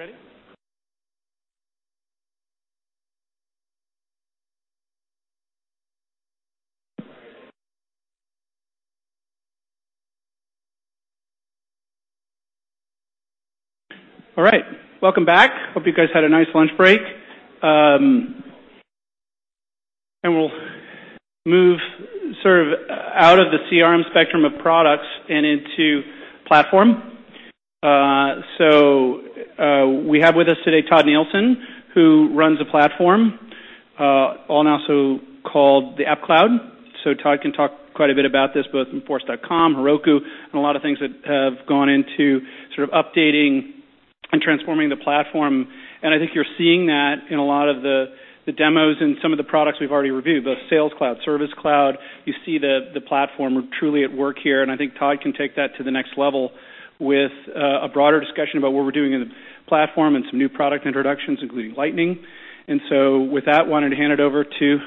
Ready? All right. Welcome back. Hope you guys had a nice lunch break. We'll move out of the CRM spectrum of products and into platform. We have with us today Tod Nielsen, who runs the platform, also called the App Cloud. Tod can talk quite a bit about this, both in Force.com, Heroku, and a lot of things that have gone into sort of updating and transforming the platform. I think you're seeing that in a lot of the demos and some of the products we've already reviewed, both Sales Cloud, Service Cloud. You see the platform truly at work here, and I think Tod can take that to the next level with a broader discussion about what we're doing in the platform and some new product introductions, including Lightning. With that, wanted to hand it over to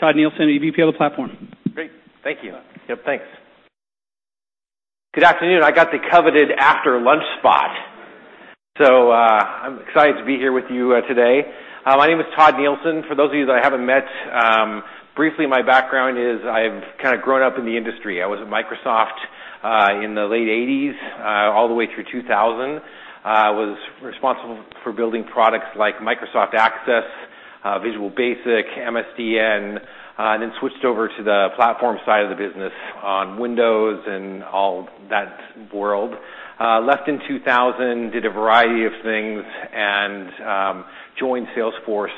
Tod Nielsen, EVP of the Platform. Great. Thank you. Yep, thanks. Good afternoon. I got the coveted after-lunch spot. I'm excited to be here with you today. My name is Tod Nielsen. For those of you that I haven't met, briefly, my background is I've kind of grown up in the industry. I was at Microsoft in the late '80s, all the way through 2000. Was responsible for building products like Microsoft Access, Visual Basic, MSDN, and then switched over to the platform side of the business on Windows and all that world. Left in 2000, did a variety of things, and joined Salesforce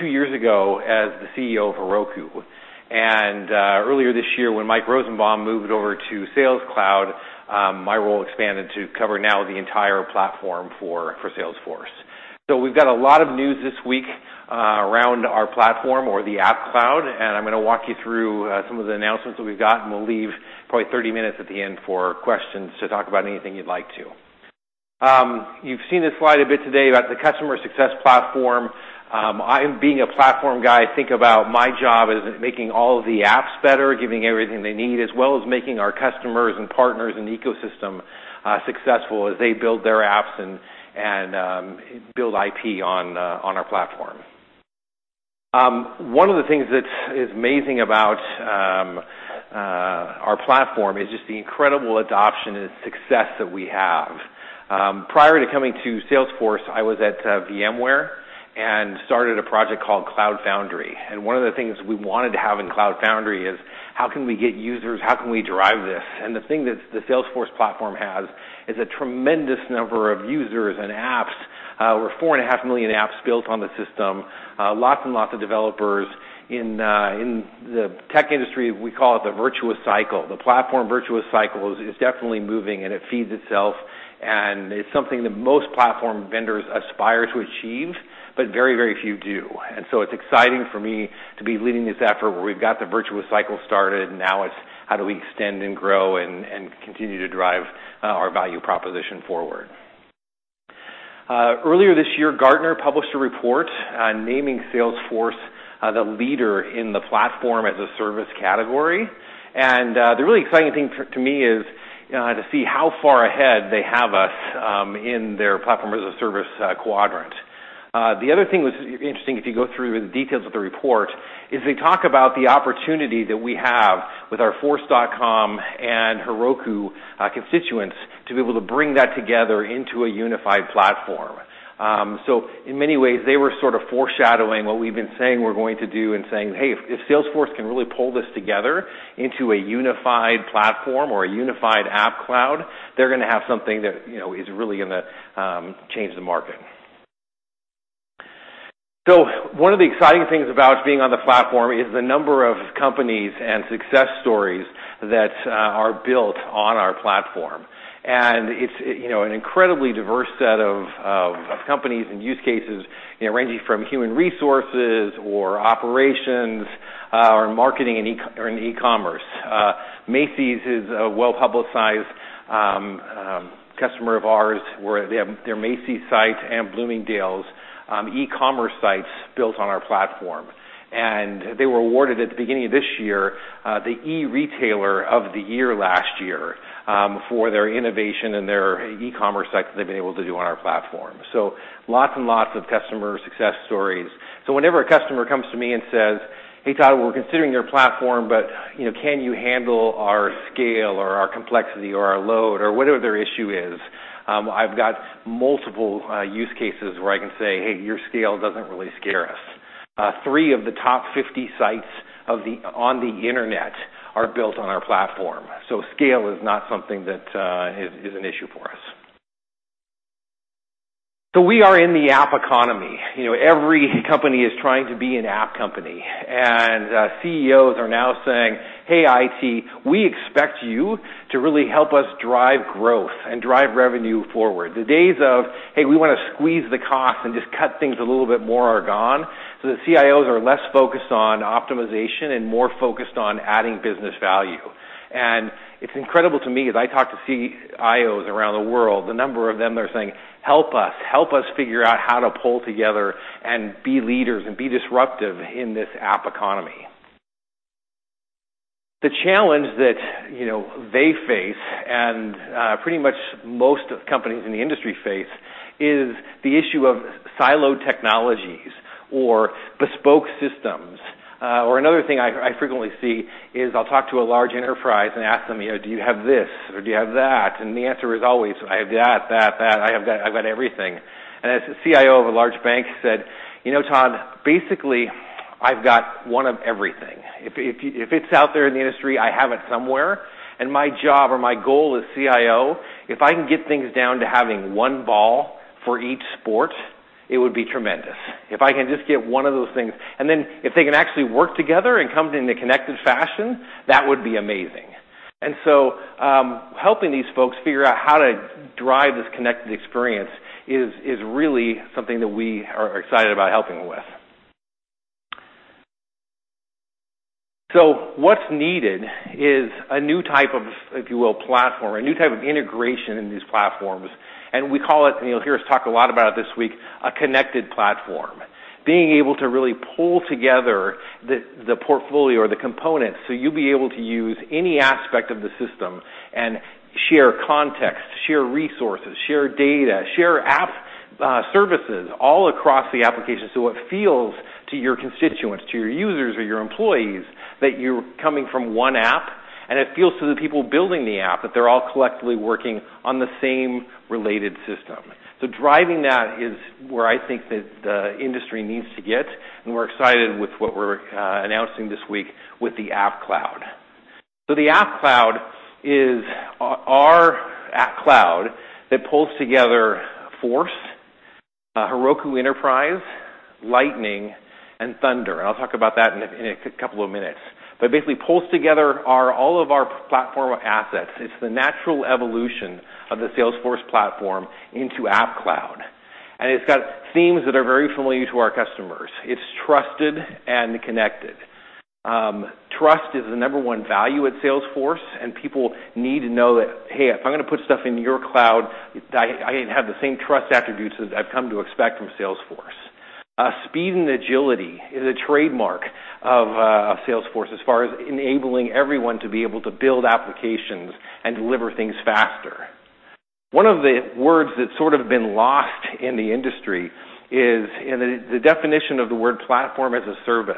two years ago as the CEO of Heroku. Earlier this year when Mike Rosenbaum moved over to Sales Cloud, my role expanded to cover now the entire platform for Salesforce. We've got a lot of news this week around our platform or the App Cloud, I'm going to walk you through some of the announcements that we've got, we'll leave probably 30 minutes at the end for questions to talk about anything you'd like to. You've seen this slide a bit today about the customer success platform. I, being a platform guy, think about my job as making all of the apps better, giving everything they need, as well as making our customers and partners and ecosystem successful as they build their apps and build IP on our platform. One of the things that is amazing about our platform is just the incredible adoption and success that we have. Prior to coming to Salesforce, I was at VMware and started a project called Cloud Foundry, one of the things we wanted to have in Cloud Foundry is how can we get users? How can we drive this? The thing that the Salesforce platform has is a tremendous number of users and apps. Over 4.5 million apps built on the system. Lots and lots of developers. In the tech industry, we call it the virtuous cycle. The platform virtuous cycle is definitely moving, and it feeds itself, and it's something that most platform vendors aspire to achieve, but very, very few do. It's exciting for me to be leading this effort where we've got the virtuous cycle started. Now it's how do we extend and grow and continue to drive our value proposition forward. Earlier this year, Gartner published a report naming Salesforce the leader in the platform as a service category. The really exciting thing to me is to see how far ahead they have us in their platform-as-a-service quadrant. The other thing that's interesting, if you go through the details of the report, is they talk about the opportunity that we have with our Force.com and Heroku constituents to be able to bring that together into a unified platform. In many ways, they were sort of foreshadowing what we've been saying we're going to do and saying, "Hey, if Salesforce can really pull this together into a unified platform or a unified App Cloud, they're going to have something that is really going to change the market." One of the exciting things about being on the platform is the number of companies and success stories that are built on our platform. It's an incredibly diverse set of companies and use cases, ranging from human resources or operations or marketing and e-commerce. Macy's is a well-publicized customer of ours, where they have their Macy's site and Bloomingdale's e-commerce sites built on our platform. They were awarded at the beginning of this year, the e-retailer of the year last year for their innovation and their e-commerce sites they've been able to do on our platform. Lots and lots of customer success stories. Whenever a customer comes to me and says, "Hey, Tod, we're considering your platform, but can you handle our scale or our complexity or our load?" Or whatever their issue is, I've got multiple use cases where I can say, "Hey, your scale doesn't really scare us." Three of the top 50 sites on the internet are built on our platform. Scale is not something that is an issue for us. We are in the app economy. Every company is trying to be an app company. CEOs are now saying, "Hey, IT, we expect you to really help us drive growth and drive revenue forward." The days of, "Hey, we want to squeeze the cost and just cut things a little bit more," are gone. The CIOs are less focused on optimization and more focused on adding business value. It's incredible to me as I talk to CIOs around the world, the number of them that are saying, "Help us. Help us figure out how to pull together and be leaders and be disruptive in this app economy." The challenge that they face, and pretty much most companies in the industry face, is the issue of siloed technologies or bespoke systems. Another thing I frequently see is I'll talk to a large enterprise and ask them, "Do you have this?" "Do you have that?" The answer is always, "I have that, that. I've got everything." As the CIO of a large bank said, "You know, Tod, basically, I've got one of everything. If it's out there in the industry, I have it somewhere. My job or my goal as CIO, if I can get things down to having one ball for each sport, it would be tremendous. If I can just get one of those things. Then if they can actually work together and comes into connected fashion, that would be amazing." Helping these folks figure out how to drive this connected experience is really something that we are excited about helping with. What's needed is a new type of, if you will, platform, a new type of integration in these platforms. We call it, and you'll hear us talk a lot about it this week, a connected platform. Being able to really pull together the portfolio or the components so you'll be able to use any aspect of the system and share context, share resources, share data, share app services all across the application. It feels to your constituents, to your users or your employees, that you're coming from one app, and it feels to the people building the app that they're all collectively working on the same related system. Driving that is where I think that the industry needs to get, and we're excited with what we're announcing this week with the App Cloud. The App Cloud is our App Cloud that pulls together Force, Heroku Enterprise, Lightning, and Thunder. I'll talk about that in a couple of minutes. It basically pulls together all of our platform assets. It's the natural evolution of the Salesforce platform into App Cloud. It's got themes that are very familiar to our customers. It's trusted and connected. Trust is the number one value at Salesforce, people need to know that, "Hey, if I'm going to put stuff into your cloud, I have the same trust attributes as I've come to expect from Salesforce." Speed and agility is a trademark of Salesforce as far as enabling everyone to be able to build applications and deliver things faster. One of the words that's sort of been lost in the industry is the definition of the word platform as a service.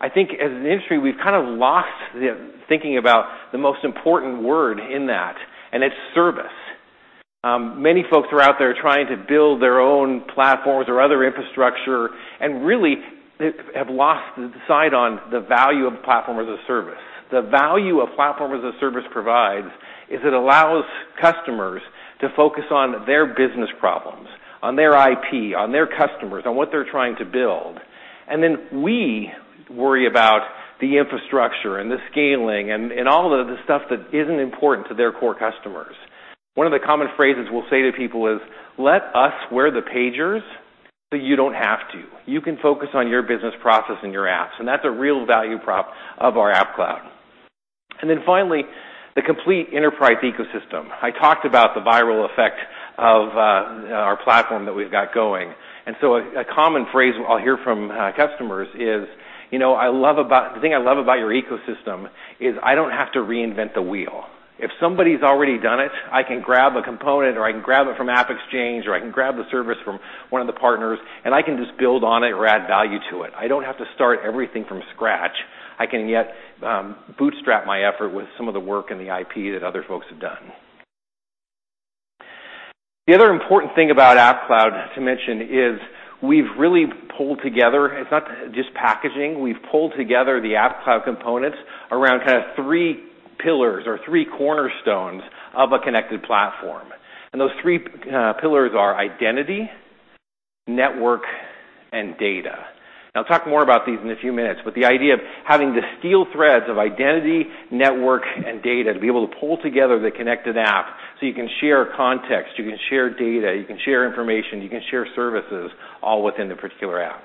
I think as an industry, we've kind of lost the thinking about the most important word in that, and it's service. Many folks are out there trying to build their own platforms or other infrastructure and really have lost the sight on the value of platform as a service. The value a platform as a service provides is it allows customers to focus on their business problems, on their IP, on their customers, on what they're trying to build. We worry about the infrastructure and the scaling and all of the stuff that isn't important to their core customers. One of the common phrases we'll say to people is, "Let us wear the pagers so you don't have to. You can focus on your business process and your apps." That's a real value prop of our App Cloud. Finally, the complete enterprise ecosystem. I talked about the viral effect of our platform that we've got going. A common phrase I'll hear from customers is, "The thing I love about your ecosystem is I don't have to reinvent the wheel. If somebody's already done it, I can grab a component, or I can grab it from AppExchange, or I can grab the service from one of the partners, I can just build on it or add value to it. I don't have to start everything from scratch. I can yet bootstrap my effort with some of the work and the IP that other folks have done. The other important thing about App Cloud to mention is we've really pulled together. We've pulled together the App Cloud components around three pillars or three cornerstones of a connected platform. Those three pillars are identity, network, and data. I'll talk more about these in a few minutes, but the idea of having the steel threads of identity, network, and data to be able to pull together the connected app so you can share context, you can share data, you can share information, you can share services all within the particular apps.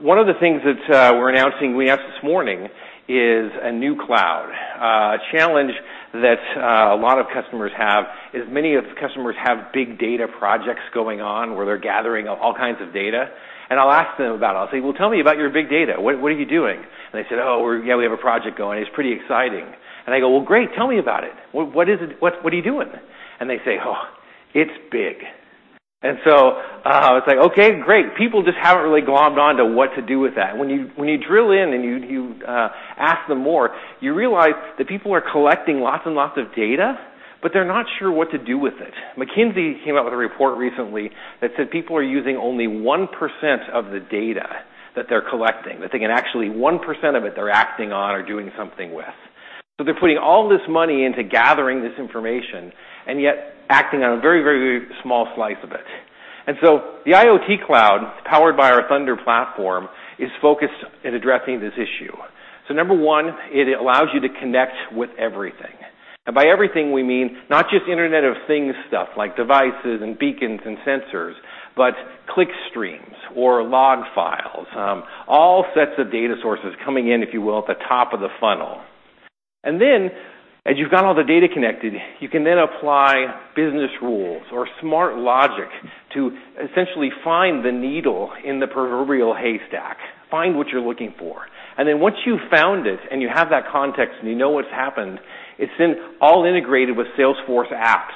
One of the things that we're announcing we have this morning is a new cloud. A challenge that a lot of customers have is many of the customers have big data projects going on where they're gathering all kinds of data. I'll ask them about it. I'll say, "Well, tell me about your big data. What are you doing?" They said, "Oh, yeah, we have a project going. It's pretty exciting." I go, "Well, great. Tell me about it. What are you doing?" They say, "Oh, it's big." It's like, "Okay, great." People just haven't really globbed on to what to do with that. When you drill in and you ask them more, you realize that people are collecting lots and lots of data, but they're not sure what to do with it. McKinsey came out with a report recently that said people are using only 1% of the data that they're collecting, that they can actually, 1% of it they're acting on or doing something with. They're putting all this money into gathering this information and yet acting on a very, very small slice of it. The IoT Cloud, powered by our Thunder platform, is focused in addressing this issue. Number 1, it allows you to connect with everything. By everything we mean not just Internet of Things stuff like devices and beacons and sensors, but click streams or log files. All sets of data sources coming in, if you will, at the top of the funnel. As you've got all the data connected, you can then apply business rules or smart logic to essentially find the needle in the proverbial haystack, find what you're looking for. Once you've found it and you have that context and you know what's happened, it's then all integrated with Salesforce apps.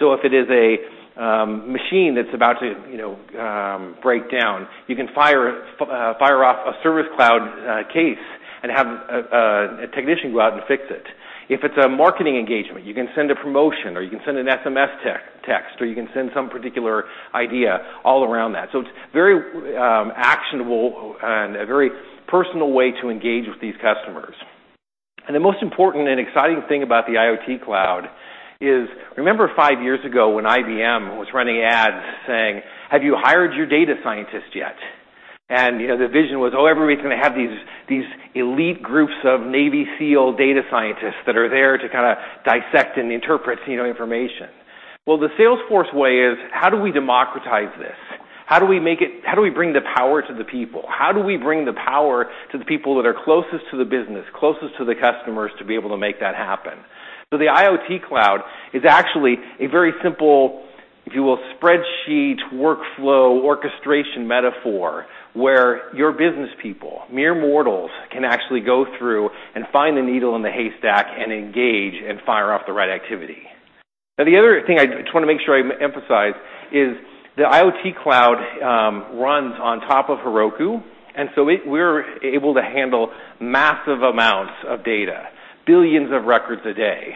If it is a machine that's about to break down, you can fire off a Service Cloud case and have a technician go out and fix it. If it's a marketing engagement, you can send a promotion, or you can send an SMS text, or you can send some particular idea all around that. It's very actionable and a very personal way to engage with these customers. The most important and exciting thing about the IoT Cloud is, remember five years ago when IBM was running ads saying, "Have you hired your data scientist yet?" The vision was, oh, everybody's going to have these elite groups of Navy SEAL data scientists that are there to kind of dissect and interpret information. The Salesforce way is, how do we democratize this? How do we bring the power to the people? How do we bring the power to the people that are closest to the business, closest to the customers to be able to make that happen? The IoT Cloud is actually a very simple, if you will, spreadsheet, workflow, orchestration metaphor where your business people, mere mortals, can actually go through and find the needle in the haystack and engage and fire off the right activity. The other thing I just want to make sure I emphasize is the IoT Cloud runs on top of Heroku, and so we're able to handle massive amounts of data, billions of records a day.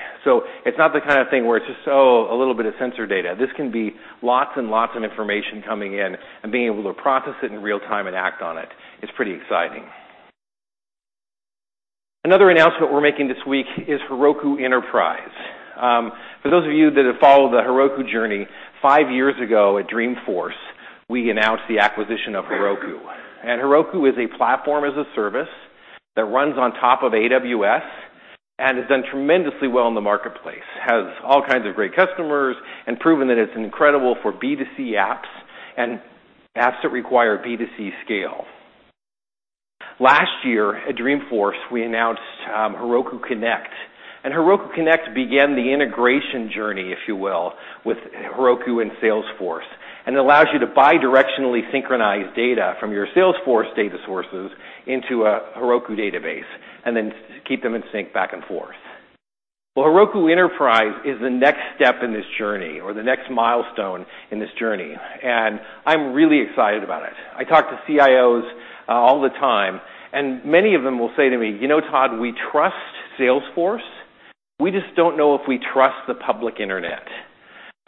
It's not the kind of thing where it's just, oh, a little bit of sensor data. This can be lots and lots of information coming in and being able to process it in real time and act on it is pretty exciting. Another announcement we're making this week is Heroku Enterprise. For those of you that have followed the Heroku journey, five years ago at Dreamforce, we announced the acquisition of Heroku. Heroku is a platform as a service that runs on top of AWS and has done tremendously well in the marketplace. Has all kinds of great customers and proven that it's incredible for B2C apps and apps that require B2C scale. Last year at Dreamforce, we announced Heroku Connect, and Heroku Connect began the integration journey, if you will, with Heroku and Salesforce. It allows you to bidirectionally synchronize data from your Salesforce data sources into a Heroku database and then keep them in sync back and forth. Heroku Enterprise is the next step in this journey or the next milestone in this journey, and I'm really excited about it. I talk to CIOs all the time, and many of them will say to me, "You know, Tod, we trust Salesforce. We just don't know if we trust the public internet."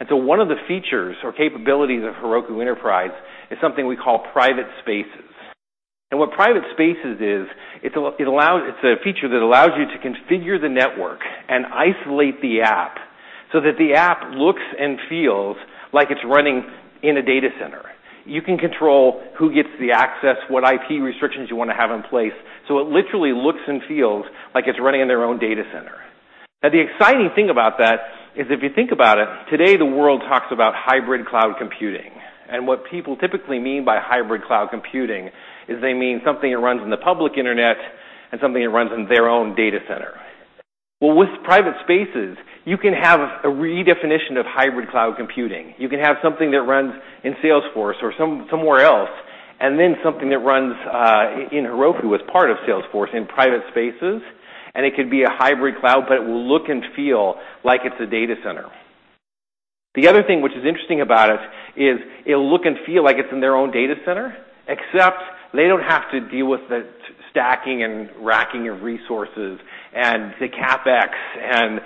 One of the features or capabilities of Heroku Enterprise is something we call private spaces. What private spaces is, it's a feature that allows you to configure the network and isolate the app so that the app looks and feels like it's running in a data center. You can control who gets the access, what IP restrictions you want to have in place. It literally looks and feels like it's running in their own data center. The exciting thing about that is if you think about it, today, the world talks about hybrid cloud computing. What people typically mean by hybrid cloud computing is they mean something that runs in the public internet and something that runs in their own data center. With Private Spaces, you can have a redefinition of hybrid cloud computing. You can have something that runs in Salesforce or somewhere else, and then something that runs in Heroku as part of Salesforce in Private Spaces, and it could be a hybrid cloud, but it will look and feel like it's a data center. The other thing which is interesting about it is it'll look and feel like it's in their own data center, except they don't have to deal with the stacking and racking of resources and the CapEx and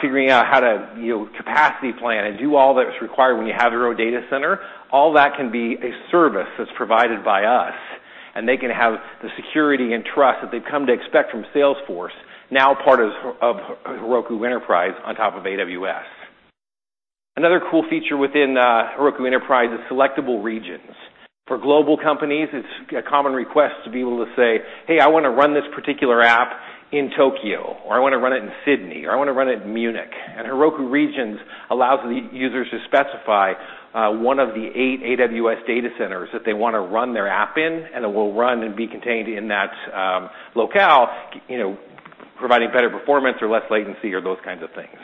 figuring out how to capacity plan and do all that's required when you have your own data center. All that can be a service that's provided by us, and they can have the security and trust that they've come to expect from Salesforce, now part of Heroku Enterprise on top of AWS. Another cool feature within Heroku Enterprise is selectable regions. For global companies, it's a common request to be able to say, "Hey, I want to run this particular app in Tokyo," or, "I want to run it in Sydney," or, "I want to run it in Munich." Heroku Regions allows the users to specify one of the eight AWS data centers that they want to run their app in, and it will run and be contained in that locale, providing better performance or less latency or those kinds of things.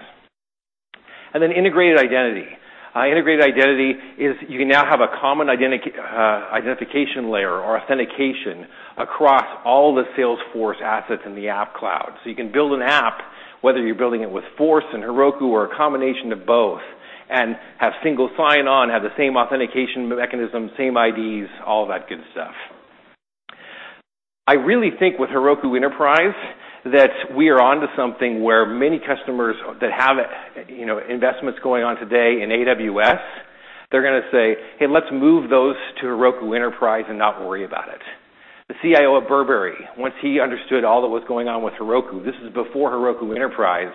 Then integrated identity. Integrated identity is you can now have a common identification layer or authentication across all the Salesforce assets in the App Cloud. You can build an app, whether you're building it with Force and Heroku or a combination of both, and have single sign-on, have the same authentication mechanism, same IDs, all that good stuff. I really think with Heroku Enterprise that we are onto something where many customers that have investments going on today in AWS, they're going to say, "Hey, let's move those to Heroku Enterprise and not worry about it." The CIO at Burberry, once he understood all that was going on with Heroku, this is before Heroku Enterprise,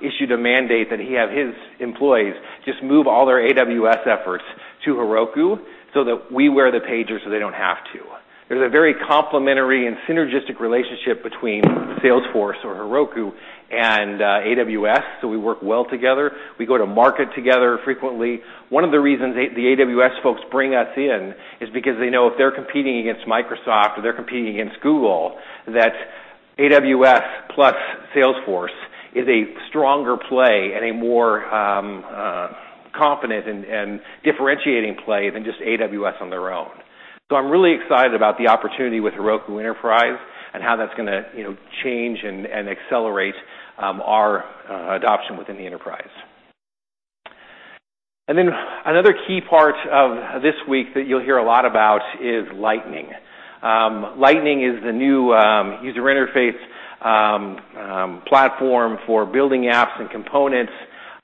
issued a mandate that he have his employees just move all their AWS efforts to Heroku so that we wear the pager so they don't have to. There's a very complementary and synergistic relationship between Salesforce or Heroku and AWS, so we work well together. We go to market together frequently. One of the reasons the AWS folks bring us in is because they know if they're competing against Microsoft or they're competing against Google, that AWS plus Salesforce is a stronger play and a more confident and differentiating play than just AWS on their own. I'm really excited about the opportunity with Heroku Enterprise and how that's going to change and accelerate our adoption within the enterprise. Then another key part of this week that you'll hear a lot about is Lightning. Lightning is the new user interface platform for building apps and components.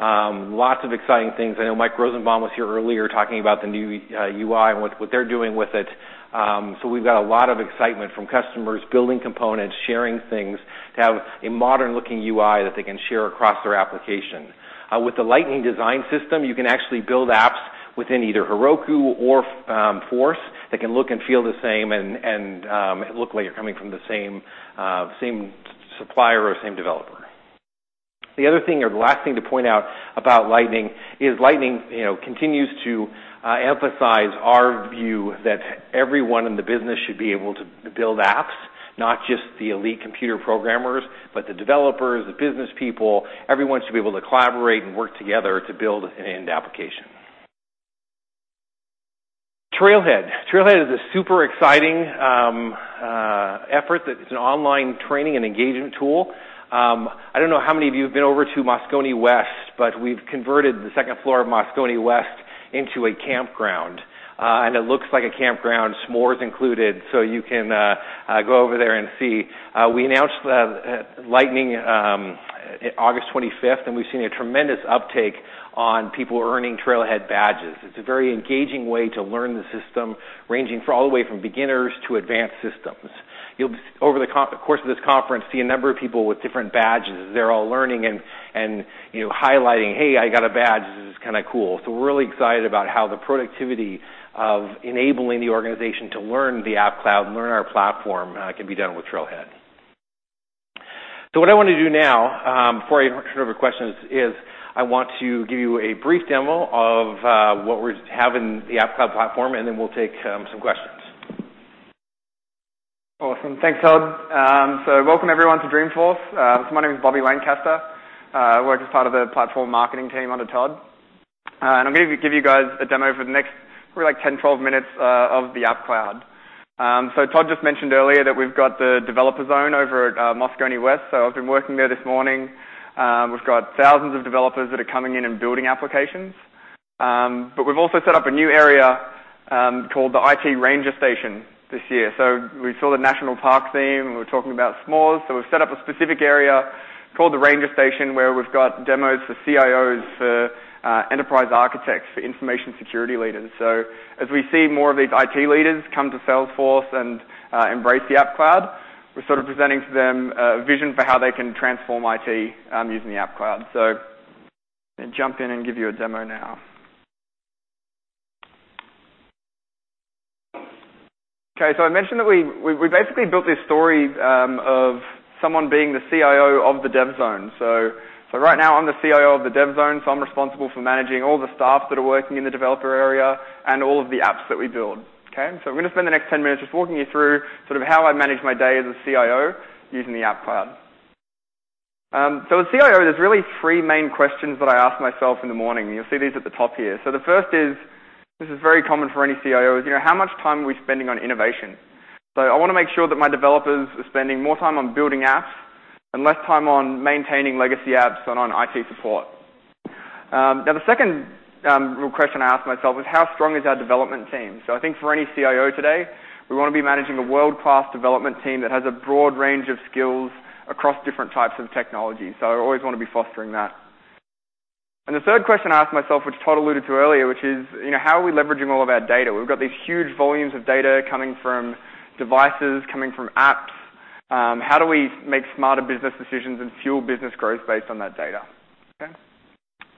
Lots of exciting things. I know Mike Rosenbaum was here earlier talking about the new UI and what they're doing with it. We've got a lot of excitement from customers building components, sharing things, to have a modern-looking UI that they can share across their application. With the Lightning Design System, you can actually build apps within either Heroku or Force.com that can look and feel the same and look like you're coming from the same supplier or same developer. The other thing, or the last thing to point out about Lightning is Lightning continues to emphasize our view that everyone in the business should be able to build apps, not just the elite computer programmers, but the developers, the business people. Everyone should be able to collaborate and work together to build an end application. Trailhead. Trailhead is a super exciting effort that is an online training and engagement tool. I don't know how many of you have been over to Moscone West, but we've converted the second floor of Moscone West into a campground. It looks like a campground, s'mores included, so you can go over there and see. We announced Lightning August 25th, and we've seen a tremendous uptake on people earning Trailhead badges. It's a very engaging way to learn the system, ranging all the way from beginners to advanced systems. You'll, over the course of this conference, see a number of people with different badges. They're all learning and highlighting, "Hey, I got a badge." This is kind of cool. We're really excited about how the productivity of enabling the organization to learn the App Cloud and learn our platform can be done with Trailhead. What I want to do now, before I turn over questions, is I want to give you a brief demo of what we have in the App Cloud platform, then we'll take some questions. Awesome. Thanks, Tod. Welcome, everyone, to Dreamforce. My name is Bobby Lancaster. I work as part of the Platform Marketing team under Tod. I'm going to give you guys a demo for the next, probably 10, 12 minutes, of the App Cloud. Tod just mentioned earlier that we've got the developer zone over at Moscone West. I've been working there this morning. We've got thousands of developers that are coming in and building applications. We've also set up a new area called the IT Ranger Station this year. We saw the national park theme, we were talking about s'mores, we've set up a specific area called the Ranger Station where we've got demos for CIOs, for enterprise architects, for information security leaders. As we see more of these IT leaders come to Salesforce and embrace the App Cloud, we're sort of presenting to them a vision for how they can transform IT using the App Cloud. I'm going to jump in and give you a demo now. Okay, I mentioned that we basically built this story of someone being the CIO of the dev zone. Right now, I'm the CIO of the dev zone, I'm responsible for managing all the staff that are working in the developer area and all of the apps that we build. Okay? I'm going to spend the next 10 minutes just walking you through sort of how I manage my day as a CIO using the App Cloud. As CIO, there's really three main questions that I ask myself in the morning. You'll see these at the top here. The first is, this is very common for any CIO, is how much time are we spending on innovation? I want to make sure that my developers are spending more time on building apps and less time on maintaining legacy apps and on IT support. The second real question I ask myself is, how strong is our development team? I think for any CIO today, we want to be managing a world-class development team that has a broad range of skills across different types of technology. I always want to be fostering that. The third question I ask myself, which Tod alluded to earlier, which is, how are we leveraging all of our data? We've got these huge volumes of data coming from devices, coming from apps. How do we make smarter business decisions and fuel business growth based on that data? Okay.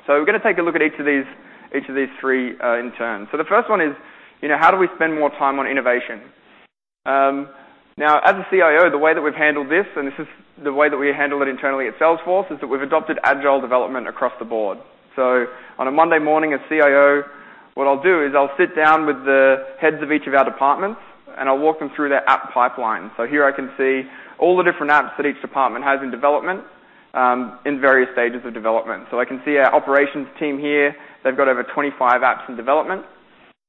We're going to take a look at each of these three in turn. The first one is, how do we spend more time on innovation? As a CIO, the way that we've handled this, and this is the way that we handle it internally at Salesforce, is that we've adopted agile development across the board. On a Monday morning, as CIO, what I'll do is I'll sit down with the heads of each of our departments and I'll walk them through their app pipeline. Here I can see all the different apps that each department has in development, in various stages of development. I can see our operations team here. They've got over 25 apps in development.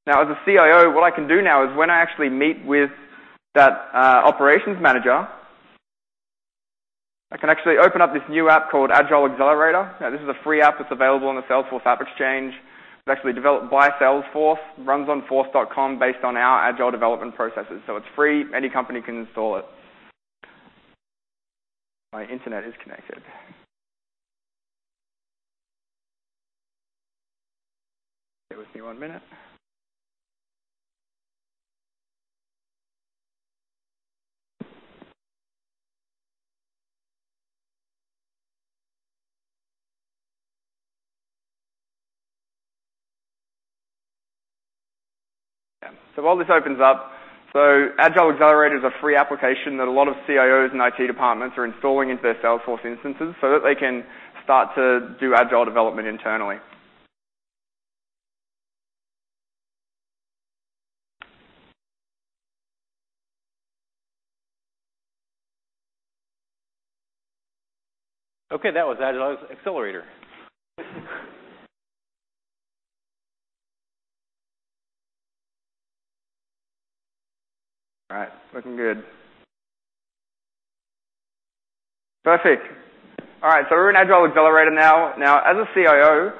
As a CIO, what I can do now is when I actually meet with that operations manager, I can actually open up this new app called Agile Accelerator. This is a free app that's available on the Salesforce AppExchange. It's actually developed by Salesforce, runs on Force.com based on our agile development processes. It's free. Any company can install it. My internet is connected. Bear with me one minute. While this opens up, Agile Accelerator is a free application that a lot of CIOs and IT departments are installing into their Salesforce instances so that they can start to do agile development internally. Okay, that was Agile Accelerator. All right, looking good. Perfect. We're in Agile Accelerator now. As a CIO,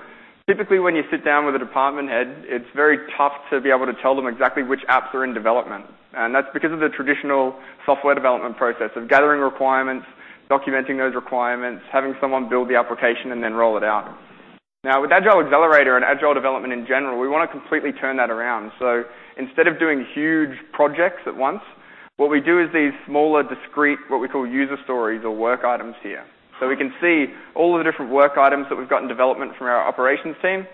typically, when you sit down with a department head, it's very tough to be able to tell them exactly which apps are in development, and that's because of the traditional software development process of gathering requirements, documenting those requirements, having someone build the application, and then roll it out. With Agile Accelerator and agile development in general, we want to completely turn that around. Instead of doing huge projects at once, what we do is these smaller, discrete, what we call user stories or work items here. We can see all of the different work items that we've got in development from our operations team.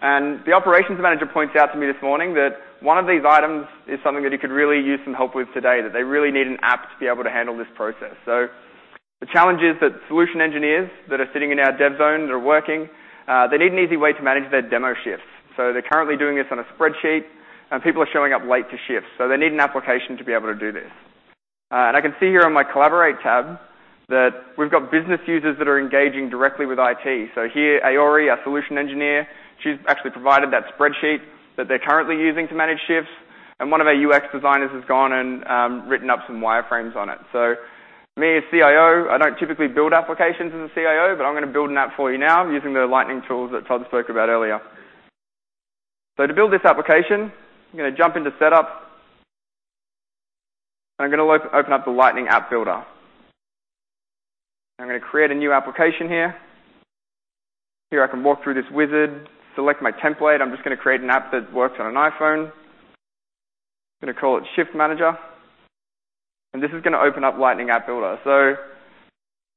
The operations manager pointed out to me this morning that one of these items is something that he could really use some help with today, that they really need an app to be able to handle this process. The challenge is that solution engineers that are sitting in our dev zone are working. They need an easy way to manage their demo shifts. They're currently doing this on a spreadsheet, and people are showing up late to shifts. They need an application to be able to do this. I can see here on my Collaborate tab that we've got business users that are engaging directly with IT. Here, Ayori, our solution engineer, she's actually provided that spreadsheet that they're currently using to manage shifts, and one of our UX designers has gone and written up some wireframes on it. Me, as CIO, I don't typically build applications as a CIO, but I'm going to build an app for you now using the Lightning tools that Tod spoke about earlier. To build this application, I'm going to jump into Setup, and I'm going to open up the Lightning App Builder. I'm going to create a new application here. Here, I can walk through this wizard, select my template. I'm just going to create an app that works on an iPhone. I'm going to call it Shift Manager, and this is going to open up Lightning App Builder.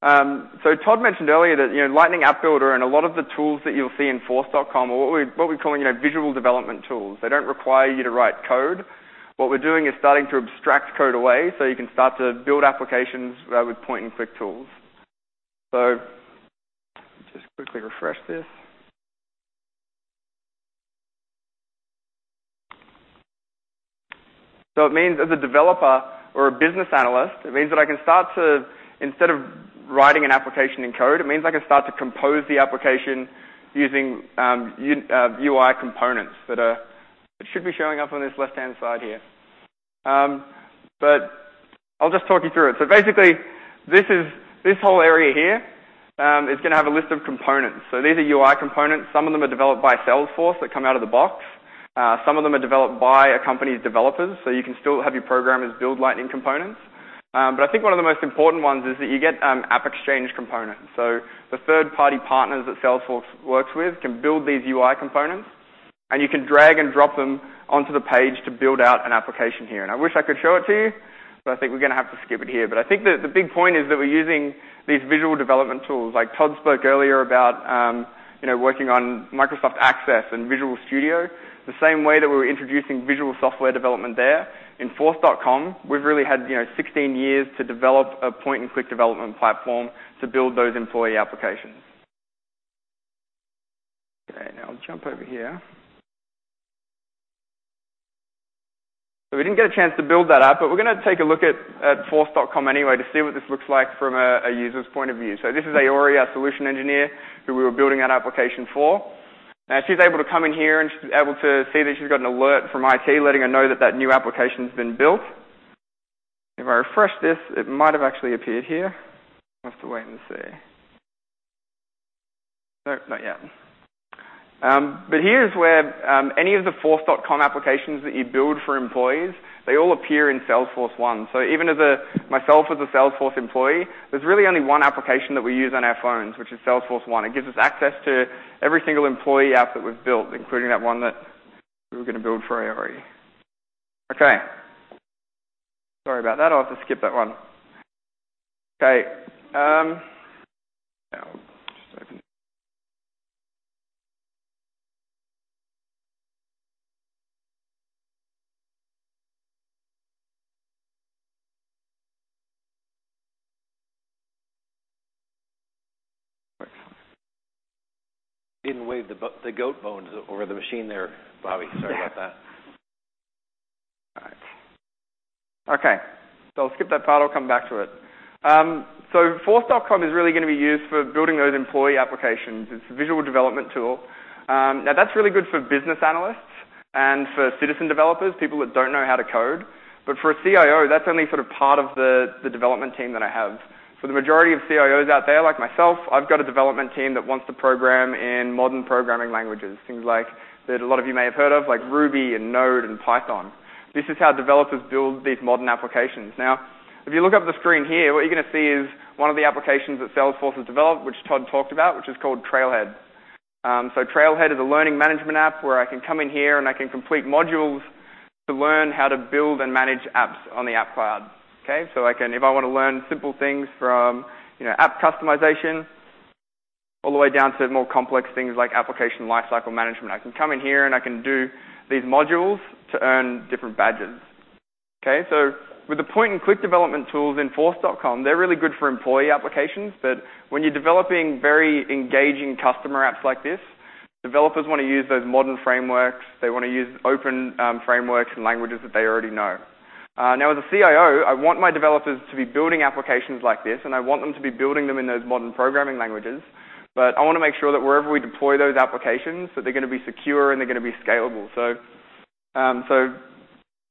Tod mentioned earlier that Lightning App Builder and a lot of the tools that you'll see in Force.com are what we're calling visual development tools. They don't require you to write code. What we're doing is starting to abstract code away so you can start to build applications with point-and-click tools. Let me just quickly refresh this. It means as a developer or a business analyst, it means that I can start to, instead of writing an application in code, it means I can start to compose the application using UI components that should be showing up on this left-hand side here. I'll just talk you through it. Basically, this whole area here is going to have a list of components. These are UI components. Some of them are developed by Salesforce that come out of the box. Some of them are developed by a company's developers, so you can still have your programmers build Lightning components. I think one of the most important ones is that you get AppExchange components. The third-party partners that Salesforce works with can build these UI components, you can drag and drop them onto the page to build out an application here. I wish I could show it to you, I think we're going to have to skip it here. I think that the big point is that we're using these visual development tools. Like Tod Nielsen spoke earlier about working on Microsoft Access and Visual Studio. The same way that we're introducing visual software development there, in Force.com, we've really had 16 years to develop a point-and-click development platform to build those employee applications. Now I'll jump over here. We didn't get a chance to build that app, we're going to take a look at Force.com anyway to see what this looks like from a user's point of view. This is Ayori, our solution engineer, who we were building that application for. Now, she's able to come in here, she's able to see that she's got an alert from IT letting her know that that new application's been built. If I refresh this, it might have actually appeared here. We'll have to wait and see. Nope, not yet. But here's where any of the Force.com applications that you build for employees, they all appear in Salesforce1. Even as myself, as a Salesforce employee, there's really only one application that we use on our phones, which is Salesforce1. It gives us access to every single employee app that we've built, including that one that we were going to build for Ayori. Sorry about that. I'll have to skip that one. Now, just open Didn't wave the goat bones over the machine there, Bobby. Sorry about that. I'll skip that part. I'll come back to it. Force.com is really going to be used for building those employee applications. It's a visual development tool. That's really good for business analysts and for citizen developers, people that don't know how to code. For a CIO, that's only sort of part of the development team that I have. For the majority of CIOs out there, like myself, I've got a development team that wants to program in modern programming languages, things like that a lot of you may have heard of, like Ruby and Node and Python. This is how developers build these modern applications. If you look up at the screen here, what you're going to see is one of the applications that Salesforce has developed, which Tod Nielsen talked about, which is called Trailhead. Trailhead is a learning management app where I can come in here, and I can complete modules to learn how to build and manage apps on the App Cloud. If I want to learn simple things from app customization all the way down to more complex things like application lifecycle management, I can come in here and I can do these modules to earn different badges. With the point-and-click development tools in Force.com, they're really good for employee applications, but when you're developing very engaging customer apps like this, developers want to use those modern frameworks. They want to use open frameworks and languages that they already know. As a CIO, I want my developers to be building applications like this, and I want them to be building them in those modern programming languages. I want to make sure that wherever we deploy those applications, that they're going to be secure, and they're going to be scalable.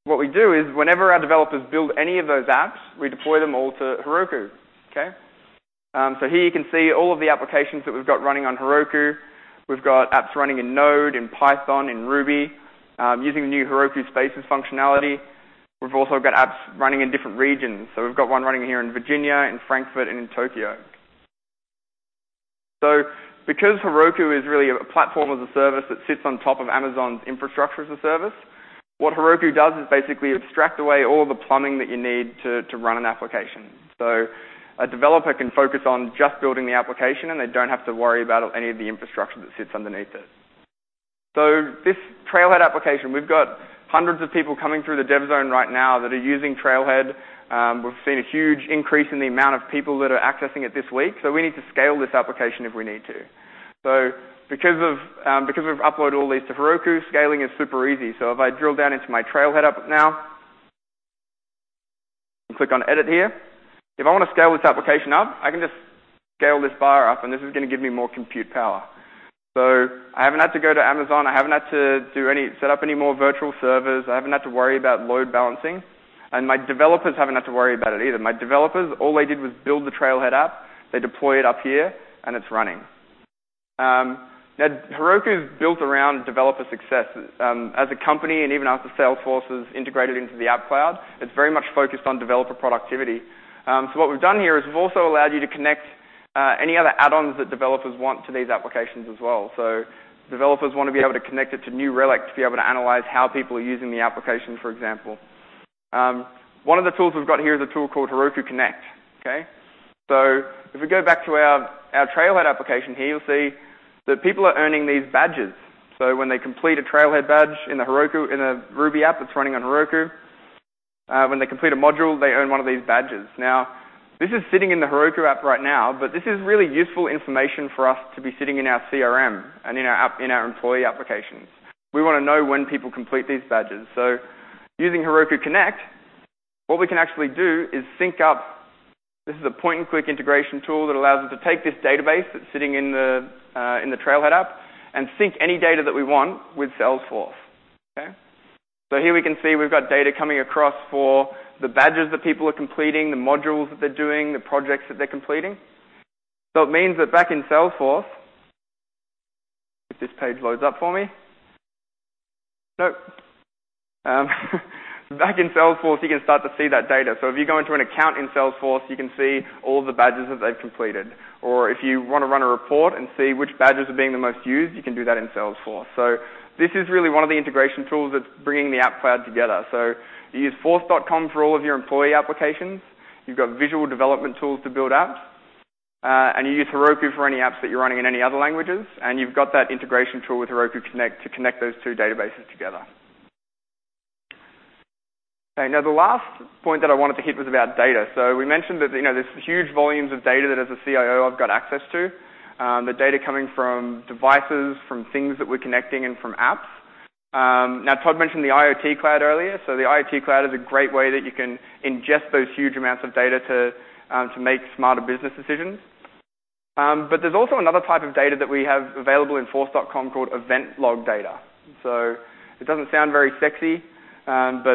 What we do is whenever our developers build any of those apps, we deploy them all to Heroku. Here you can see all of the applications that we've got running on Heroku. We've got apps running in Node, in Python, in Ruby. Using the new Heroku Private Spaces functionality, we've also got apps running in different regions. We've got one running here in Virginia, in Frankfurt, and in Tokyo. Because Heroku is really a platform as a service that sits on top of Amazon's infrastructure as a service, what Heroku does is basically abstract away all the plumbing that you need to run an application. A developer can focus on just building the application, and they don't have to worry about any of the infrastructure that sits underneath it. This Trailhead application, we've got hundreds of people coming through the dev zone right now that are using Trailhead. We've seen a huge increase in the amount of people that are accessing it this week. We need to scale this application if we need to. Because we've uploaded all these to Heroku, scaling is super easy. If I drill down into my Trailhead app now and click on Edit here, if I want to scale this application up, I can just scale this bar up, and this is going to give me more compute power. I haven't had to go to Amazon. I haven't had to set up any more virtual servers. I haven't had to worry about load balancing, and my developers haven't had to worry about it either. My developers, all they did was build the Trailhead app. They deploy it up here, and it's running. Heroku's built around developer success. As a company, and even after Salesforce has integrated into the App Cloud, it's very much focused on developer productivity. What we've done here is we've also allowed you to connect any other add-ons that developers want to these applications as well. Developers want to be able to connect it to New Relic to be able to analyze how people are using the application, for example. One of the tools we've got here is a tool called Heroku Connect. If we go back to our Trailhead application here, you'll see that people are earning these badges. When they complete a Trailhead badge in a Ruby app that's running on Heroku, when they complete a module, they earn one of these badges. Now, this is sitting in the Heroku app right now, but this is really useful information for us to be sitting in our CRM and in our employee applications. We want to know when people complete these badges. Using Heroku Connect, what we can actually do is sync up. This is a point-and-click integration tool that allows us to take this database that's sitting in the Trailhead app and sync any data that we want with Salesforce. Here we can see we've got data coming across for the badges that people are completing, the modules that they're doing, the projects that they're completing. It means that back in Salesforce, if this page loads up for me. Nope. Back in Salesforce, you can start to see that data. If you go into an account in Salesforce, you can see all of the badges that they've completed. If you want to run a report and see which badges are being the most used, you can do that in Salesforce. This is really one of the integration tools that's bringing the App Cloud together. You use Force.com for all of your employee applications. You've got visual development tools to build apps. You use Heroku for any apps that you're running in any other languages, and you've got that integration tool with Heroku Connect to connect those two databases together. The last point that I wanted to hit was about data. We mentioned that there's huge volumes of data that as a CIO I've got access to, the data coming from devices, from things that we're connecting, and from apps. Tod mentioned the IoT Cloud earlier. The IoT Cloud is a great way that you can ingest those huge amounts of data to make smarter business decisions. There's also another type of data that we have available in Force.com called event log data. It doesn't sound very sexy.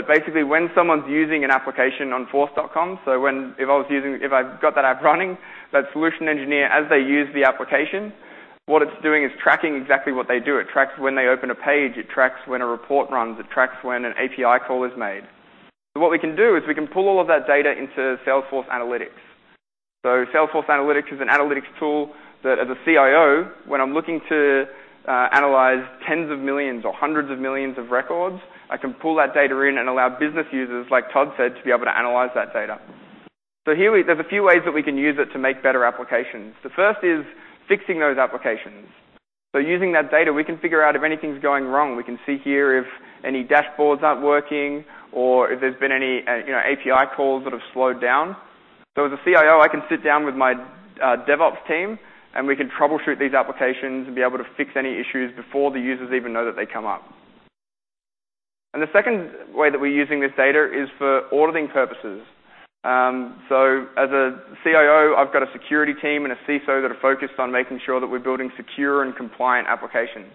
Basically, when someone's using an application on Force.com, if I've got that app running, that solution engineer, as they use the application, what it's doing is tracking exactly what they do. It tracks when they open a page. It tracks when a report runs. It tracks when an API call is made. What we can do is we can pull all of that data into Salesforce Analytics. Salesforce Analytics is an analytics tool that as a CIO, when I'm looking to analyze tens of millions or hundreds of millions of records, I can pull that data in and allow business users, like Tod said, to be able to analyze that data. Here, there's a few ways that we can use it to make better applications. The first is fixing those applications. Using that data, we can figure out if anything's going wrong. We can see here if any dashboards aren't working or if there's been any API calls that have slowed down. As a CIO, I can sit down with my DevOps team, and we can troubleshoot these applications and be able to fix any issues before the users even know that they've come up. The second way that we're using this data is for auditing purposes. As a CIO, I've got a security team and a CISO that are focused on making sure that we're building secure and compliant applications.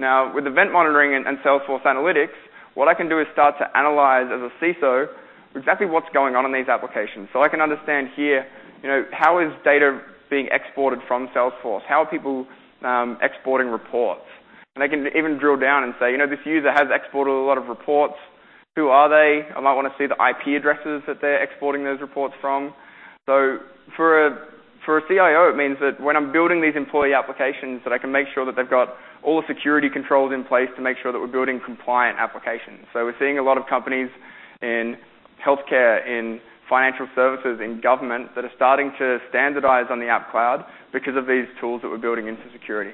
With event monitoring and Salesforce Analytics, what I can do is start to analyze as a CISO exactly what's going on in these applications. I can understand here, how is data being exported from Salesforce? How are people exporting reports? I can even drill down and say, this user has exported a lot of reports. Who are they? I might want to see the IP addresses that they're exporting those reports from. For a CIO, it means that when I'm building these employee applications, that I can make sure that they've got all the security controls in place to make sure that we're building compliant applications. We're seeing a lot of companies in healthcare, in financial services, in government that are starting to standardize on the App Cloud because of these tools that we're building into security.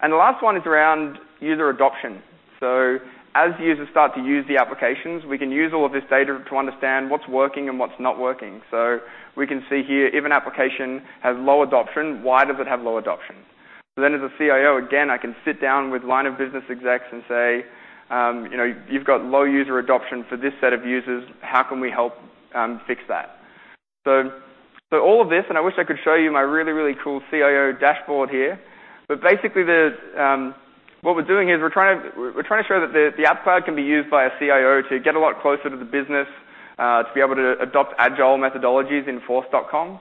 The last one is around user adoption. As users start to use the applications, we can use all of this data to understand what's working and what's not working. We can see here, if an application has low adoption, why does it have low adoption? As a CIO, again, I can sit down with line of business execs and say, "You've got low user adoption for this set of users. How can we help fix that?" All of this, I wish I could show you my really, really cool CIO dashboard here. Basically, what we're doing is we're trying to show that the App Cloud can be used by a CIO to get a lot closer to the business, to be able to adopt agile methodologies in Force.com,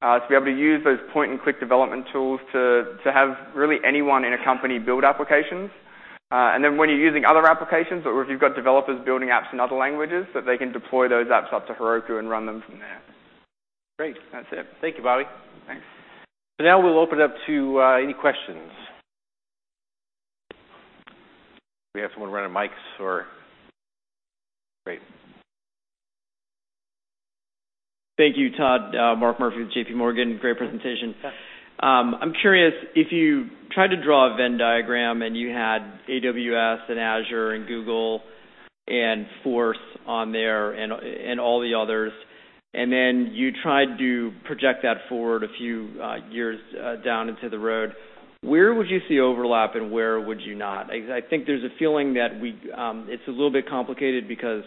to be able to use those point-and-click development tools to have really anyone in a company build applications. When you're using other applications or if you've got developers building apps in other languages, that they can deploy those apps up to Heroku and run them from there. Great. That's it. Thank you, Bobby. Thanks. Now we'll open it up to any questions. We have someone running mics. Or Great. Thank you, Tod. Mark Murphy with J.P. Morgan. Great presentation. Yeah. I'm curious, if you tried to draw a Venn diagram and you had AWS and Azure and Google and Force on there and all the others, then you tried to project that forward a few years down into the road, where would you see overlap and where would you not? I think there's a feeling that it's a little bit complicated because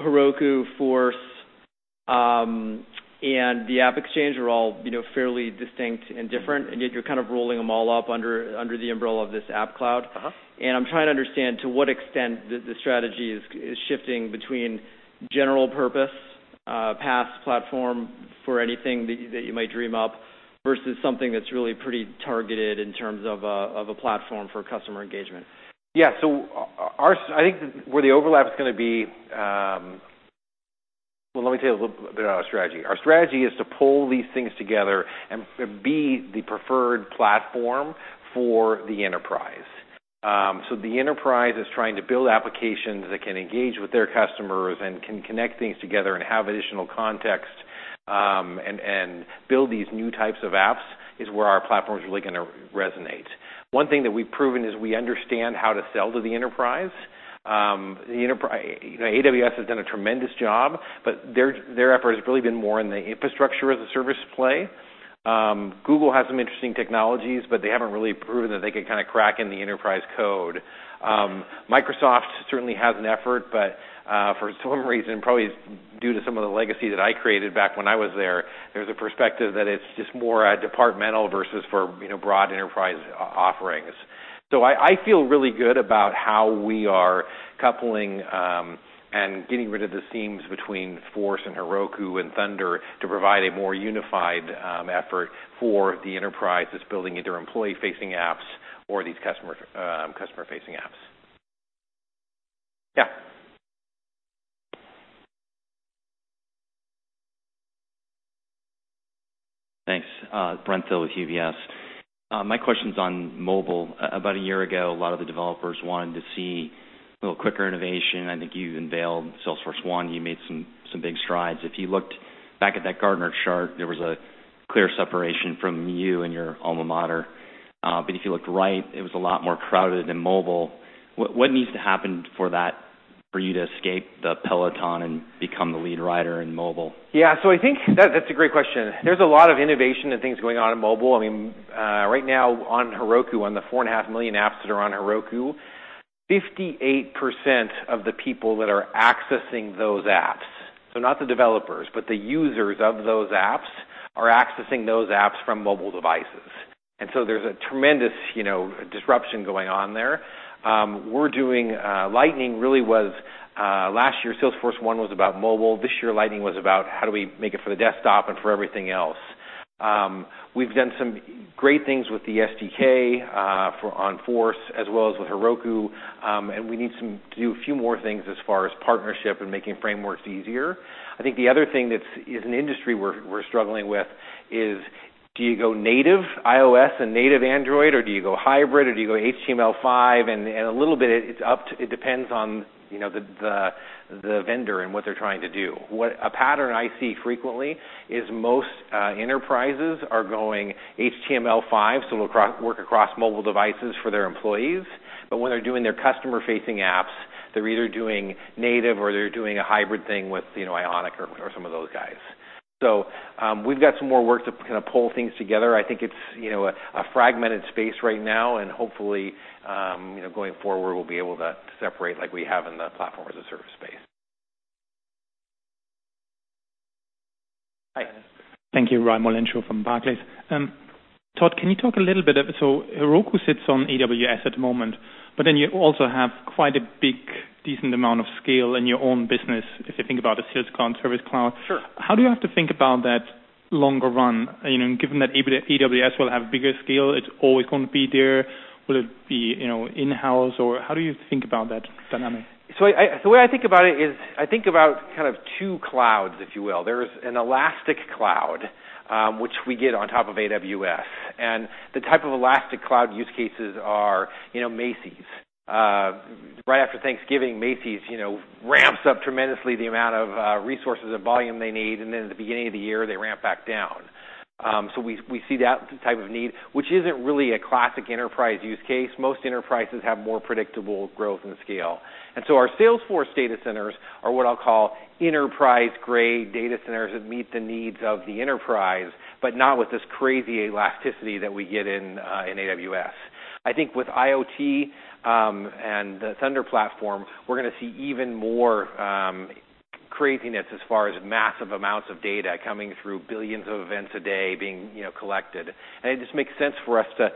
Heroku, Force, and the AppExchange are all fairly distinct and different, and yet you're kind of rolling them all up under the umbrella of this App Cloud. I'm trying to understand to what extent the strategy is shifting between general purpose, PaaS platform for anything that you might dream up versus something that's really pretty targeted in terms of a platform for customer engagement. Well, let me tell you a little bit about our strategy. Our strategy is to pull these things together and be the preferred platform for the enterprise. The enterprise is trying to build applications that can engage with their customers and can connect things together and have additional context, and build these new types of apps is where our platform's really going to resonate. One thing that we've proven is we understand how to sell to the enterprise. AWS has done a tremendous job, but their effort has really been more in the infrastructure as a service play. Google has some interesting technologies, but they haven't really proven that they can crack in the enterprise code. Microsoft certainly has an effort, but for some reason, probably due to some of the legacy that I created back when I was there's a perspective that it's just more departmental versus for broad enterprise offerings. I feel really good about how we are coupling and getting rid of the seams between Force and Heroku and Thunder to provide a more unified effort for the enterprise that's building either employee-facing apps or these customer-facing apps. Yeah. Thanks. Brent Thill with UBS. My question's on mobile. About a year ago, a lot of the developers wanted to see a little quicker innovation. I think you unveiled Salesforce1, you made some big strides. If you looked back at that Gartner chart, there was a clear separation from you and your alma mater. If you looked right, it was a lot more crowded than mobile. What needs to happen for you to escape the peloton and become the lead rider in mobile? Yeah. I think that's a great question. There's a lot of innovation and things going on in mobile. Right now on Heroku, on the 4.5 million apps that are on Heroku, 58% of the people that are accessing those apps, so not the developers, but the users of those apps, are accessing those apps from mobile devices. There's a tremendous disruption going on there. Last year, Salesforce1 was about mobile. This year, Lightning was about how do we make it for the desktop and for everything else. We've done some great things with the SDK on Force as well as with Heroku, and we need to do a few more things as far as partnership and making frameworks easier. I think the other thing that is an industry we're struggling with is do you go native iOS and native Android, or do you go hybrid, or do you go HTML5? A little bit, it depends on the vendor and what they're trying to do. A pattern I see frequently is most enterprises are going HTML5, so it'll work across mobile devices for their employees. When they're doing their customer-facing apps, they're either doing native or they're doing a hybrid thing with Ionic or some of those guys. We've got some more work to pull things together. I think it's a fragmented space right now, and hopefully, going forward, we'll be able to separate like we have in the platform as a service space. Hi. Thank you. Raimo Lenschow from Barclays. Tod, can you talk a little bit? Heroku sits on AWS at the moment, but then you also have quite a big, decent amount of scale in your own business if you think about the Sales Cloud and Service Cloud. Sure. How do you have to think about that? Longer run? Given that AWS will have bigger scale, it's always going to be there. Will it be in-house, or how do you think about that dynamic? The way I think about it is, I think about two clouds, if you will. There's an elastic cloud, which we get on top of AWS. The type of elastic cloud use cases are Macy's. Right after Thanksgiving, Macy's ramps up tremendously the amount of resources and volume they need, and then at the beginning of the year, they ramp back down. We see that type of need, which isn't really a classic enterprise use case. Most enterprises have more predictable growth and scale. Our Salesforce data centers are what I'll call enterprise-grade data centers that meet the needs of the enterprise, but not with this crazy elasticity that we get in AWS. I think with IoT, and the Thunder platform, we're going to see even more craziness as far as massive amounts of data coming through, billions of events a day being collected. It just makes sense for us to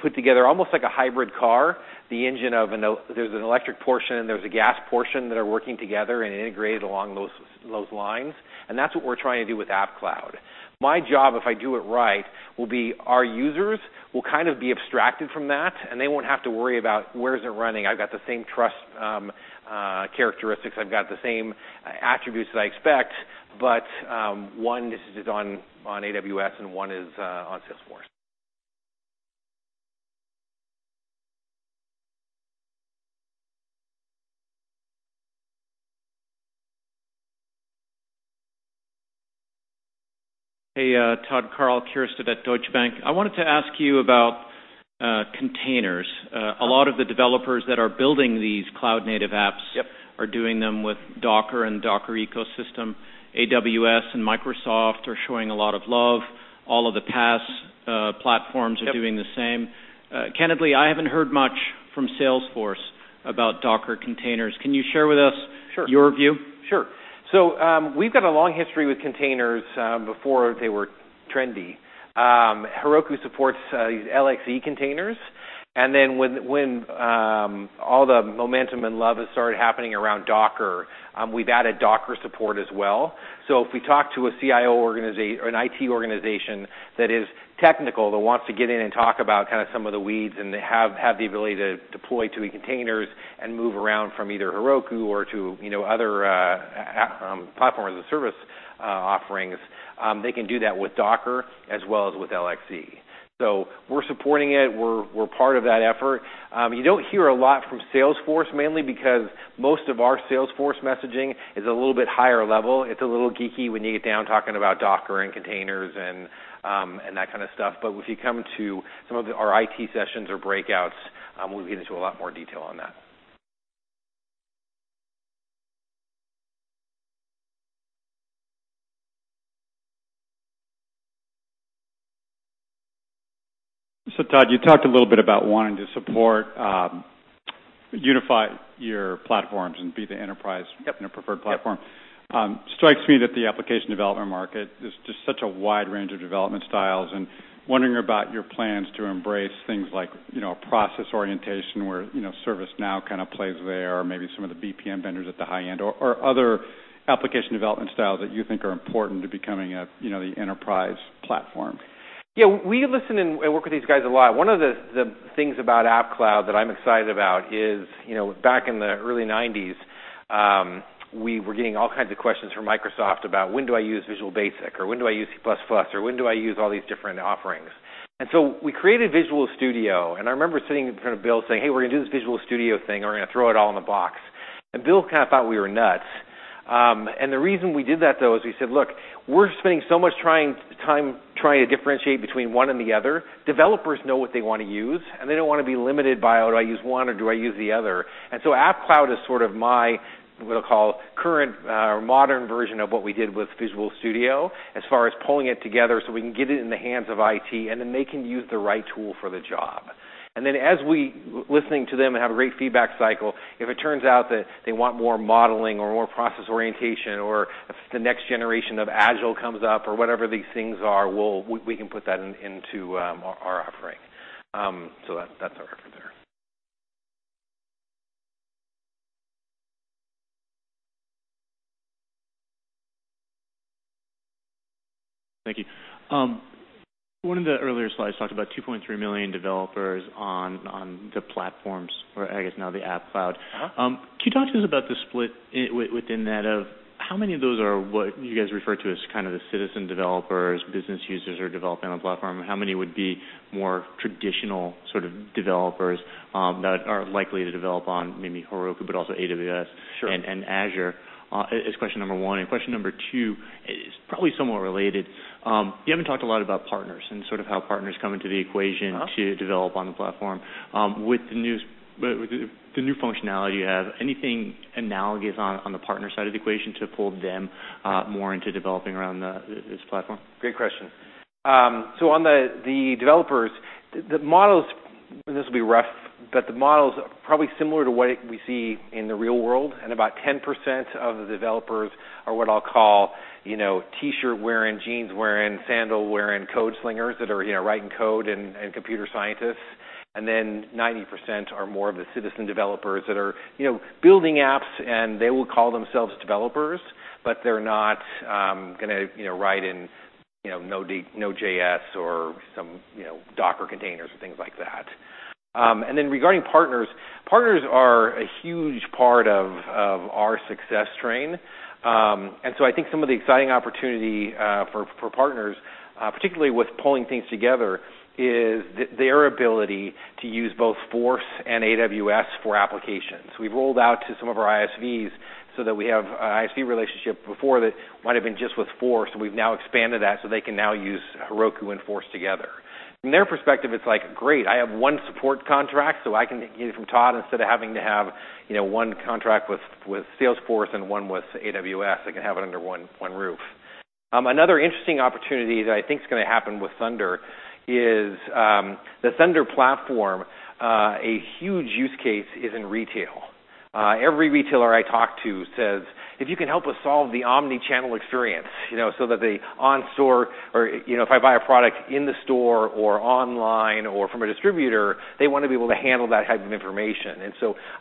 put together almost like a hybrid car, there's an electric portion and there's a gas portion that are working together and integrated along those lines, and that's what we're trying to do with App Cloud. My job, if I do it right, will be our users will be abstracted from that, and they won't have to worry about where is it running. I've got the same trust characteristics. I've got the same attributes that I expect, but one is on AWS, and one is on Salesforce. Hey, Tod. Karl Keirstead at Deutsche Bank. I wanted to ask you about containers. A lot of the developers that are building these cloud-native apps- Yep are doing them with Docker and Docker ecosystem. AWS and Microsoft are showing a lot of love. All of the PaaS platforms are- Yep doing the same. Candidly, I haven't heard much from Salesforce about Docker containers. Can you share with us- Sure your view? Sure. We've got a long history with containers, before they were trendy. Heroku supports these LXC containers. When all the momentum and love has started happening around Docker, we've added Docker support as well. If we talk to a CIO or an IT organization that is technical, that wants to get in and talk about some of the weeds and they have the ability to deploy to the containers, and move around from either Heroku or to other platform as a service offerings, they can do that with Docker as well as with LXC. We're supporting it. We're part of that effort. You don't hear a lot from Salesforce, mainly because most of our Salesforce messaging is a little bit higher level. It's a little geeky when you get down talking about Docker and containers and that kind of stuff. If you come to some of our IT sessions or breakouts, we'll get into a lot more detail on that. Tod, you talked a little bit about wanting to support, unify your platforms, and be the. Yep In a preferred platform. Yep. It strikes me that the application development market is just such a wide range of development styles, and wondering about your plans to embrace things like a process orientation where ServiceNow plays there, or maybe some of the BPM vendors at the high end, or other application development styles that you think are important to becoming the enterprise platform. Yeah. We listen and work with these guys a lot. One of the things about App Cloud that I'm excited about is back in the early 1990s, we were getting all kinds of questions from Microsoft about, when do I use Visual Basic, or when do I use C++, or when do I use all these different offerings? We created Visual Studio, and I remember sitting in front of Bill saying, "Hey, we're going to do this Visual Studio thing, and we're going to throw it all in a box." Bill thought we were nuts. The reason we did that, though, is we said, "Look, we're spending so much time trying to differentiate between one and the other. Developers know what they want to use, and they don't want to be limited by, do I use one or do I use the other? App Cloud is sort of my, we'll call, current or modern version of what we did with Visual Studio as far as pulling it together so we can get it in the hands of IT, then they can use the right tool for the job. As we listening to them and have a great feedback cycle, if it turns out that they want more modeling or more process orientation, or if the next generation of Agile comes up or whatever these things are, we can put that into our offering. That's our effort there. Thank you. One of the earlier slides talked about 2.3 million developers on the platforms, or I guess now the App Cloud. Can you talk to us about the split within that, of how many of those are what you guys refer to as the citizen developers, business users who are developing on the platform, and how many would be more traditional sort of developers that are likely to develop on maybe Heroku, but also AWS- Sure and Azure? Is question number 1. Question number 2 is probably somewhat related. You haven't talked a lot about partners and sort of how partners come into the equation- to develop on the platform. With the new functionality you have, anything analogous on the partner side of the equation to pull them more into developing around this platform? Great question. On the developers, and this will be rough, but the model is probably similar to what we see in the real world, about 10% of the developers are what I'll call T-shirt-wearing, jeans-wearing, sandal-wearing code slingers that are writing code and computer scientists. Then 90% are more of the citizen developers that are building apps, and they will call themselves developers, but they're not going to write in Node.js or some Docker containers or things like that. Then regarding partners are a huge part of our success train. I think some of the exciting opportunity for partners, particularly with pulling things together, is their ability to use both Force and AWS for applications. We've rolled out to some of our ISVs that we have ISV relationship before that might have been just with Force, we've now expanded that so they can now use Heroku and Force together. From their perspective, it's like, "Great, I have one support contract, so I can get it from Tod instead of having to have one contract with Salesforce and one with AWS. I can have it under one roof." Another interesting opportunity that I think is going to happen with Thunder is the Thunder platform, a huge use case is in retail. Every retailer I talk to says, "If you can help us solve the omni-channel experience," so that the on store, or if I buy a product in the store or online or from a distributor, they want to be able to handle that type of information.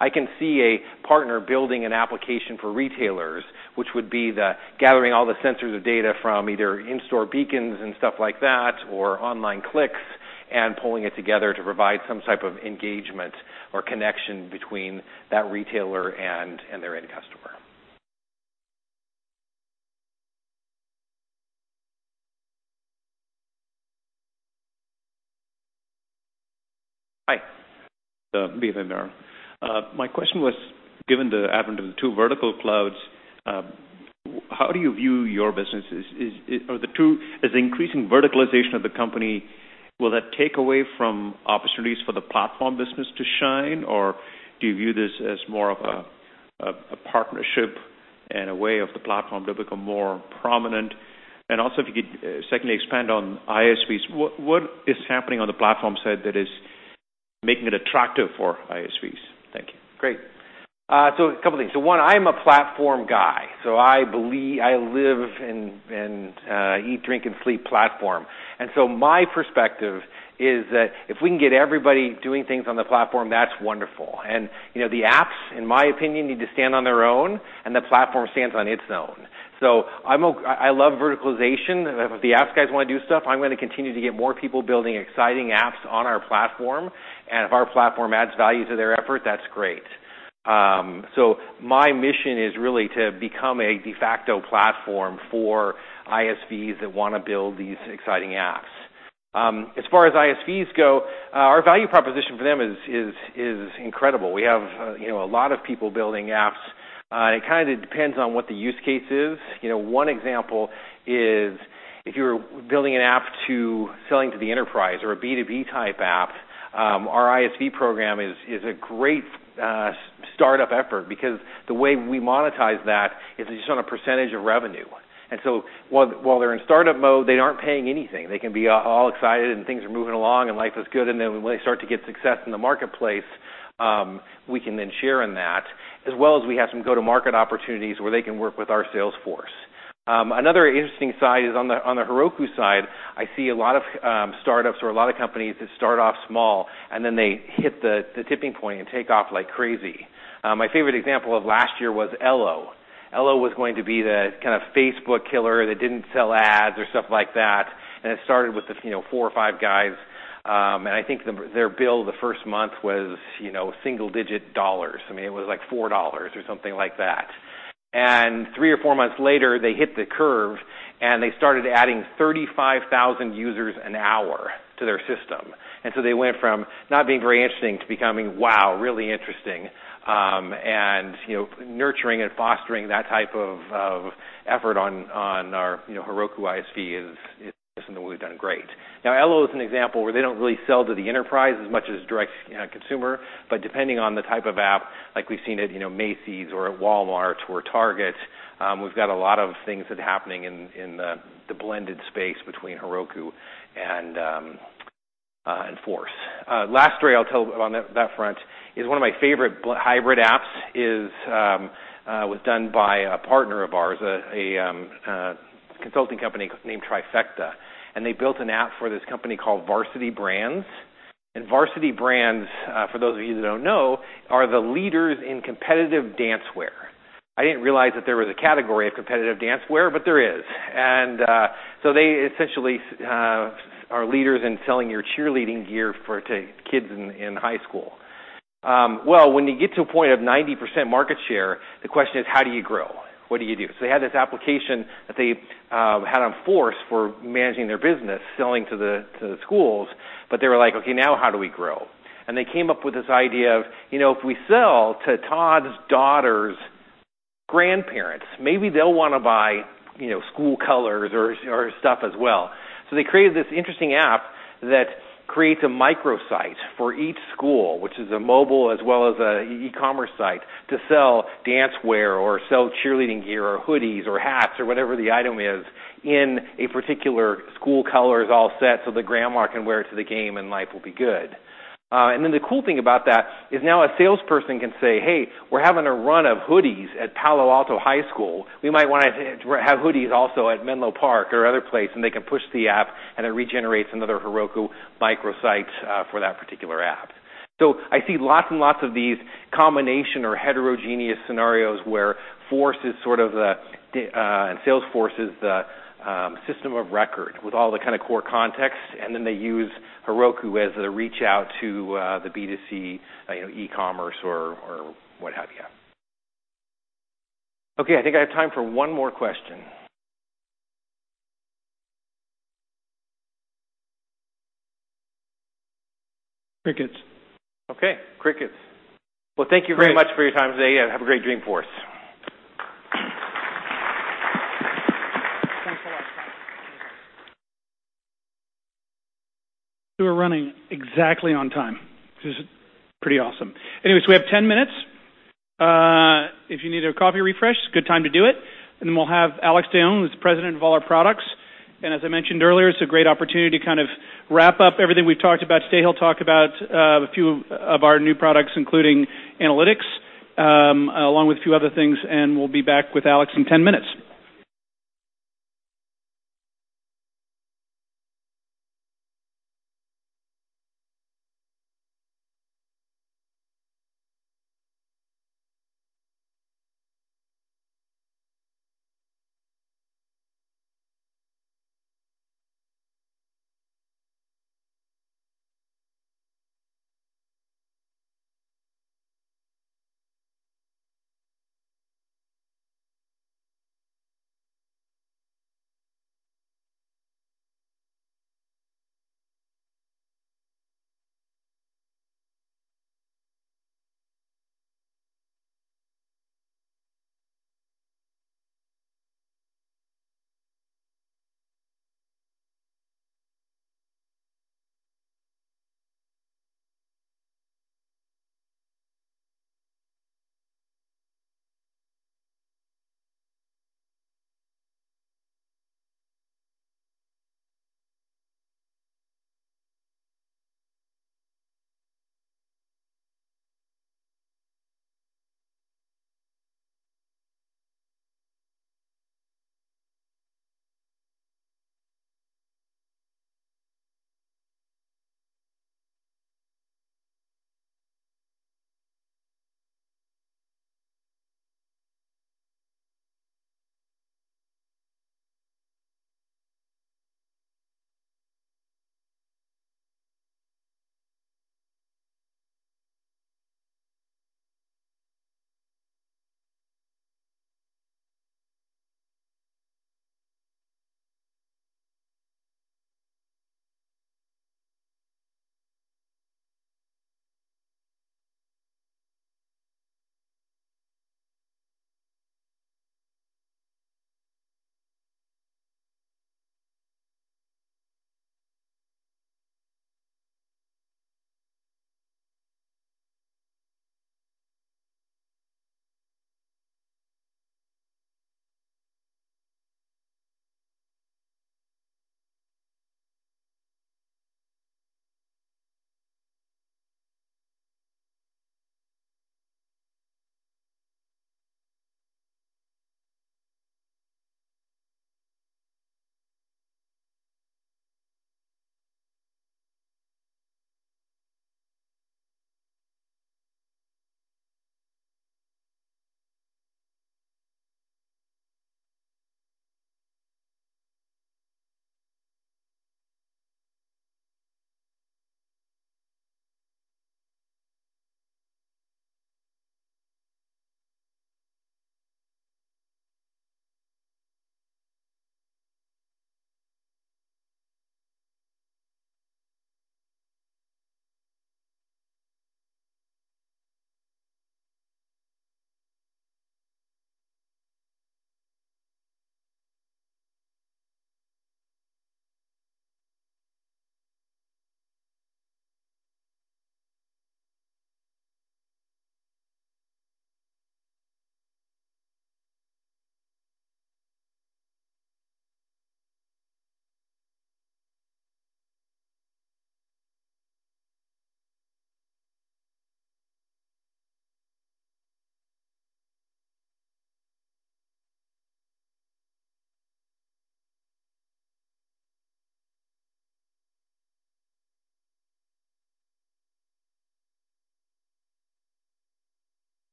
I can see a partner building an application for retailers, which would be the gathering all the sensors of data from either in-store beacons and stuff like that, or online clicks, and pulling it together to provide some type of engagement or connection between that retailer and their end customer. Hi. This is. My question was, given the advent of the two vertical clouds, how do you view your businesses? Is the increasing verticalization of the company, will that take away from opportunities for the platform business to shine, or do you view this as more of a partnership and a way of the platform to become more prominent? Also, if you could secondly expand on ISVs, what is happening on the platform side that is making it attractive for ISVs? Thank you. Great. A couple things. One, I'm a platform guy, I believe, I live and eat, drink, and sleep platform. My perspective is that if we can get everybody doing things on the platform, that's wonderful. The apps, in my opinion, need to stand on their own, and the platform stands on its own. I love verticalization. If the apps guys want to do stuff, I'm going to continue to get more people building exciting apps on our platform, and if our platform adds value to their effort, that's great. My mission is really to become a de facto platform for ISVs that want to build these exciting apps. As far as ISVs go, our value proposition for them is incredible. We have a lot of people building apps. It kind of depends on what the use case is. One example is if you're building an app to selling to the enterprise or a B2B type app, our ISV program is a great startup effort because the way we monetize that is just on a percentage of revenue. While they're in startup mode, they aren't paying anything. They can be all excited and things are moving along and life is good, and then when they start to get success in the marketplace, we can then share in that, as well as we have some go-to-market opportunities where they can work with our Salesforce. Another interesting side is on the Heroku side, I see a lot of startups or a lot of companies that start off small, and then they hit the tipping point and take off like crazy. My favorite example of last year was Ello. Ello was going to be the kind of Facebook killer that didn't sell ads or stuff like that, it started with four or five guys. I think their bill the first month was single digit dollars. I mean, it was like $4 or something like that. Three or four months later, they hit the curve, and they started adding 35,000 users an hour to their system. They went from not being very interesting to becoming, wow, really interesting. Nurturing and fostering that type of effort on our Heroku ISV is something that we've done great. Now, Ello is an example where they don't really sell to the enterprise as much as direct consumer. Depending on the type of app, like we've seen at Macy's or at Walmart or Target, we've got a lot of things that are happening in the blended space between Heroku and Force. Last story I'll tell on that front is one of my favorite hybrid apps was done by a partner of ours, a consulting company named Trifecta, and they built an app for this company called Varsity Brands. Varsity Brands, for those of you that don't know, are the leaders in competitive dance wear. I didn't realize that there was a category of competitive dance wear, but there is. They essentially are leaders in selling your cheerleading gear to kids in high school. Well, when you get to a point of 90% market share, the question is, how do you grow? What do you do? They had this application that they had on Force for managing their business, selling to the schools, but they were like, "Okay, now how do we grow?" They came up with this idea of, if we sell to Tod's daughter's grandparents, maybe they'll want to buy school colors or stuff as well. They created this interesting app that creates a microsite for each school, which is a mobile as well as an e-commerce site to sell dance wear or sell cheerleading gear or hoodies or hats or whatever the item is in a particular school color is all set, so the grandma can wear it to the game and life will be good. The cool thing about that is now a salesperson can say, "Hey, we're having a run of hoodies at Palo Alto High School. We might want to have hoodies also at Menlo Park or other place," they can push the app, and it regenerates another Heroku microsite for that particular app. I see lots and lots of these combination or heterogeneous scenarios where Salesforce is the system of record with all the kind of core context, and then they use Heroku as the reach out to the B2C, e-commerce or what have you. Okay, I think I have time for one more question. Crickets. Okay. Crickets. Well, thank you very much for your time today and have a great Dreamforce. Thanks a lot. We're running exactly on time, which is pretty awesome. We have 10 minutes. If you need a coffee refresh, good time to do it, then we'll have Alex Dayon, who's the President of all our products. As I mentioned earlier, it's a great opportunity to kind of wrap up everything we've talked about today. He'll talk about a few of our new products, including analytics, along with a few other things, we'll be back with Alex in 10 minutes.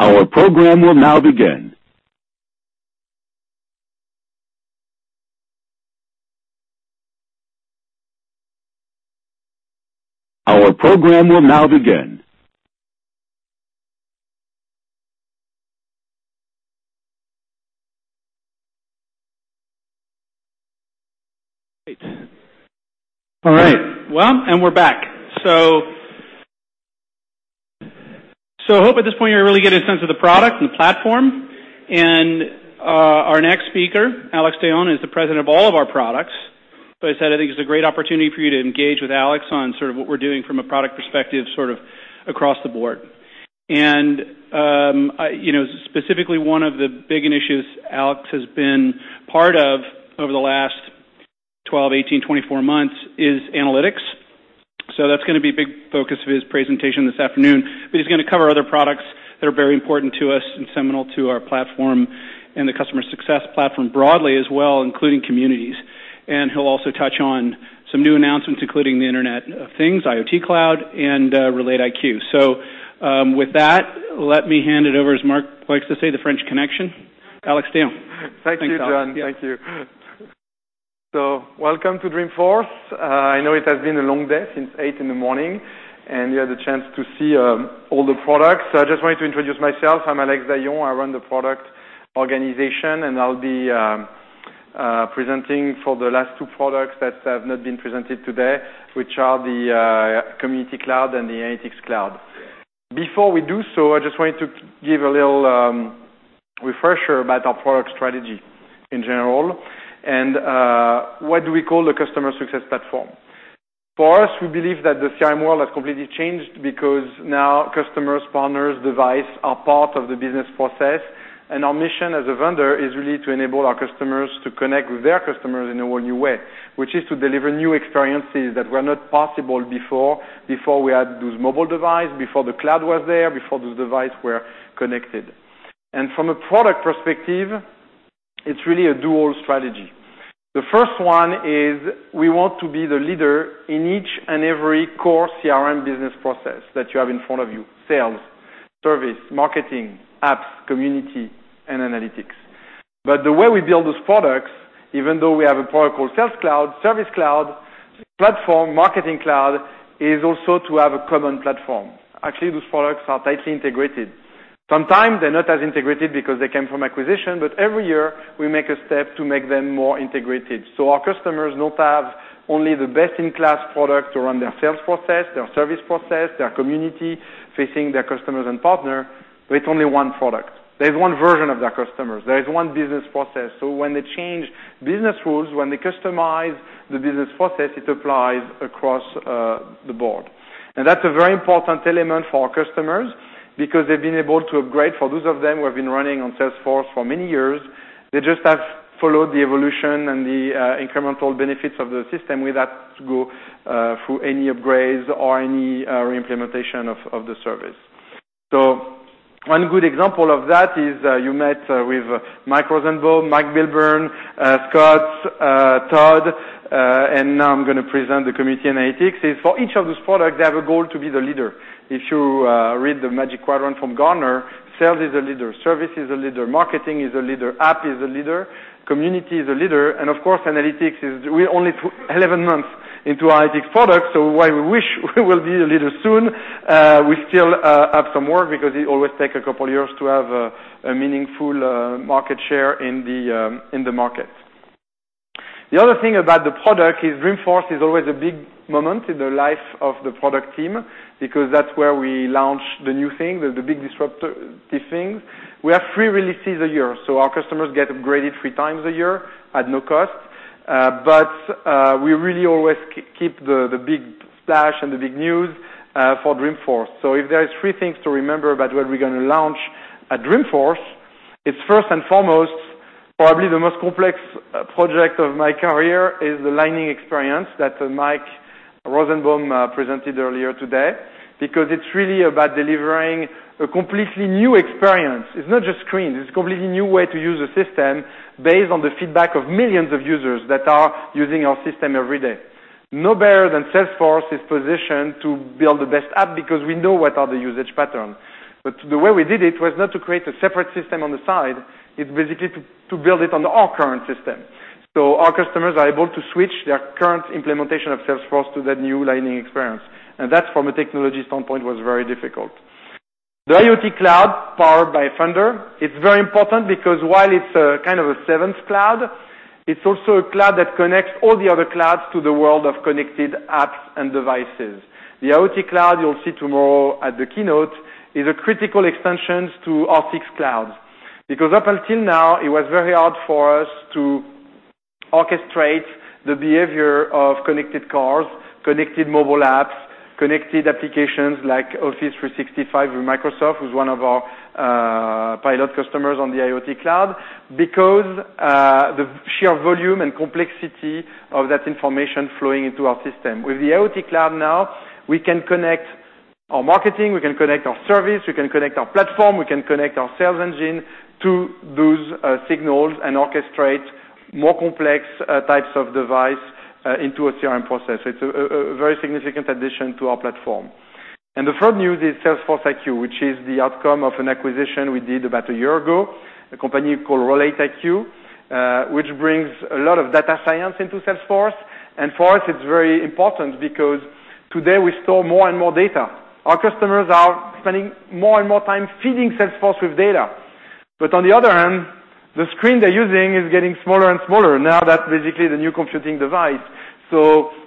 Our program will now begin. Our program will now begin. Great. All right. We're back. Hope at this point you really get a sense of the product and the platform. Our next speaker, Alex Dayon, is the President of all of our products. As I said, I think it's a great opportunity for you to engage with Alex on sort of what we're doing from a product perspective, sort of across the board. Specifically one of the big initiatives Alex has been part of over the last 12, 18, 24 months is analytics. That's going to be a big focus of his presentation this afternoon. He's going to cover other products that are very important to us and seminal to our platform and the customer success platform broadly as well, including communities. He'll also touch on some new announcements, including the Internet of Things, IoT Cloud, and RelateIQ. With that, let me hand it over, as Mark likes to say, the French connection, Alex Dayon. Thank you, John. Thanks, Alex. Yeah. Thank you. Welcome to Dreamforce. I know it has been a long day since 8:00 A.M., and you had the chance to see all the products. I just wanted to introduce myself. I am Alex Dayon. I run the product organization, and I will be presenting for the last two products that have not been presented today, which are the Community Cloud and the Analytics Cloud. Before we do so, I just wanted to give a little refresher about our product strategy in general. What do we call the customer success platform. For us, we believe that the CRM world has completely changed because now customers, partners, device are part of the business process. Our mission as a vendor is really to enable our customers to connect with their customers in a whole new way, which is to deliver new experiences that were not possible before. Before we had those mobile device, before the cloud was there, before those device were connected. From a product perspective, it is really a dual strategy. The first one is we want to be the leader in each and every core CRM business process that you have in front of you, sales, service, marketing, apps, community, and analytics. The way we build those products, even though we have a product called Sales Cloud, Service Cloud, Platform, Marketing Cloud, is also to have a common platform. Actually, those products are tightly integrated. Sometimes they are not as integrated because they came from acquisition, but every year we make a step to make them more integrated. Our customers not have only the best-in-class product to run their sales process, their service process, their community, facing their customers and partner with only one product. There's one version of their customers, there's one business process. When they change business rules, when they customize the business process, it applies across the board. That's a very important element for our customers because they've been able to upgrade. For those of them who have been running on Salesforce for many years, they just have followed the evolution and the incremental benefits of the system without go through any upgrades or any reimplementation of the service. One good example of that is you met with Mike Rosenbaum, Mike Milburn, Scott, Tod, and now I'm going to present the Community and Analytics, is for each of those products, they have a goal to be the leader. If you read the Magic Quadrant from Gartner, Sales is a leader, Service is a leader, Marketing is a leader, App is a leader, Community is a leader, and of course, Analytics is. We're only 11 months into Analytics product, while we wish we will be the leader soon, we still have some work because it always take a couple of years to have a meaningful market share in the market. The other thing about the product is Dreamforce is always a big moment in the life of the product team, that's where we launch the new thing, the big disruptive things. We have three releases a year, our customers get upgraded three times a year at no cost. We really always keep the big splash and the big news for Dreamforce. If there's three things to remember about what we're going to launch at Dreamforce, it's first and foremost, probably the most complex project of my career is the Lightning Experience that Mike Rosenbaum presented earlier today, it's really about delivering a completely new experience. It's not just screens, it's a completely new way to use a system based on the feedback of millions of users that are using our system every day. No better than Salesforce is positioned to build the best app we know what are the usage patterns. The way we did it was not to create a separate system on the side, it's basically to build it on our current system. Our customers are able to switch their current implementation of Salesforce to that new Lightning Experience. That from a technology standpoint, was very difficult. The IoT Cloud powered by Thunder, it's very important while it's kind of a seventh cloud, it's also a cloud that connects all the other clouds to the world of connected apps and devices. The IoT Cloud, you'll see tomorrow at the keynote, is a critical extension to our six clouds. Up until now, it was very hard for us to orchestrate the behavior of connected cars, connected mobile apps, connected applications like Office 365 with Microsoft, who's one of our pilot customers on the IoT Cloud, the sheer volume and complexity of that information flowing into our system. With the IoT Cloud now, we can connect our Marketing, we can connect our Service, we can connect our Platform, we can connect our Sales engine to those signals and orchestrate more complex types of device into a CRM process. It's a very significant addition to our platform. The third news is SalesforceIQ, which is the outcome of an acquisition we did about a year ago, a company called RelateIQ, which brings a lot of data science into Salesforce. For us, it's very important because today we store more and more data. Our customers are spending more and more time feeding Salesforce with data. On the other hand, the screen they're using is getting smaller and smaller. That's basically the new computing device.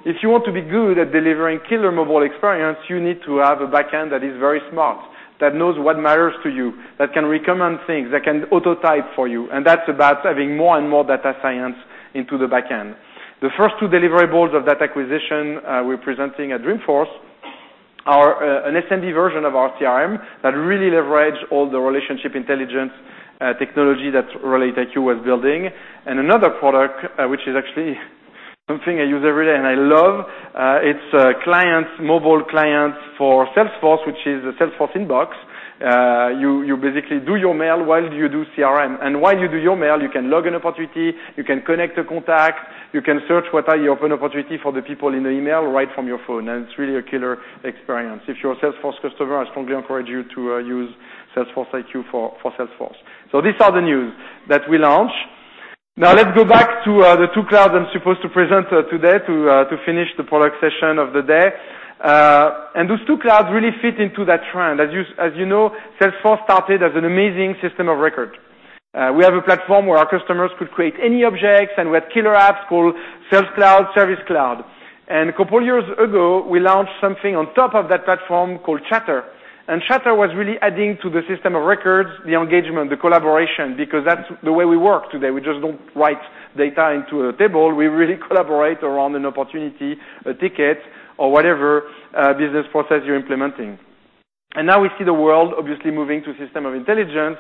If you want to be good at delivering killer mobile experience, you need to have a back end that is very smart, that knows what matters to you, that can recommend things, that can auto-type for you. That's about having more and more data science into the back end. The first 2 deliverables of that acquisition we're presenting at Dreamforce are a Sales Cloud version of our CRM that really leverage all the relationship intelligence technology that RelateIQ was building. Another product, which is actually something I use every day and I love, it's a mobile client for Salesforce, which is a Salesforce Inbox. You basically do your mail while you do CRM. While you do your mail, you can log an opportunity, you can connect a contact, you can search what are your open opportunity for the people in the email right from your phone. It's really a killer experience. If you're a Salesforce customer, I strongly encourage you to use SalesforceIQ for Salesforce. These are the news that we launch. Let's go back to the two clouds I'm supposed to present today to finish the product session of the day. Those two clouds really fit into that trend. As you know, Salesforce started as an amazing system of record. We have a platform where our customers could create any objects, we had killer apps called Sales Cloud, Service Cloud. A couple years ago, we launched something on top of that platform called Chatter. Chatter was really adding to the system of records, the engagement, the collaboration, because that's the way we work today. We just don't write data into a table. We really collaborate around an opportunity, a ticket, or whatever business process you're implementing. Now we see the world obviously moving to system of intelligence.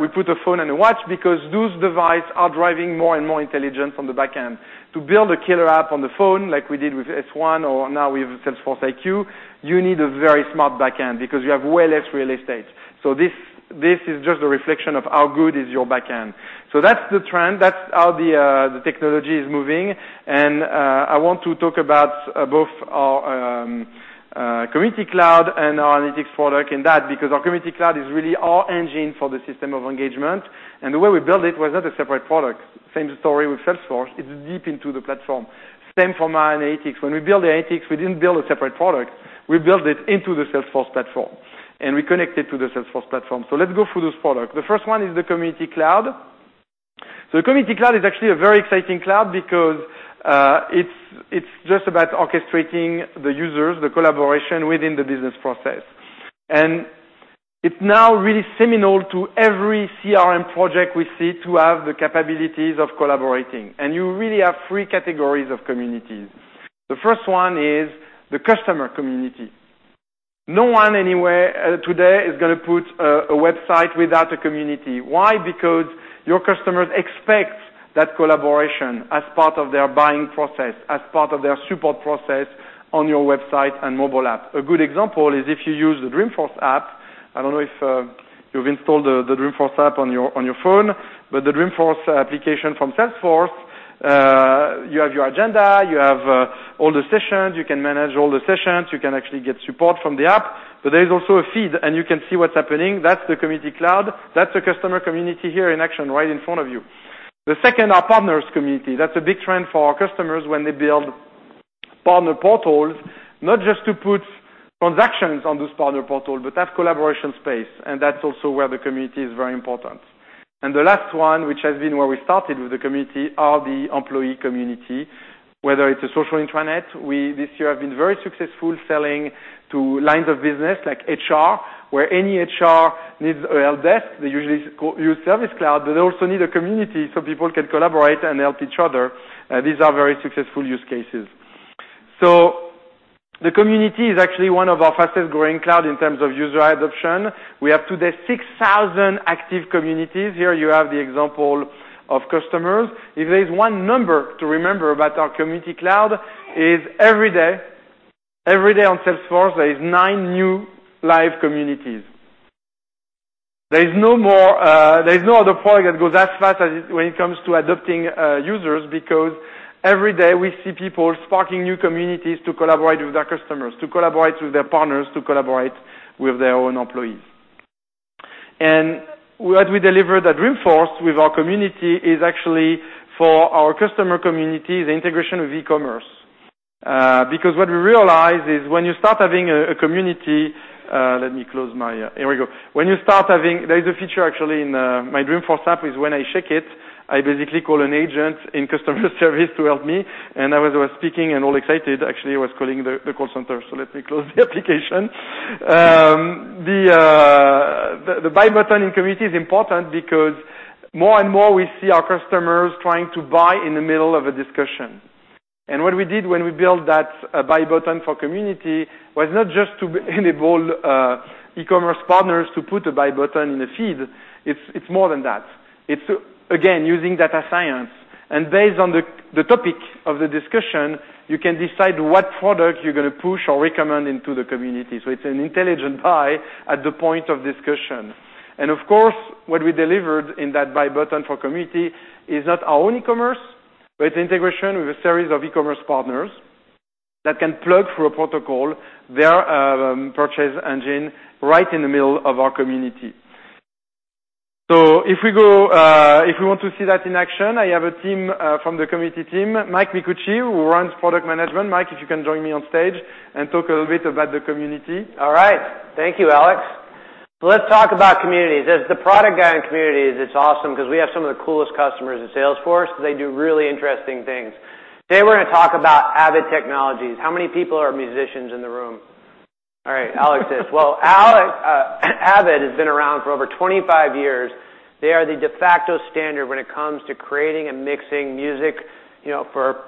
We put a phone and a watch because those device are driving more and more intelligence on the back end. To build a killer app on the phone like we did with Salesforce1 or now with SalesforceIQ, you need a very smart back end because you have way less real estate. This is just a reflection of how good is your back end. That's the trend. That's how the technology is moving. I want to talk about both our Community Cloud and our analytics product in that, because our Community Cloud is really our engine for the system of engagement. The way we build it was not a separate product. Same story with Salesforce, it's deep into the platform. Same for my analytics. When we build the analytics, we didn't build a separate product. We built it into the Salesforce platform, and we connect it to the Salesforce platform. Let's go through this product. The first one is the Community Cloud. Community Cloud is actually a very exciting cloud because it's just about orchestrating the users, the collaboration within the business process. It's now really seminal to every CRM project we see to have the capabilities of collaborating. You really have three categories of communities. The first one is the customer community. No one anywhere today is going to put a website without a community. Why? Because your customers expect that collaboration as part of their buying process, as part of their support process on your website and mobile app. A good example is if you use the Dreamforce app. I don't know if you've installed the Dreamforce app on your phone, but the Dreamforce application from Salesforce, you have your agenda, you have all the sessions, you can manage all the sessions, you can actually get support from the app. There is also a feed, and you can see what's happening. That's the Community Cloud. That's a customer community here in action right in front of you. The second, our partners community. That's a big trend for our customers when they build partner portals, not just to put transactions on this partner portal, but that collaboration space, that's also where the community is very important. The last one, which has been where we started with the community, are the employee community, whether it's a social intranet. We, this year, have been very successful selling to lines of business like HR, where any HR needs a help desk, they usually use Service Cloud, but they also need a community so people can collaborate and help each other. These are very successful use cases. The community is actually one of our fastest-growing cloud in terms of user adoption. We have today 6,000 active communities. Here you have the example of customers. If there's one number to remember about our Community Cloud is every day on Salesforce, there is nine new live communities. There's no other product that goes as fast as when it comes to adopting users because every day we see people sparking new communities to collaborate with their customers, to collaborate with their partners, to collaborate with their own employees. What we deliver at Dreamforce with our community is actually for our customer community, the integration of e-commerce. What we realize is when you start having a community. Here we go. There is a feature actually in my Dreamforce app is when I shake it, I basically call an agent in customer service to help me. As I was speaking and all excited, actually, I was calling the call center. Let me close the application. The buy button in community is important because more and more we see our customers trying to buy in the middle of a discussion. What we did when we built that buy button for community was not just to enable e-commerce partners to put a buy button in the feed. It's more than that. It's, again, using data science, based on the topic of the discussion, you can decide what product you're going to push or recommend into the community. It's an intelligent buy at the point of discussion. Of course, what we delivered in that buy button for Community is not our own e-commerce, but it's integration with a series of e-commerce partners that can plug through a protocol their purchase engine right in the middle of our Community. If we want to see that in action, I have a team from the Community team, Mike Micucci, who runs product management. Mike, if you can join me on stage and talk a little bit about the Community. All right. Thank you, Alex. Let's talk about communities. As the product guy in communities, it's awesome because we have some of the coolest customers at Salesforce. They do really interesting things. Today we're going to talk about Avid Technology. How many people are musicians in the room? All right. Alex is. Well, Avid has been around for over 25 years. They are the de facto standard when it comes to creating and mixing music for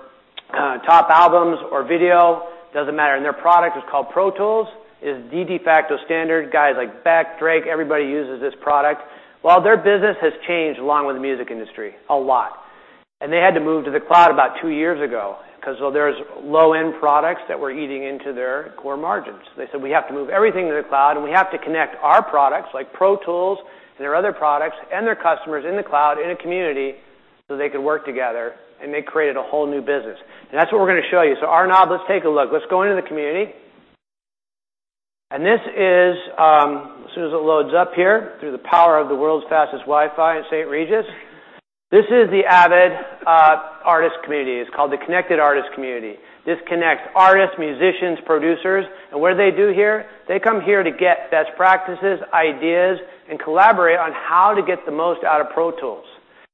top albums or video, doesn't matter. Their product is called Pro Tools. It is the de facto standard. Guys like Beck, Drake, everybody uses this product. Well, their business has changed along with the music industry a lot. They had to move to the cloud about 2 years ago because there was low-end products that were eating into their core margins. They said, "We have to move everything to the cloud, and we have to connect our products, like Pro Tools and their other products, and their customers in the cloud in a community so they could work together," and they created a whole new business. That's what we're going to show you. Arnab, let's take a look. Let's go into the community. As soon as it loads up here, through the power of the world's fastest Wi-Fi at St. Regis. This is the Avid Artist Community. It's called the Avid Artist Community. This connects artists, musicians, producers. What do they do here? They come here to get best practices, ideas, and collaborate on how to get the most out of Pro Tools.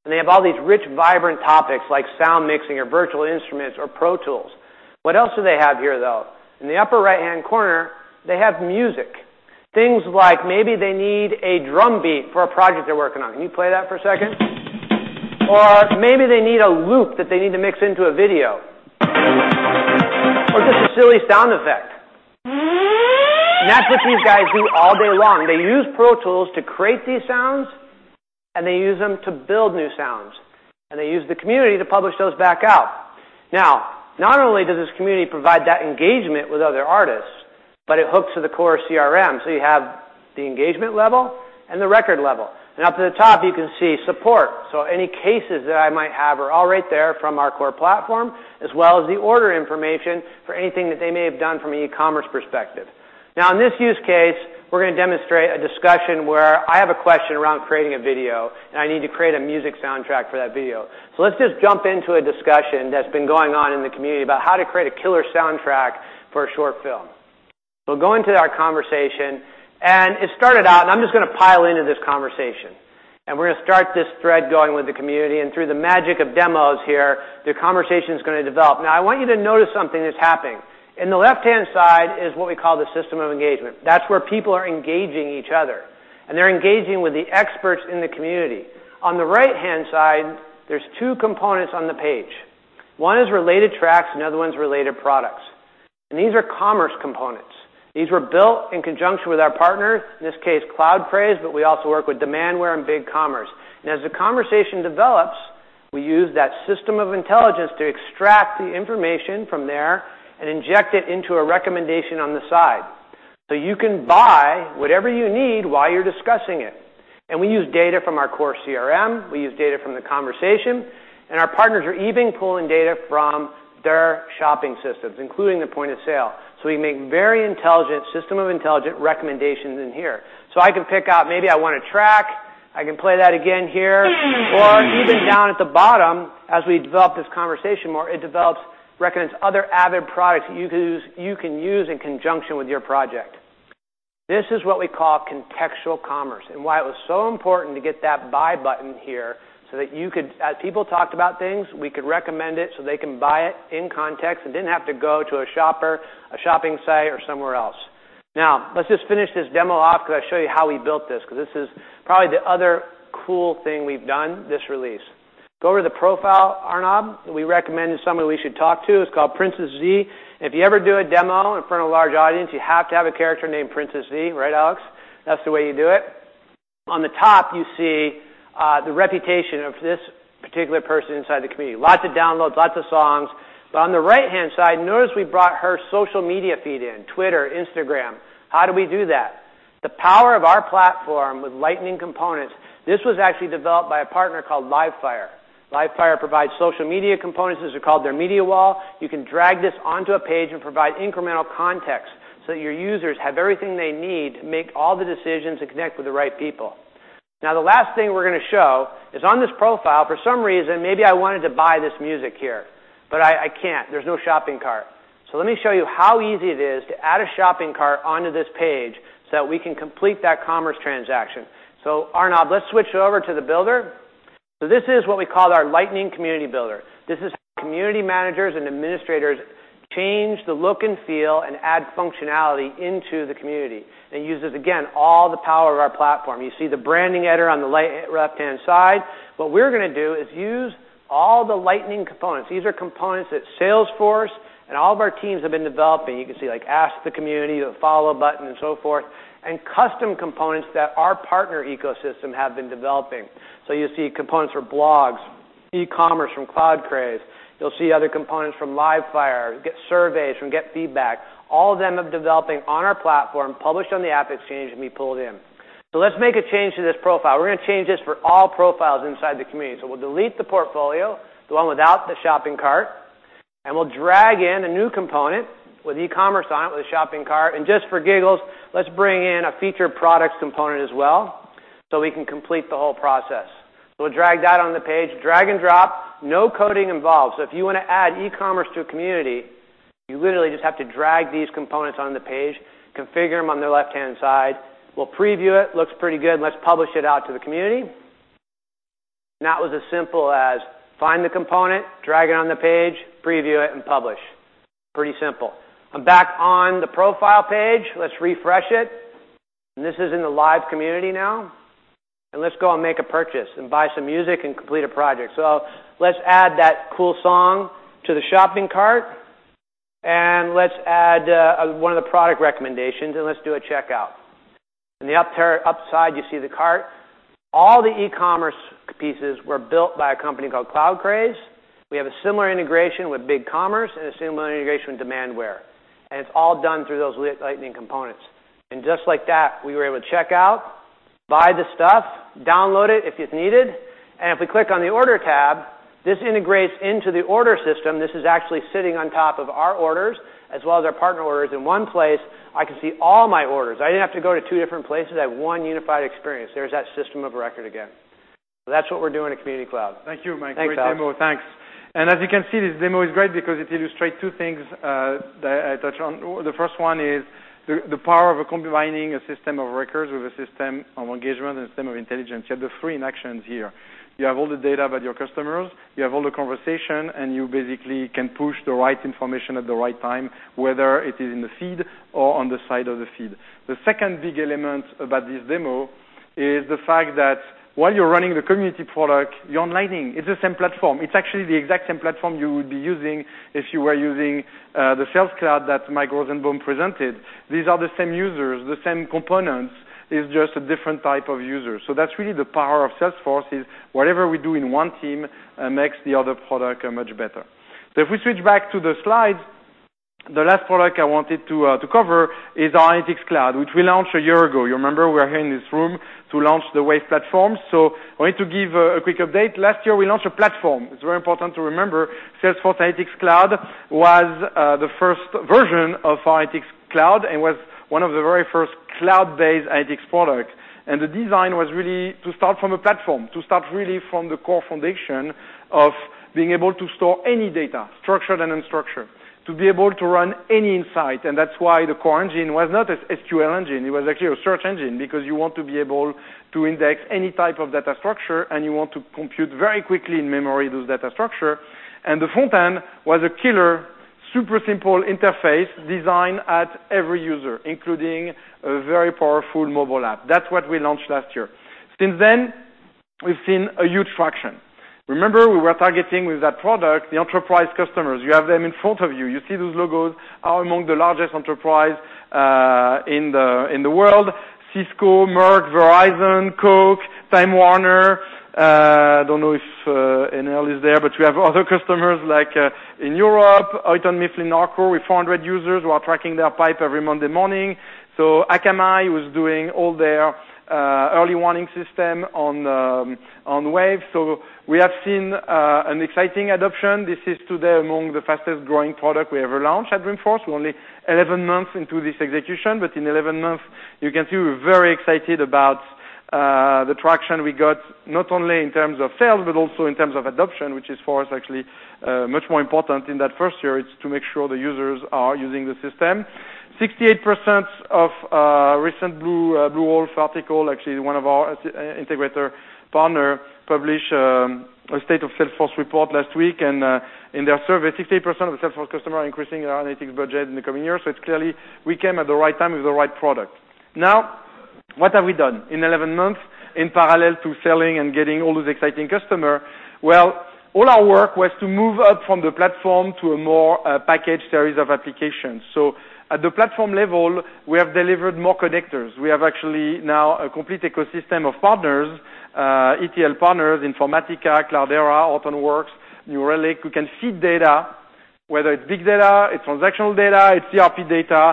They have all these rich, vibrant topics like sound mixing or virtual instruments or Pro Tools. What else do they have here, though? In the upper right-hand corner, they have music. Things like maybe they need a drum beat for a project they're working on. Can you play that for a second? Or maybe they need a loop that they need to mix into a video. Or just a silly sound effect. That's what these guys do all day long. They use Pro Tools to create these sounds, and they use them to build new sounds. They use the community to publish those back out. Now, not only does this community provide that engagement with other artists, but it hooks to the core CRM. You have the engagement level and the record level. Up at the top, you can see support. Any cases that I might have are all right there from our core platform, as well as the order information for anything that they may have done from an e-commerce perspective. In this use case, we're going to demonstrate a discussion where I have a question around creating a video, and I need to create a music soundtrack for that video. Let's just jump into a discussion that's been going on in the community about how to create a killer soundtrack for a short film. We'll go into that conversation, and it started out, and I'm just going to pile into this conversation. We're going to start this thread going with the community, and through the magic of demos here, the conversation's going to develop. I want you to notice something that's happening. In the left-hand side is what we call the system of engagement. That's where people are engaging each other, and they're engaging with the experts in the community. On the right-hand side, there's two components on the page. One is related tracks, another one's related products. These are commerce components. These were built in conjunction with our partner, in this case, CloudCraze, but we also work with Demandware and BigCommerce. As the conversation develops, we use that system of intelligence to extract the information from there and inject it into a recommendation on the side. You can buy whatever you need while you're discussing it. We use data from our core CRM. We use data from the conversation, and our partners are even pulling data from their shopping systems, including the point of sale. We make very system of intelligent recommendations in here. I can pick out, maybe I want a track I can play that again here. Even down at the bottom, as we develop this conversation more, it recommends other Avid products you can use in conjunction with your project. This is what we call contextual commerce, why it was so important to get that buy button here, so that as people talked about things, we could recommend it so they can buy it in context, and didn't have to go to a shopper, a shopping site, or somewhere else. Let's just finish this demo off because I show you how we built this, because this is probably the other cool thing we've done this release. Go over the profile, Arnab. We recommended someone we should talk to, is called Princess V. If you ever do a demo in front of a large audience, you have to have a character named Princess V, right, Alex? That's the way you do it. On the top, you see the reputation of this particular person inside the community. Lots of downloads, lots of songs. On the right-hand side, notice we brought her social media feed in. Twitter, Instagram. How do we do that? The power of our platform with Lightning components. This was actually developed by a partner called Livefyre. Livefyre provides social media components. This is called their media wall. You can drag this onto a page and provide incremental context so that your users have everything they need to make all the decisions and connect with the right people. The last thing we're going to show is on this profile, for some reason, maybe I wanted to buy this music here. I can't. There's no shopping cart. Let me show you how easy it is to add a shopping cart onto this page so that we can complete that commerce transaction. Arnab, let's switch over to the builder. This is what we call our Lightning Community Builder. This is how community managers and administrators change the look and feel, and add functionality into the community. It uses, again, all the power of our platform. You see the branding editor on the left-hand side. What we're going to do is use all the Lightning components. These are components that Salesforce and all of our teams have been developing. You can see like Ask the Community, the Follow button, and so forth, and custom components that our partner ecosystem have been developing. You'll see components for blogs, e-commerce from CloudCraze. You'll see other components from Livefyre, Get Surveys from GetFeedback. All of them of developing on our platform, published on the AppExchange, and be pulled in. Let's make a change to this profile. We're going to change this for all profiles inside the community. We'll delete the portfolio, the one without the shopping cart, and we'll drag in a new component with e-commerce on it, with a shopping cart. Just for giggles, let's bring in a featured products component as well, so we can complete the whole process. We'll drag that on the page, drag and drop, no coding involved. If you want to add e-commerce to a community, you literally just have to drag these components on the page, configure them on the left-hand side. We'll preview it. Looks pretty good. Let's publish it out to the community. That was as simple as find the component, drag it on the page, preview it, and publish. Pretty simple. I'm back on the profile page. Let's refresh it. This is in the live community now. Let's go and make a purchase and buy some music, and complete a project. Let's add that cool song to the shopping cart, and let's add one of the product recommendations, and let's do a checkout. In the upside, you see the cart. All the e-commerce pieces were built by a company called CloudCraze. We have a similar integration with BigCommerce and a similar integration with Demandware, and it's all done through those Lightning components. Just like that, we were able to check out, buy the stuff, download it if it's needed. If we click on the order tab, this integrates into the order system. This is actually sitting on top of our orders as well as our partner orders. In one place, I can see all my orders. I didn't have to go to two different places. I have one unified experience. There's that system of record again. That's what we're doing at Community Cloud. Thank you, Mike. Thanks, Alex. Great demo. Thanks. As you can see, this demo is great because it illustrates two things that I touch on. The first one is the power of combining a system of records with a system of engagement and a system of intelligence. You have the three in actions here. You have all the data about your customers, you have all the conversation, and you basically can push the right information at the right time, whether it is in the feed or on the side of the feed. The second big element about this demo is the fact that while you're running the Community Cloud, you're on Lightning. It's the same platform. It's actually the exact same platform you would be using if you were using the Sales Cloud that Mike Rosenbaum presented. These are the same users, the same components, it's just a different type of user. That's really the power of Salesforce, is whatever we do in one team makes the other product much better. If we switch back to the slides, the last product I wanted to cover is our Analytics Cloud, which we launched a year ago. You remember we were here in this room to launch the Wave platform. I want to give a quick update. Last year, we launched a platform. It's very important to remember. Salesforce Analytics Cloud was the first version of Analytics Cloud, and was one of the very first cloud-based analytics product. The design was really to start from a platform, to start really from the core foundation of being able to store any data, structured and unstructured. To be able to run any insight, and that's why the core engine was not an SQL engine. It was actually a search engine because you want to be able to index any type of data structure, and you want to compute very quickly in memory those data structure. The front-end was a killer, super simple interface designed at every user, including a very powerful mobile app. That's what we launched last year. Since then, we've seen a huge traction. Remember, we were targeting with that product the enterprise customers. You have them in front of you. You see those logos are among the largest enterprise in the world. Cisco, Merck, Verizon, Coke, Time Warner. I don't know if NL is there, but we have other customers like in Europe, Houghton Mifflin Harcourt, with 400 users who are tracking their pipe every Monday morning. Akamai was doing all their early warning system on Wave. We have seen an exciting adoption. This is today among the fastest-growing product we ever launched at Dreamforce. We're only 11 months into this execution, but in 11 months, you can see we're very excited about the traction we got not only in terms of sales, but also in terms of adoption, which is for us actually much more important in that first year, is to make sure the users are using the system. 68% of recent Bluewolf article, actually one of our integrator partner, published a State of Salesforce report last week. In their survey, 68% of Salesforce customers are increasing their analytics budget in the coming year. It's clearly we came at the right time with the right product. Now, what have we done in 11 months in parallel to selling and getting all those exciting customer? All our work was to move up from the platform to a more packaged series of applications. At the platform level, we have delivered more connectors. We have actually now a complete ecosystem of partners, ETL partners, Informatica, Cloudera, Alteryx, New Relic, who can feed data, whether it's big data, it's transactional data, it's CRM data,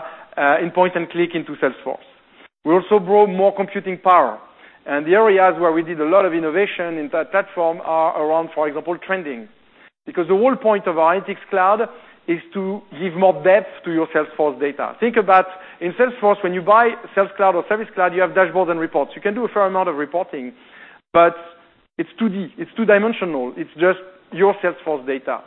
in point and click into Salesforce. We also brought more computing power, and the areas where we did a lot of innovation in that platform are around, for example, trending. Because the whole point of Analytics Cloud is to give more depth to your Salesforce data. Think about in Salesforce, when you buy Sales Cloud or Service Cloud, you have dashboards and reports. You can do a fair amount of reporting, but it's 2D, it's two-dimensional. It's just your Salesforce data.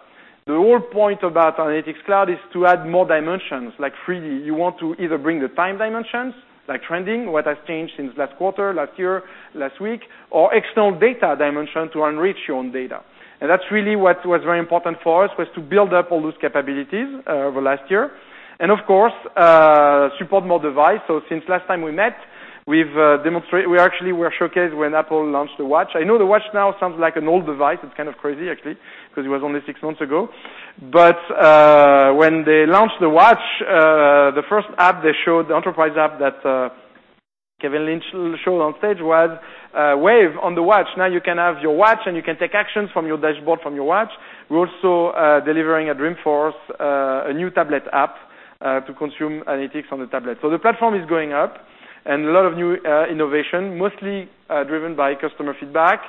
The whole point about Analytics Cloud is to add more dimensions, like 3D. You want to either bring the time dimensions, like trending, what has changed since last quarter, last year, last week, or external data dimension to enrich your own data. That's really what was very important for us, was to build up all those capabilities over last year. Of course, support more device. Since last time we met, we actually were showcased when Apple launched the Watch. I know the Watch now sounds like an old device. It's kind of crazy, actually, because it was only six months ago. But when they launched the Watch, the first app they showed, the enterprise app that Kevin Lynch showed on stage was Wave on the Watch. Now you can have your Watch and you can take actions from your dashboard from your Watch. We're also delivering at Dreamforce a new tablet app to consume analytics on the tablet. The platform is going up and a lot of new innovation, mostly driven by customer feedback.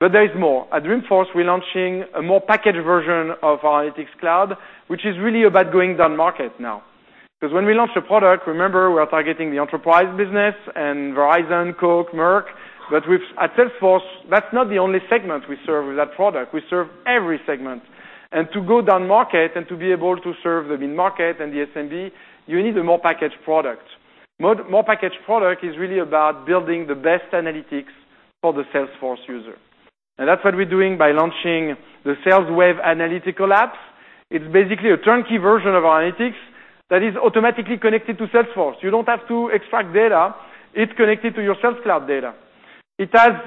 There is more. At Dreamforce, we're launching a more packaged version of our Analytics Cloud, which is really about going down market now. Because when we launched the product, remember, we were targeting the enterprise business and Verizon, Coca-Cola, Merck. At Salesforce, that's not the only segment we serve with that product. We serve every segment. To go down market and to be able to serve the mid-market and the SMB, you need a more packaged product. More packaged product is really about building the best analytics for the Salesforce user. That's what we're doing by launching the Sales Wave analytical apps. It's basically a turnkey version of our analytics that is automatically connected to Salesforce. You don't have to extract data. It's connected to your Sales Cloud data. It has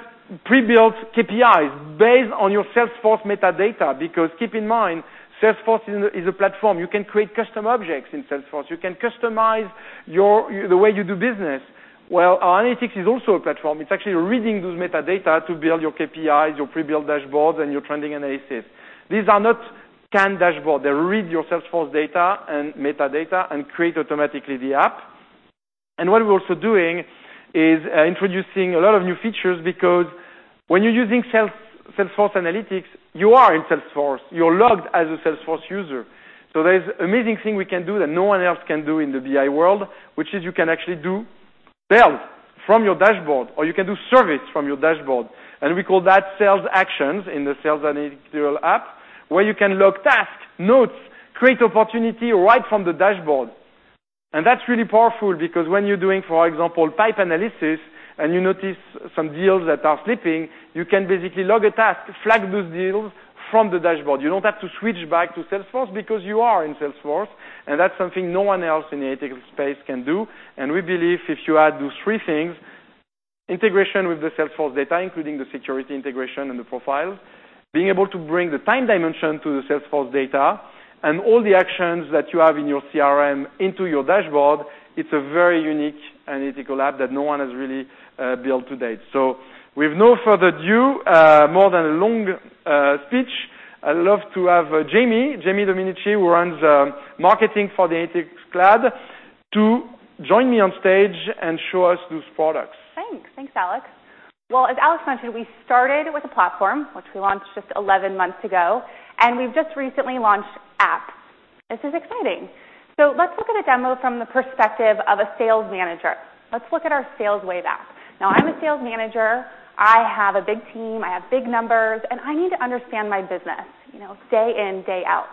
pre-built KPIs based on your Salesforce metadata, because keep in mind, Salesforce is a platform. You can create custom objects in Salesforce. You can customize the way you do business. Well, our analytics is also a platform. It's actually reading those metadata to build your KPIs, your pre-built dashboards, and your trending analysis. These are not scanned dashboard. They read your Salesforce data and metadata and create automatically the app. What we're also doing is introducing a lot of new features because when you're using Salesforce Analytics, you are in Salesforce. You're logged as a Salesforce user. There's amazing thing we can do that no one else can do in the BI world, which is you can actually do sales from your dashboard, or you can do service from your dashboard. We call that sales actions in the sales analytical app, where you can log task, notes, create opportunity right from the dashboard. That's really powerful because when you're doing, for example, pipe analysis and you notice some deals that are slipping, you can basically log a task, flag those deals from the dashboard. You don't have to switch back to Salesforce because you are in Salesforce, and that's something no one else in the analytics space can do. We believe if you add those three things, integration with the Salesforce data, including the security integration and the profiles, being able to bring the time dimension to the Salesforce data, and all the actions that you have in your CRM into your dashboard, it's a very unique analytical app that no one has really built to date. With no further ado, more than a long speech, I'd love to have Jamie Domenici, who runs marketing for the Analytics Cloud, to join me on stage and show us those products. Thanks. Thanks, Alex. As Alex mentioned, we started with a platform which we launched just 11 months ago. We've just recently launched app. This is exciting. Let's look at a demo from the perspective of a sales manager. Let's look at our Sales Wave app. Now, I'm a sales manager. I have a big team, I have big numbers, and I need to understand my business, day in, day out.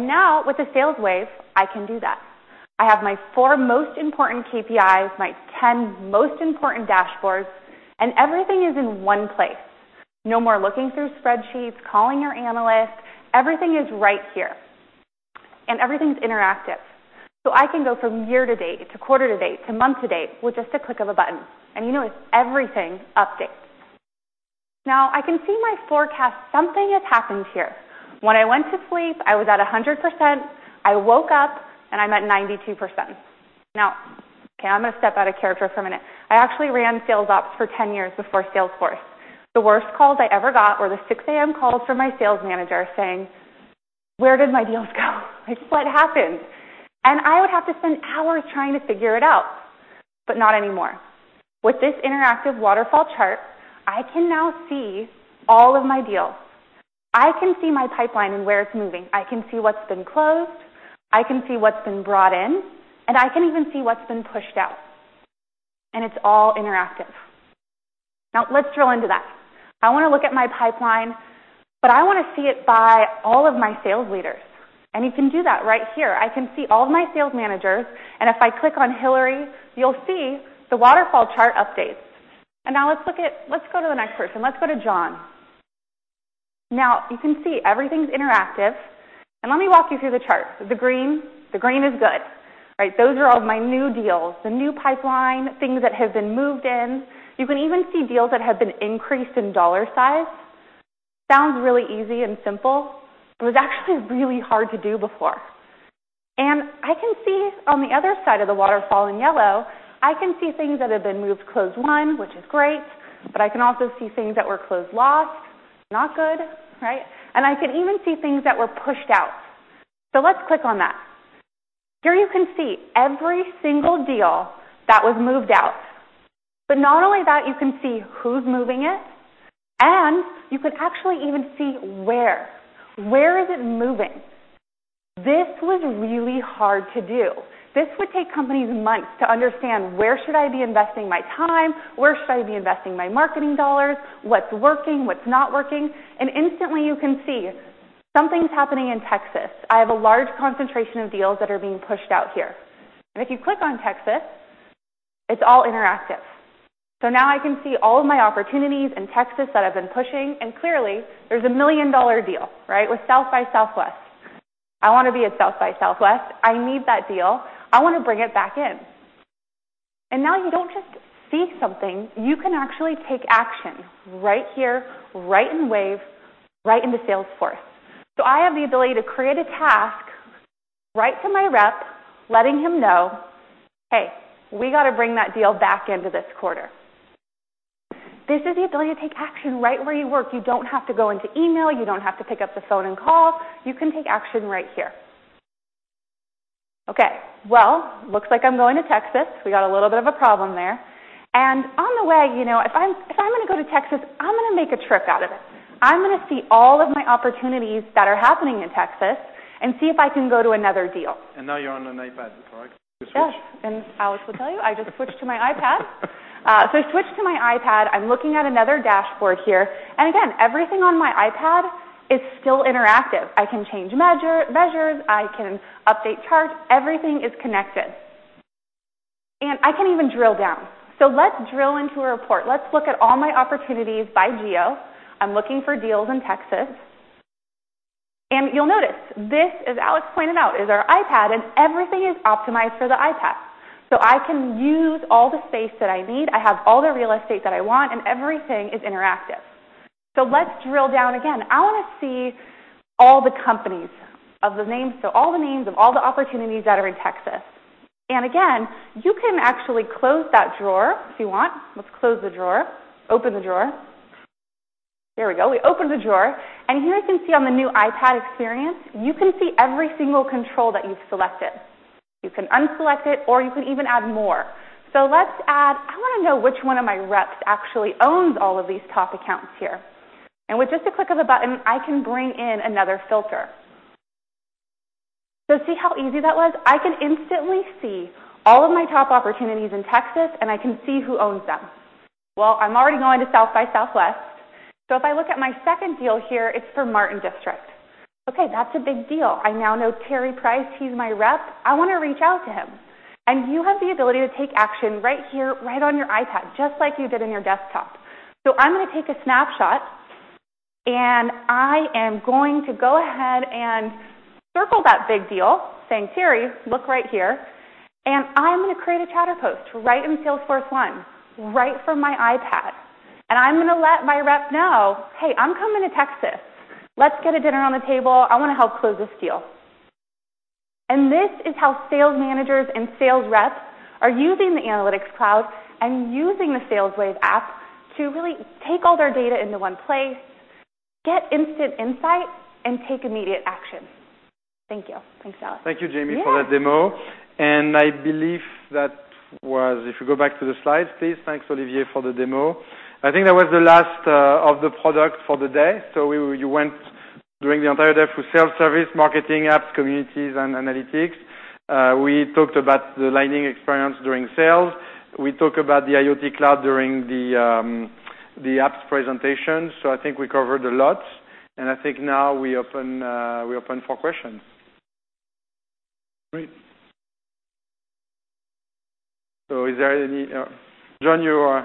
Now with the Sales Wave, I can do that. I have my four most important KPIs, my 10 most important dashboards, and everything is in one place. No more looking through spreadsheets, calling your analyst. Everything is right here, and everything's interactive. I can go from year to date, to quarter to date, to month to date with just a click of a button. You notice everything updates. Now, I can see my forecast. Something has happened here. When I went to sleep, I was at 100%. I woke up, I'm at 92%. Okay, I'm going to step out of character for a minute. I actually ran sales ops for 10 years before Salesforce. The worst calls I ever got were the 6:00 A.M. calls from my sales manager saying, "Where did my deals go? What happened?" I would have to spend hours trying to figure it out, but not anymore. With this interactive waterfall chart, I can now see all of my deals. I can see my pipeline and where it's moving. I can see what's been closed, I can see what's been brought in, I can even see what's been pushed out. It's all interactive. Let's drill into that. I want to look at my pipeline, I want to see it by all of my sales leaders. You can do that right here. I can see all of my sales managers, if I click on Hillary, you'll see the waterfall chart updates. Now let's go to the next person. Let's go to John. You can see everything's interactive. Let me walk you through the chart. The green is good. Those are all of my new deals, the new pipeline, things that have been moved in. You can even see deals that have been increased in dollar size. Sounds really easy and simple. It was actually really hard to do before. I can see, on the other side of the waterfall in yellow, I can see things that have been moved closed won, which is great, I can also see things that were closed lost. Not good, right? I can even see things that were pushed out. Let's click on that. Here you can see every single deal that was moved out. Not only that, you can see who's moving it, you can actually even see where. Where is it moving? This was really hard to do. This would take companies months to understand, where should I be investing my time? Where should I be investing my marketing dollars? What's working? What's not working? Instantly you can see something's happening in Texas. I have a large concentration of deals that are being pushed out here. If you click on Texas, it's all interactive. Now I can see all of my opportunities in Texas that I've been pushing, clearly, there's a $1 million deal with South by Southwest. I want to be at South by Southwest. I need that deal. I want to bring it back in. Now you don't just see something, you can actually take action right here, right in Wave, right into Salesforce. I have the ability to create a task right to my rep, letting him know, "Hey, we got to bring that deal back into this quarter." This is the ability to take action right where you work. You don't have to go into email. You don't have to pick up the phone and call. You can take action right here. Well, looks like I'm going to Texas. We got a little bit of a problem there. On the way, if I'm going to go to Texas, I'm going to make a trip out of it. I'm going to see all of my opportunities that are happening in Texas and see if I can go to another deal. Now you're on an iPad, correct? You switched. Yes. Alex will tell you, I just switched to my iPad. I switched to my iPad. I'm looking at another dashboard here. Again, everything on my iPad is still interactive. I can change measures. I can update charts. Everything is connected. I can even drill down. Let's drill into a report. Let's look at all my opportunities by geo. I'm looking for deals in Texas. You'll notice, this, as Alex pointed out, is our iPad, everything is optimized for the iPad. I can use all the space that I need. I have all the real estate that I want, everything is interactive. Let's drill down again. I want to see all the companies. All the names of all the opportunities that are in Texas. Again, you can actually close that drawer if you want. Let's close the drawer. Open the drawer. There we go. We opened the drawer, and here you can see on the new iPad experience, you can see every single control that you've selected. You can unselect it, or you can even add more. I want to know which one of my reps actually owns all of these top accounts here. With just a click of a button, I can bring in another filter. See how easy that was? I can instantly see all of my top opportunities in Texas, and I can see who owns them. Well, I'm already going to South by Southwest. If I look at my second deal here, it's for Martin District. Okay. That's a big deal. I now know Terry Price, he's my rep. I want to reach out to him. You have the ability to take action right here, right on your iPad, just like you did on your desktop. I'm going to take a snapshot, and I am going to go ahead and circle that big deal, saying, "Terry, look right here." I'm going to create a Chatter post right in Salesforce1, right from my iPad. I'm going to let my rep know, "Hey, I'm coming to Texas. Let's get a dinner on the table. I want to help close this deal." This is how sales managers and sales reps are using the Analytics Cloud and using the Sales Wave app to really take all their data into one place, get instant insight, and take immediate action. Thank you. Thanks, Alex. Thank you, Jamie, for that demo. Yeah. I believe. If you go back to the slides, please. Thanks, Olivier, for the demo. I think that was the last of the product for the day. You went during the entire day through self-service, marketing apps, communities, and analytics. We talked about the Lightning Experience during sales. We talked about the IoT Cloud during the apps presentation. I think we covered a lot, and I think now we open for questions. Great. John, you're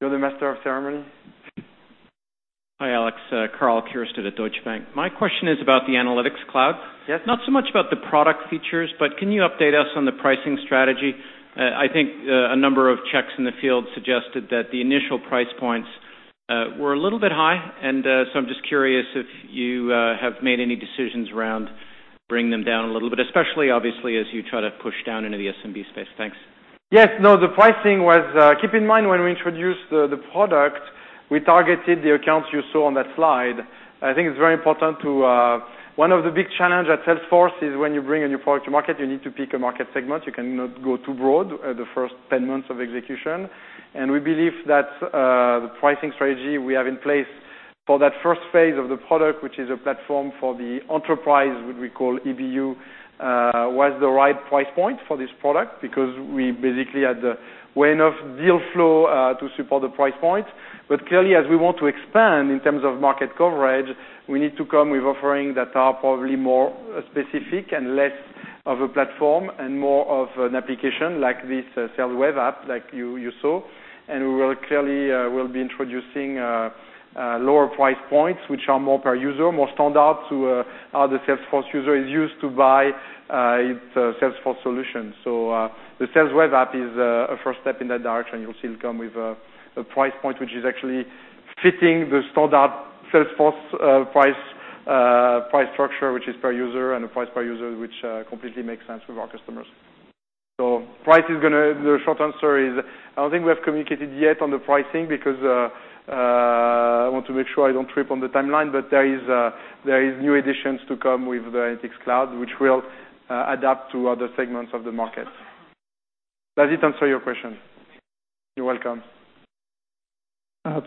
the master of ceremony. Hi, Alex. Karl Keirstead at Deutsche Bank. My question is about the Analytics Cloud. Yes. Not so much about the product features, can you update us on the pricing strategy? I think a number of checks in the field suggested that the initial price points were a little bit high, I'm just curious if you have made any decisions around bringing them down a little bit, especially obviously as you try to push down into the SMB space. Thanks. Yes. No. Keep in mind, when we introduced the product, we targeted the accounts you saw on that slide. I think it's very important. One of the big challenge at Salesforce is when you bring a new product to market, you need to pick a market segment. You cannot go too broad the first 10 months of execution. We believe that the pricing strategy we have in place For that first phase of the product, which is a platform for the enterprise, what we call EBU, was the right price point for this product because we basically had way enough deal flow to support the price point. Clearly, as we want to expand in terms of market coverage, we need to come with offerings that are probably more specific and less of a platform and more of an application like this Sales Wave app like you saw. We will clearly be introducing lower price points, which are more per user, more standard to how the Salesforce user is used to buy its Salesforce solution. The Sales Wave app is a first step in that direction. You'll see it come with a price point which is actually fitting the standard Salesforce price structure, which is per user, and a price per user which completely makes sense with our customers. The short answer is, I don't think we have communicated yet on the pricing because I want to make sure I don't trip on the timeline, there is new additions to come with the Analytics Cloud, which will adapt to other segments of the market. Does it answer your question? You're welcome.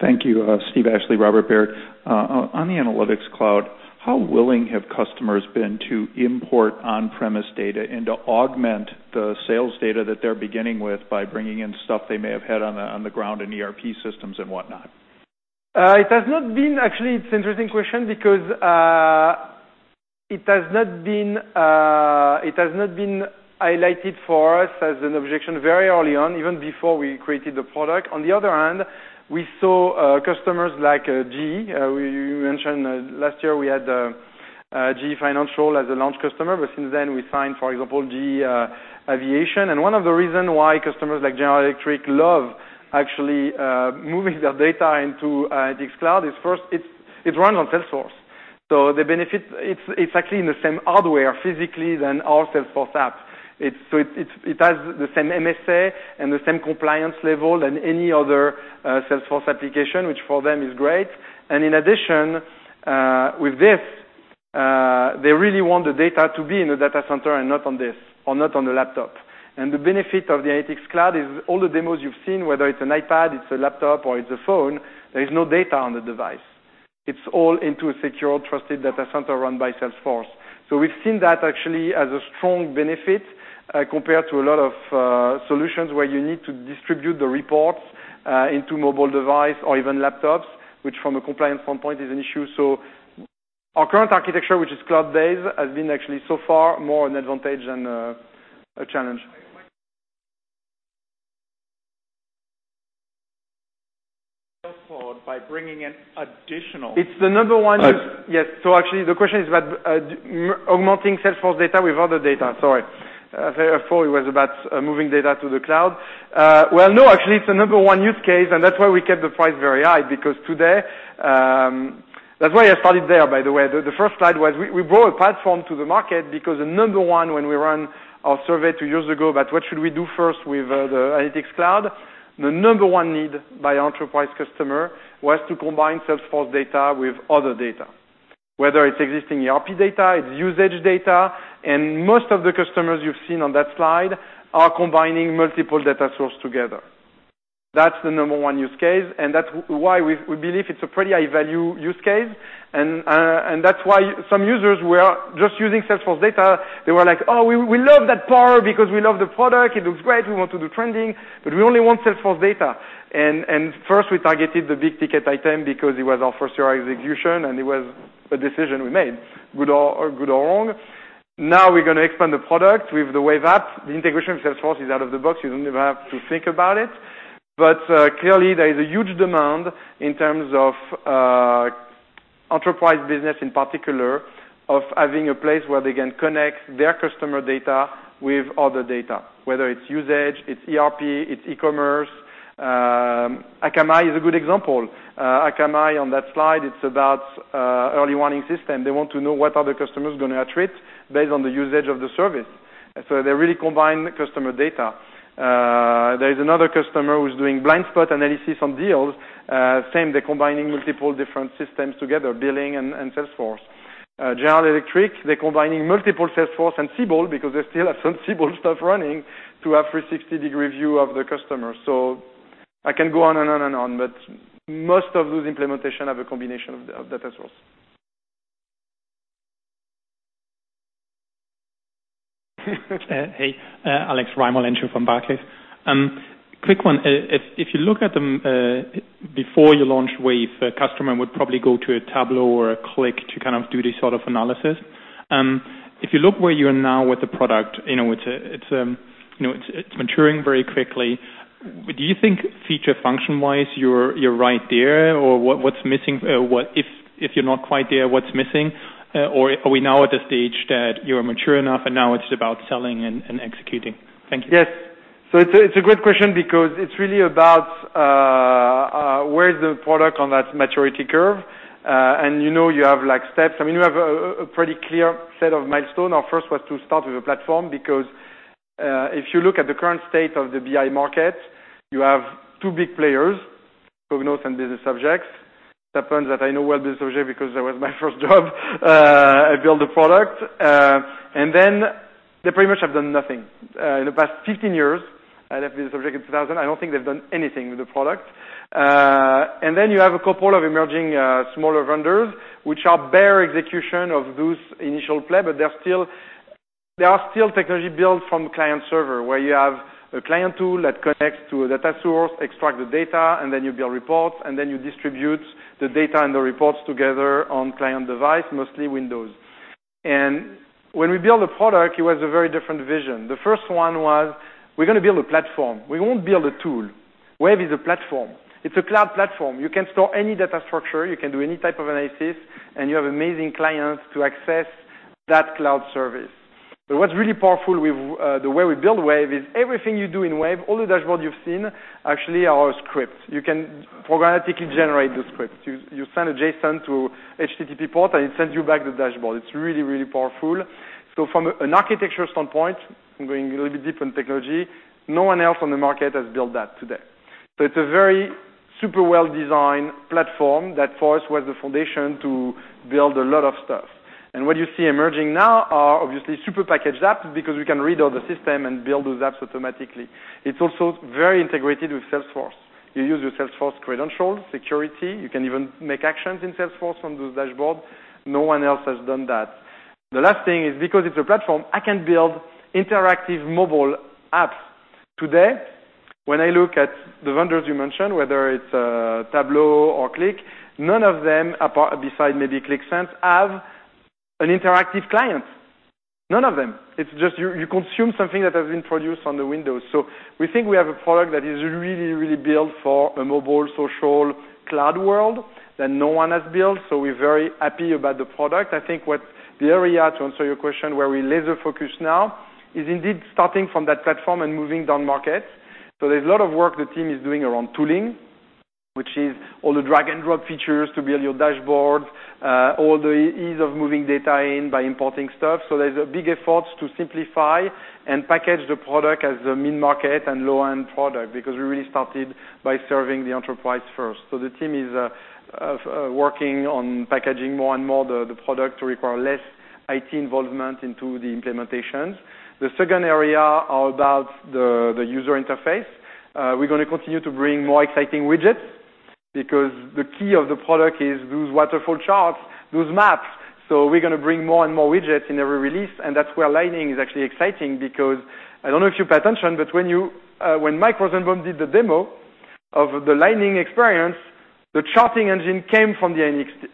Thank you. Steve Ashley, Robert Baird. On the Analytics Cloud, how willing have customers been to import on-premise data and to augment the sales data that they're beginning with by bringing in stuff they may have had on the ground in ERP systems and whatnot? Actually, it's interesting question because it has not been highlighted for us as an objection very early on, even before we created the product. On the other hand, we saw customers like GE. We mentioned last year we had GE Capital as a launch customer, since then we signed, for example, GE Aviation. One of the reasons why customers like General Electric love actually moving their data into Analytics Cloud is first, it runs on Salesforce. The benefit, it's actually in the same hardware physically than all Salesforce apps. It has the same MSA and the same compliance level than any other Salesforce application, which for them is great. In addition, with this, they really want the data to be in the data center and not on the laptop. The benefit of the Analytics Cloud is all the demos you've seen, whether it's an iPad, it's a laptop, or it's a phone, there is no data on the device. It's all into a secure, trusted data center run by Salesforce. We've seen that actually as a strong benefit compared to a lot of solutions where you need to distribute the reports into mobile device or even laptops, which from a compliance standpoint is an issue. Our current architecture, which is cloud-based, has been actually so far more an advantage than a challenge. Salesforce by bringing in additional- It's the number one. Yes. Actually, the question is about augmenting Salesforce data with other data. Sorry. I thought it was about moving data to the cloud. No, actually, it's the number one use case, and that's why we kept the price very high. That's why I started there, by the way. The first slide was we brought a platform to the market because the number one, when we ran our survey two years ago about what should we do first with the Analytics Cloud, the number one need by enterprise customer was to combine Salesforce data with other data, whether it's existing ERP data, it's usage data. Most of the customers you've seen on that slide are combining multiple data sources together. That's the number one use case, and that's why we believe it's a pretty high-value use case. That's why some users were just using Salesforce data. They were like, "Oh, we love that power because we love the product. It looks great. We want to do trending, but we only want Salesforce data." First, we targeted the big ticket item because it was our first year of execution, and it was a decision we made, good or wrong. Now we're going to expand the product with the Wave app. The integration of Salesforce is out of the box. You don't even have to think about it. Clearly, there is a huge demand in terms of enterprise business, in particular, of having a place where they can connect their customer data with other data, whether it's usage, it's ERP, it's e-commerce. Akamai is a good example. Akamai on that slide, it's about early warning system. They want to know what other customers are going to attrit based on the usage of the service. They really combine the customer data. There's another customer who's doing blind spot analysis on deals. Same, they're combining multiple different systems together, billing and Salesforce. General Electric, they're combining multiple Salesforce and Siebel because they still have some Siebel stuff running to have 360-degree view of the customer. I can go on and on and on, but most of those implementations have a combination of data source. Hey. Raimo Lenschow, from Barclays. Quick one. If you look at them before you launch Wave, a customer would probably go to a Tableau or a Qlik to kind of do this sort of analysis. If you look where you are now with the product, it's maturing very quickly. Do you think feature-function-wise, you're right there? Or if you're not quite there, what's missing? Or are we now at a stage that you're mature enough and now it's about selling and executing? Thank you. Yes. It's a good question because it's really about where is the product on that maturity curve. You have steps. I mean, you have a pretty clear set of milestones. Our first was to start with a platform because if you look at the current state of the BI market, you have two big players, Cognos and Business Objects. It happens that I know well Business Objects because that was my first job. I built the product. They pretty much have done nothing. In the past 15 years, I left Business Objects in 2000, I don't think they've done anything with the product. You have a couple of emerging smaller vendors, which are bare execution of those initial play, but they are still technology built from client-server, where you have a client tool that connects to a data source, extracts the data, then you build reports, then you distribute the data and the reports together on client device, mostly Windows. When we build a product, it was a very different vision. The first one was, we're going to build a platform. We won't build a tool. Wave is a platform. It's a cloud platform. You can store any data structure, you can do any type of analysis, and you have amazing clients to access that cloud service. But what's really powerful with the way we build Wave is everything you do in Wave, all the dashboards you've seen actually are scripts. You can programmatically generate those scripts. You send a JSON to an HTTP port, it sends you back the dashboard. It's really, really powerful. From an architecture standpoint, I'm going a little bit deep on technology, no one else on the market has built that today. It's a very super well-designed platform that for us was the foundation to build a lot of stuff. What you see emerging now are obviously super packaged apps because we can read all the system and build those apps automatically. It's also very integrated with Salesforce. You use your Salesforce credentials, security. You can even make actions in Salesforce from those dashboards. No one else has done that. The last thing is because it's a platform, I can build interactive mobile apps today. When I look at the vendors you mentioned, whether it's Tableau or Qlik, none of them, besides maybe Qlik Sense, have an interactive client. None of them. It's just you consume something that has been produced on the Windows. We think we have a product that is really, really built for a mobile, social, cloud world that no one has built. We're very happy about the product. I think the area, to answer your question, where we're laser-focused now is indeed starting from that platform and moving down market. There's a lot of work the team is doing around tooling, which is all the drag-and-drop features to build your dashboard. All the ease of moving data in by importing stuff. There's big efforts to simplify and package the product as a mid-market and low-end product, because we really started by serving the enterprise first. The team is working on packaging more and more the product to require less IT involvement into the implementations. The second area are about the user interface. We're going to continue to bring more exciting widgets because the key of the product is those waterfall charts, those maps. We're going to bring more and more widgets in every release, and that's where Lightning is actually exciting because I don't know if you paid attention, but when Mike Rosenbaum did the demo of the Lightning Experience, the charting engine came from the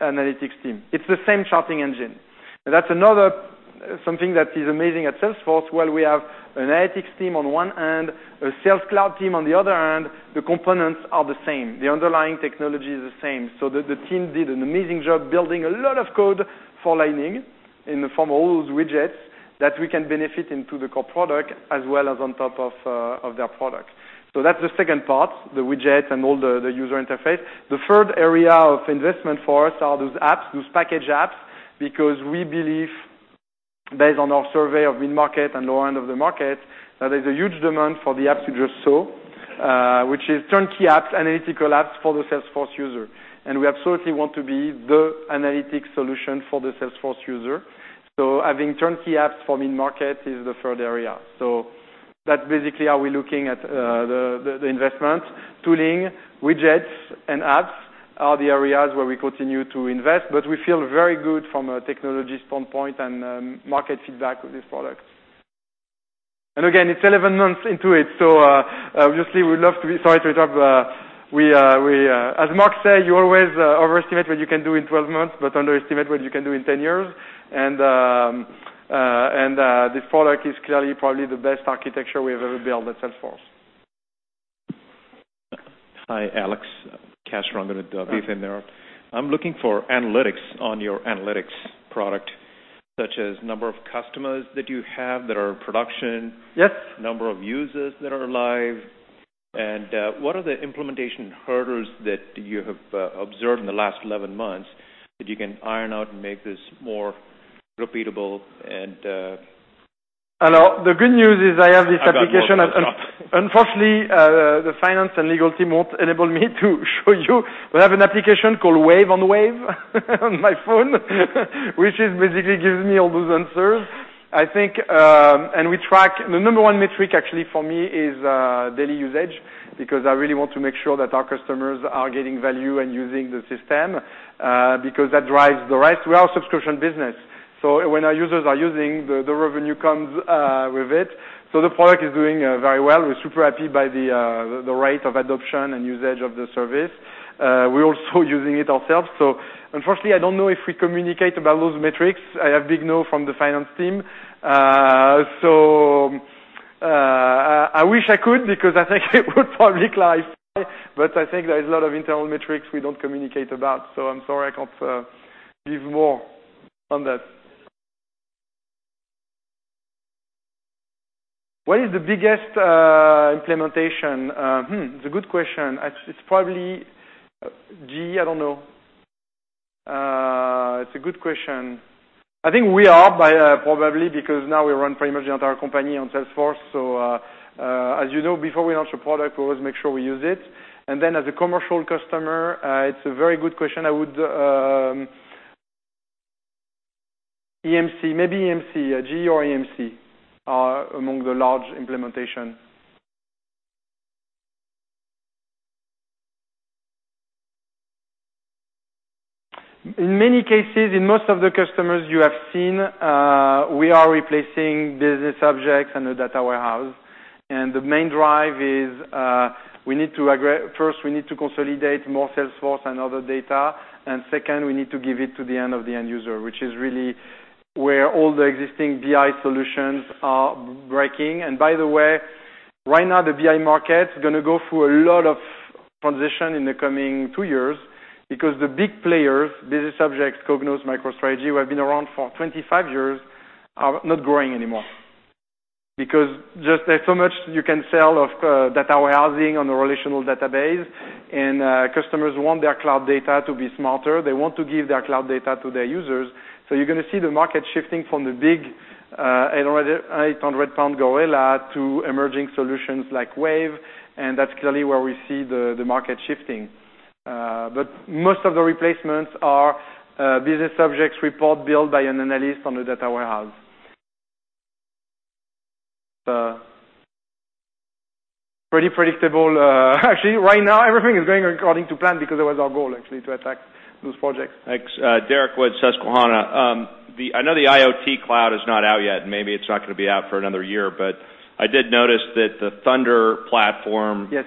analytics team. It's the same charting engine. That's another something that is amazing at Salesforce, where we have an analytics team on one hand, a sales cloud team on the other hand. The components are the same. The underlying technology is the same. The team did an amazing job building a lot of code for Lightning from all those widgets that we can benefit into the core product as well as on top of their product. That's the second part, the widget and all the user interface. The third area of investment for us are those apps, those package apps, because we believe, based on our survey of mid-market and low-end of the market, that there's a huge demand for the apps you just saw, which is turnkey apps, analytical apps for the Salesforce user. We absolutely want to be the analytics solution for the Salesforce user. Having turnkey apps for mid-market is the third area. That's basically how we're looking at the investment. Tooling, widgets, and apps are the areas where we continue to invest, but we feel very good from a technology standpoint and market feedback of this product. Again, it's 11 months into it. Sorry to interrupt. As Mark said, you always overestimate what you can do in 12 months but underestimate what you can do in 10 years. This product is clearly probably the best architecture we have ever built at Salesforce. Hi, Alex Castro. I'm going to [beef in there]. Yeah. I'm looking for analytics on your analytics product, such as number of customers that you have that are in production. Yes. Number of users that are live. What are the implementation hurdles that you have observed in the last 11 months that you can iron out and make this more repeatable. I know. The good news is I have this application. I've got more questions. Unfortunately, the finance and legal team won't enable me to show you. We have an application called Wave on Wave on my phone, which basically gives me all those answers. The number one metric actually for me is daily usage because I really want to make sure that our customers are getting value and using the system because that drives the rest. We are a subscription business, so when our users are using, the revenue comes with it. The product is doing very well. We're super happy by the rate of adoption and usage of the service. We're also using it ourselves. Unfortunately, I don't know if we communicate about those metrics. I have big no from the finance team. I wish I could because I think it would publicize, I think there's a lot of internal metrics we don't communicate about. I'm sorry, I can't give more on that. What is the biggest implementation? It's a good question. It's probably GE. I don't know. It's a good question. I think we are probably because now we run pretty much the entire company on Salesforce. As you know, before we launch a product, we always make sure we use it. Then as a commercial customer, it's a very good question. EMC, maybe EMC. GE or EMC are among the large implementation. In many cases, in most of the customers you have seen, we are replacing Business Objects and the data warehouse. The main drive is, first, we need to consolidate more Salesforce and other data. Second, we need to give it to the end of the end user, which is really where all the existing BI solutions are breaking. By the way, right now the BI market is going to go through a lot of transition in the coming two years because the big players, Business Objects, Cognos, MicroStrategy, who have been around for 25 years, are not growing anymore. Because just there's so much you can sell of data warehousing on the relational database. Customers want their cloud data to be smarter. They want to give their cloud data to their users. You're going to see the market shifting from the big 800-pound gorilla to emerging solutions like Wave, that's clearly where we see the market shifting. Most of the replacements are Business Objects report built by an analyst on the data warehouse. Pretty predictable. Actually, right now, everything is going according to plan because it was our goal actually to attack those projects. Thanks. Derrick Wood, Susquehanna. I know the IoT Cloud is not out yet. Maybe it's not going to be out for another year, but I did notice that the Thunder platform- Yes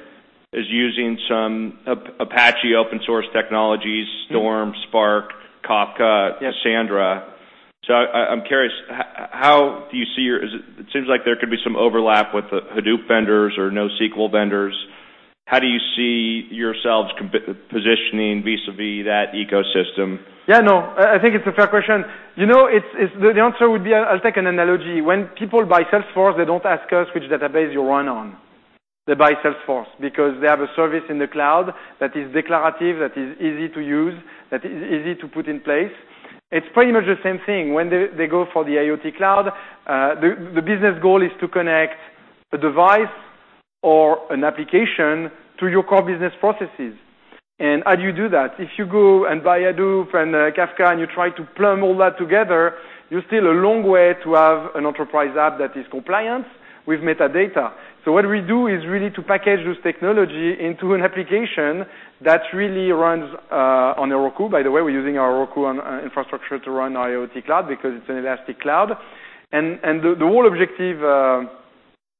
is using some Apache open source technologies, Storm, Spark, Kafka- Yes Cassandra. I'm curious, it seems like there could be some overlap with the Hadoop vendors or NoSQL vendors. How do you see yourselves positioning vis-a-vis that ecosystem? Yeah, no, I think it's a fair question. The answer would be, I'll take an analogy. When people buy Salesforce, they don't ask us which database you run on. They buy Salesforce because they have a service in the cloud that is declarative, that is easy to use, that is easy to put in place. It's pretty much the same thing. When they go for the IoT Cloud, the business goal is to connect a device or an application to your core business processes. How do you do that? If you go and buy Hadoop and Kafka, and you try to plumb all that together, you're still a long way to have an enterprise app that is compliant with metadata. What we do is really to package this technology into an application that really runs on Heroku. By the way, we're using our Heroku infrastructure to run IoT Cloud because it's an elastic cloud. The whole objective,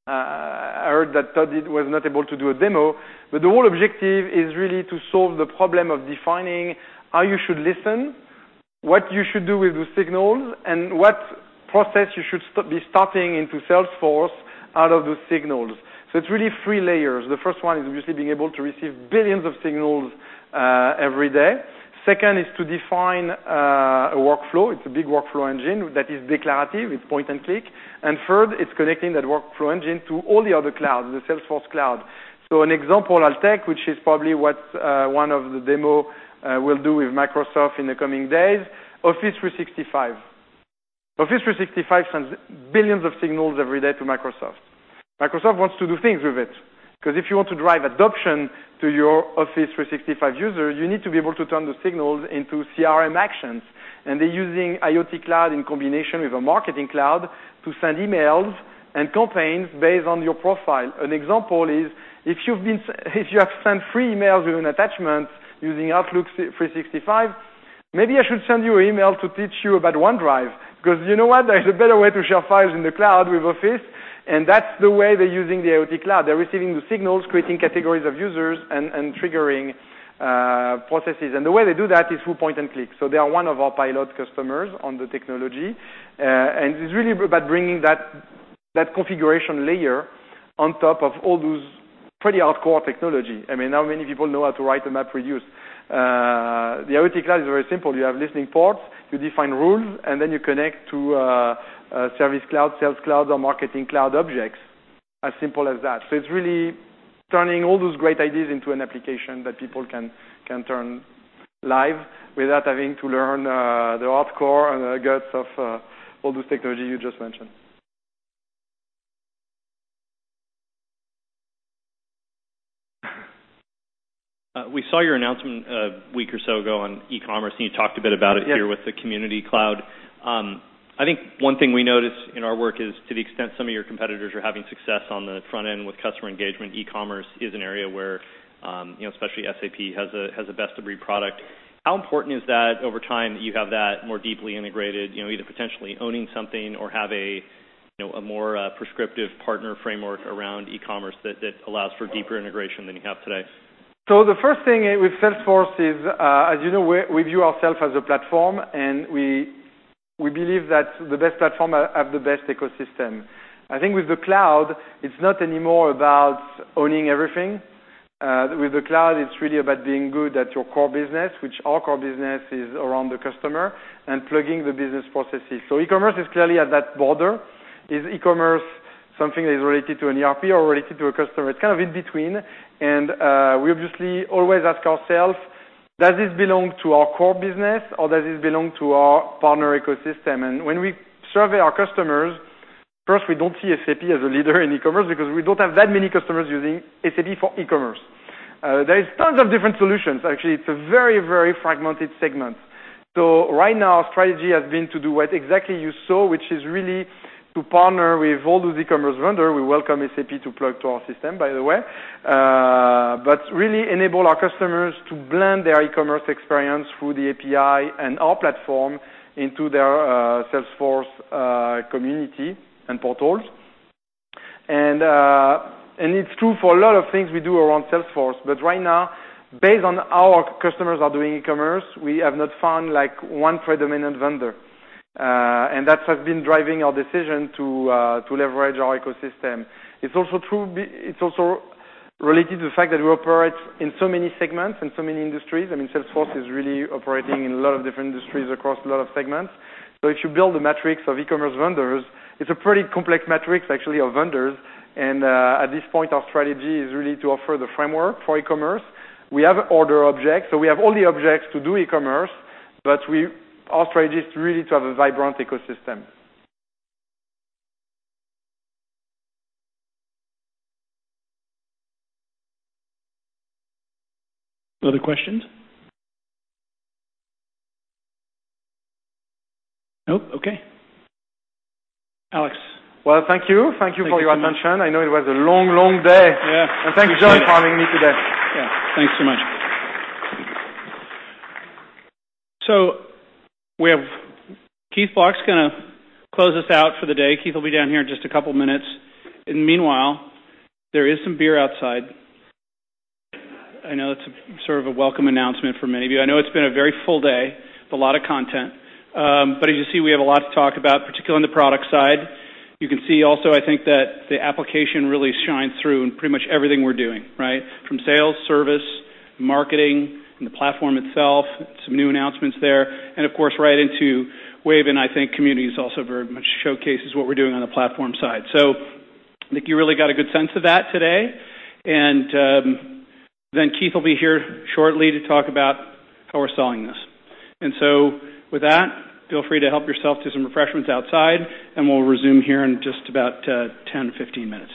I heard that Tod was not able to do a demo, but the whole objective is really to solve the problem of defining how you should listen, what you should do with those signals, and what process you should be starting into Salesforce out of those signals. It's really three layers. The first one is obviously being able to receive billions of signals every day. Second is to define a workflow. It's a big workflow engine that is declarative. It's point and click. Third, it's connecting that workflow engine to all the other clouds, the Salesforce cloud. An example I'll take, which is probably what one of the demo will do with Microsoft in the coming days, Office 365. Office 365 sends billions of signals every day to Microsoft. Microsoft wants to do things with it because if you want to drive adoption to your Office 365 user, you need to be able to turn those signals into CRM actions. They're using IoT Cloud in combination with a Marketing Cloud to send emails and campaigns based on your profile. An example is if you have sent three emails with an attachment using Outlook 365, maybe I should send you an email to teach you about OneDrive. You know what? There's a better way to share files in the cloud with Office, and that's the way they're using the IoT Cloud. They're receiving the signals, creating categories of users, and triggering processes. The way they do that is through point and click. They are one of our pilot customers on the technology. It's really about bringing that configuration layer on top of all those pretty hardcore technology. I mean, not many people know how to write a MapReduce. The IoT Cloud is very simple. You have listening ports, you define rules, and then you connect to a Service Cloud, Sales Cloud, or Marketing Cloud objects. As simple as that. It's really turning all those great ideas into an application that people can turn live without having to learn the hardcore and the guts of all those technology you just mentioned. We saw your announcement a week or so ago on e-commerce. You talked a bit about it here with the Community Cloud. Yes. I think one thing we noticed in our work is to the extent some of your competitors are having success on the front end with customer engagement, e-commerce is an area where especially SAP has a best-of-breed product. How important is that over time that you have that more deeply integrated, either potentially owning something or have a more prescriptive partner framework around e-commerce that allows for deeper integration than you have today? The first thing with Salesforce is, as you know, we view ourself as a platform, and we believe that the best platform have the best ecosystem. I think with the cloud, it's not anymore about owning everything. With the cloud, it's really about being good at your core business, which our core business is around the customer and plugging the business processes. E-commerce is clearly at that border. Is e-commerce something that is related to an ERP or related to a customer? It's kind of in between. We obviously always ask ourselves, does this belong to our core business, or does this belong to our partner ecosystem? When we survey our customers, first, we don't see SAP as a leader in e-commerce because we don't have that many customers using SAP for e-commerce. There is tons of different solutions. Actually, it's a very fragmented segment. Right now, our strategy has been to do what exactly you saw, which is really to partner with all those e-commerce vendors. We welcome SAP to plug to our system, by the way. Really enable our customers to blend their e-commerce experience through the API and our platform into their Salesforce community and portals. It's true for a lot of things we do around Salesforce. Right now, based on how our customers are doing e-commerce, we have not found one predominant vendor. That has been driving our decision to leverage our ecosystem. It's also related to the fact that we operate in so many segments, in so many industries. I mean Salesforce is really operating in a lot of different industries across a lot of segments. If you build the matrix of e-commerce vendors, it's a pretty complex matrix, actually, of vendors. At this point, our strategy is really to offer the framework for e-commerce. We have order objects, so we have all the objects to do e-commerce, but our strategy is really to have a vibrant ecosystem. Other questions? Nope. Okay. Alex. Well, thank you. Thank you for your attention. I know it was a long, long day. Yeah. Thank you, John, for having me today. Yeah. Thanks so much. Keith Block's going to close us out for the day. Keith will be down here in just a couple minutes. Meanwhile, there is some beer outside. I know that's sort of a welcome announcement for many of you. I know it's been a very full day with a lot of content. As you see, we have a lot to talk about, particularly on the product side. You can see also, I think that the application really shines through in pretty much everything we're doing, right? From Sales, Service, Marketing, and the Platform itself, some new announcements there, and of course, right into Wave, and I think Community also very much showcases what we're doing on the Platform side. I think you really got a good sense of that today. Keith will be here shortly to talk about how we're selling this. With that, feel free to help yourself to some refreshments outside, and we'll resume here in just about 10 to 15 minutes.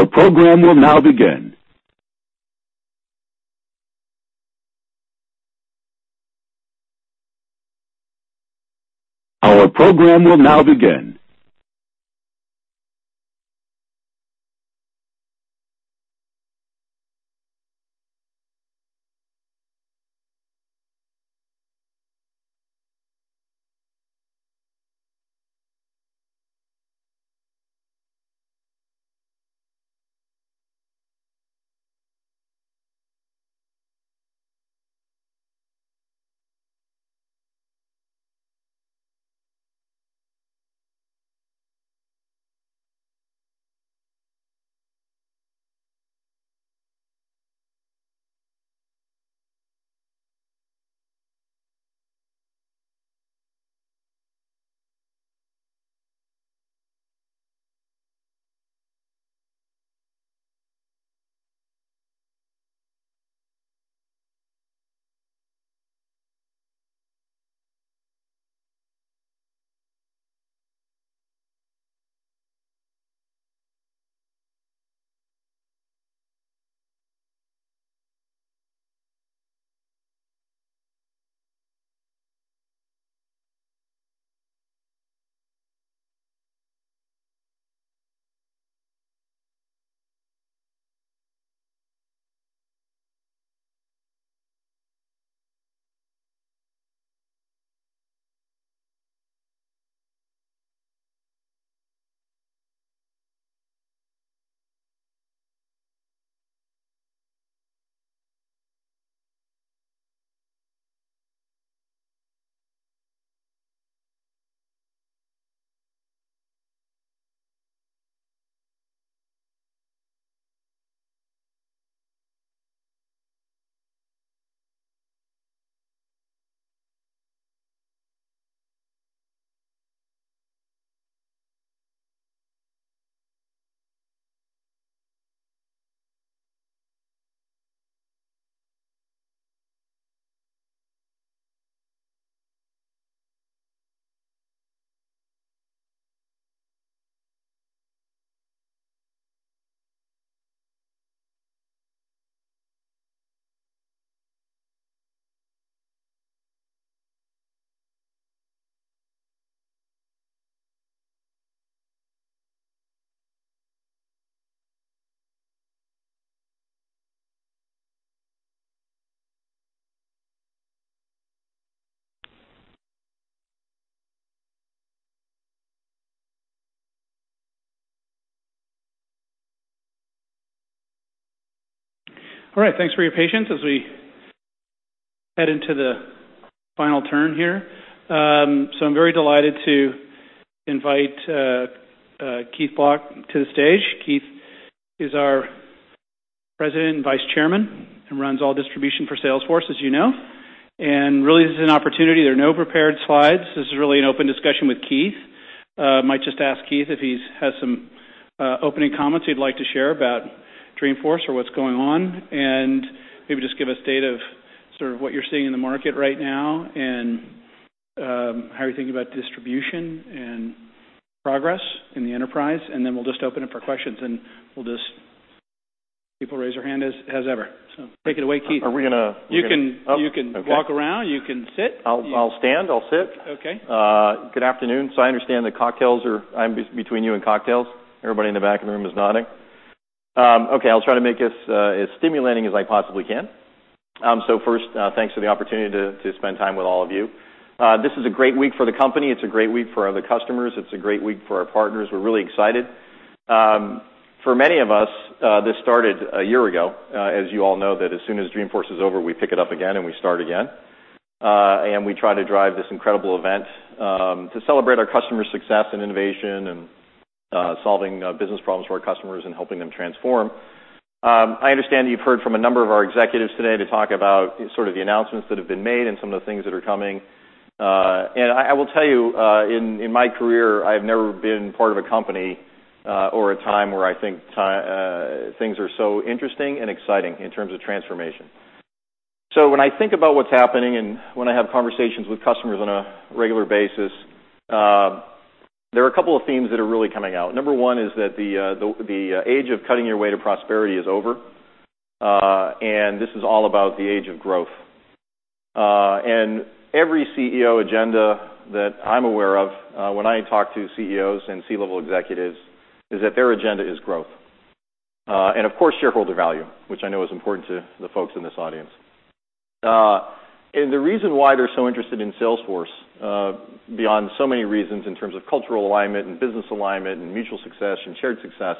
Our program will now begin. All right. Thanks for your patience as we head into the final turn here. I'm very delighted to invite Keith Block to the stage. Keith is our President and Vice Chairman and runs all distribution for Salesforce, as you know. Really, this is an opportunity. There are no prepared slides. This is really an open discussion with Keith. Might just ask Keith if he has some opening comments he'd like to share about Dreamforce or what's going on, and maybe just give a state of sort of what you're seeing in the market right now, and how you're thinking about distribution and progress in the enterprise. Then we'll just open it for questions, and we'll just People raise their hand as ever. Take it away, Keith. Are we going to- You can walk around. You can sit. I'll stand. I'll sit. Okay. Good afternoon. I understand the cocktails are I'm between you and cocktails. Everybody in the back of the room is nodding. I'll try to make this as stimulating as I possibly can. First, thanks for the opportunity to spend time with all of you. This is a great week for the company. It's a great week for the customers. It's a great week for our partners. We're really excited. For many of us, this started a year ago, as you all know, that as soon as Dreamforce is over, we pick it up again, and we start again. We try to drive this incredible event, to celebrate our customers' success and innovation and solving business problems for our customers and helping them transform. I understand you've heard from a number of our executives today to talk about sort of the announcements that have been made and some of the things that are coming. I will tell you, in my career, I've never been part of a company, or a time where I think things are so interesting and exciting in terms of transformation. When I think about what's happening and when I have conversations with customers on a regular basis, there are a couple of themes that are really coming out. Number one is that the age of cutting your way to prosperity is over. This is all about the age of growth. Every CEO agenda that I'm aware of, when I talk to CEOs and C-level executives, is that their agenda is growth. Of course, shareholder value, which I know is important to the folks in this audience. The reason why they're so interested in Salesforce, beyond so many reasons in terms of cultural alignment and business alignment and mutual success and shared success,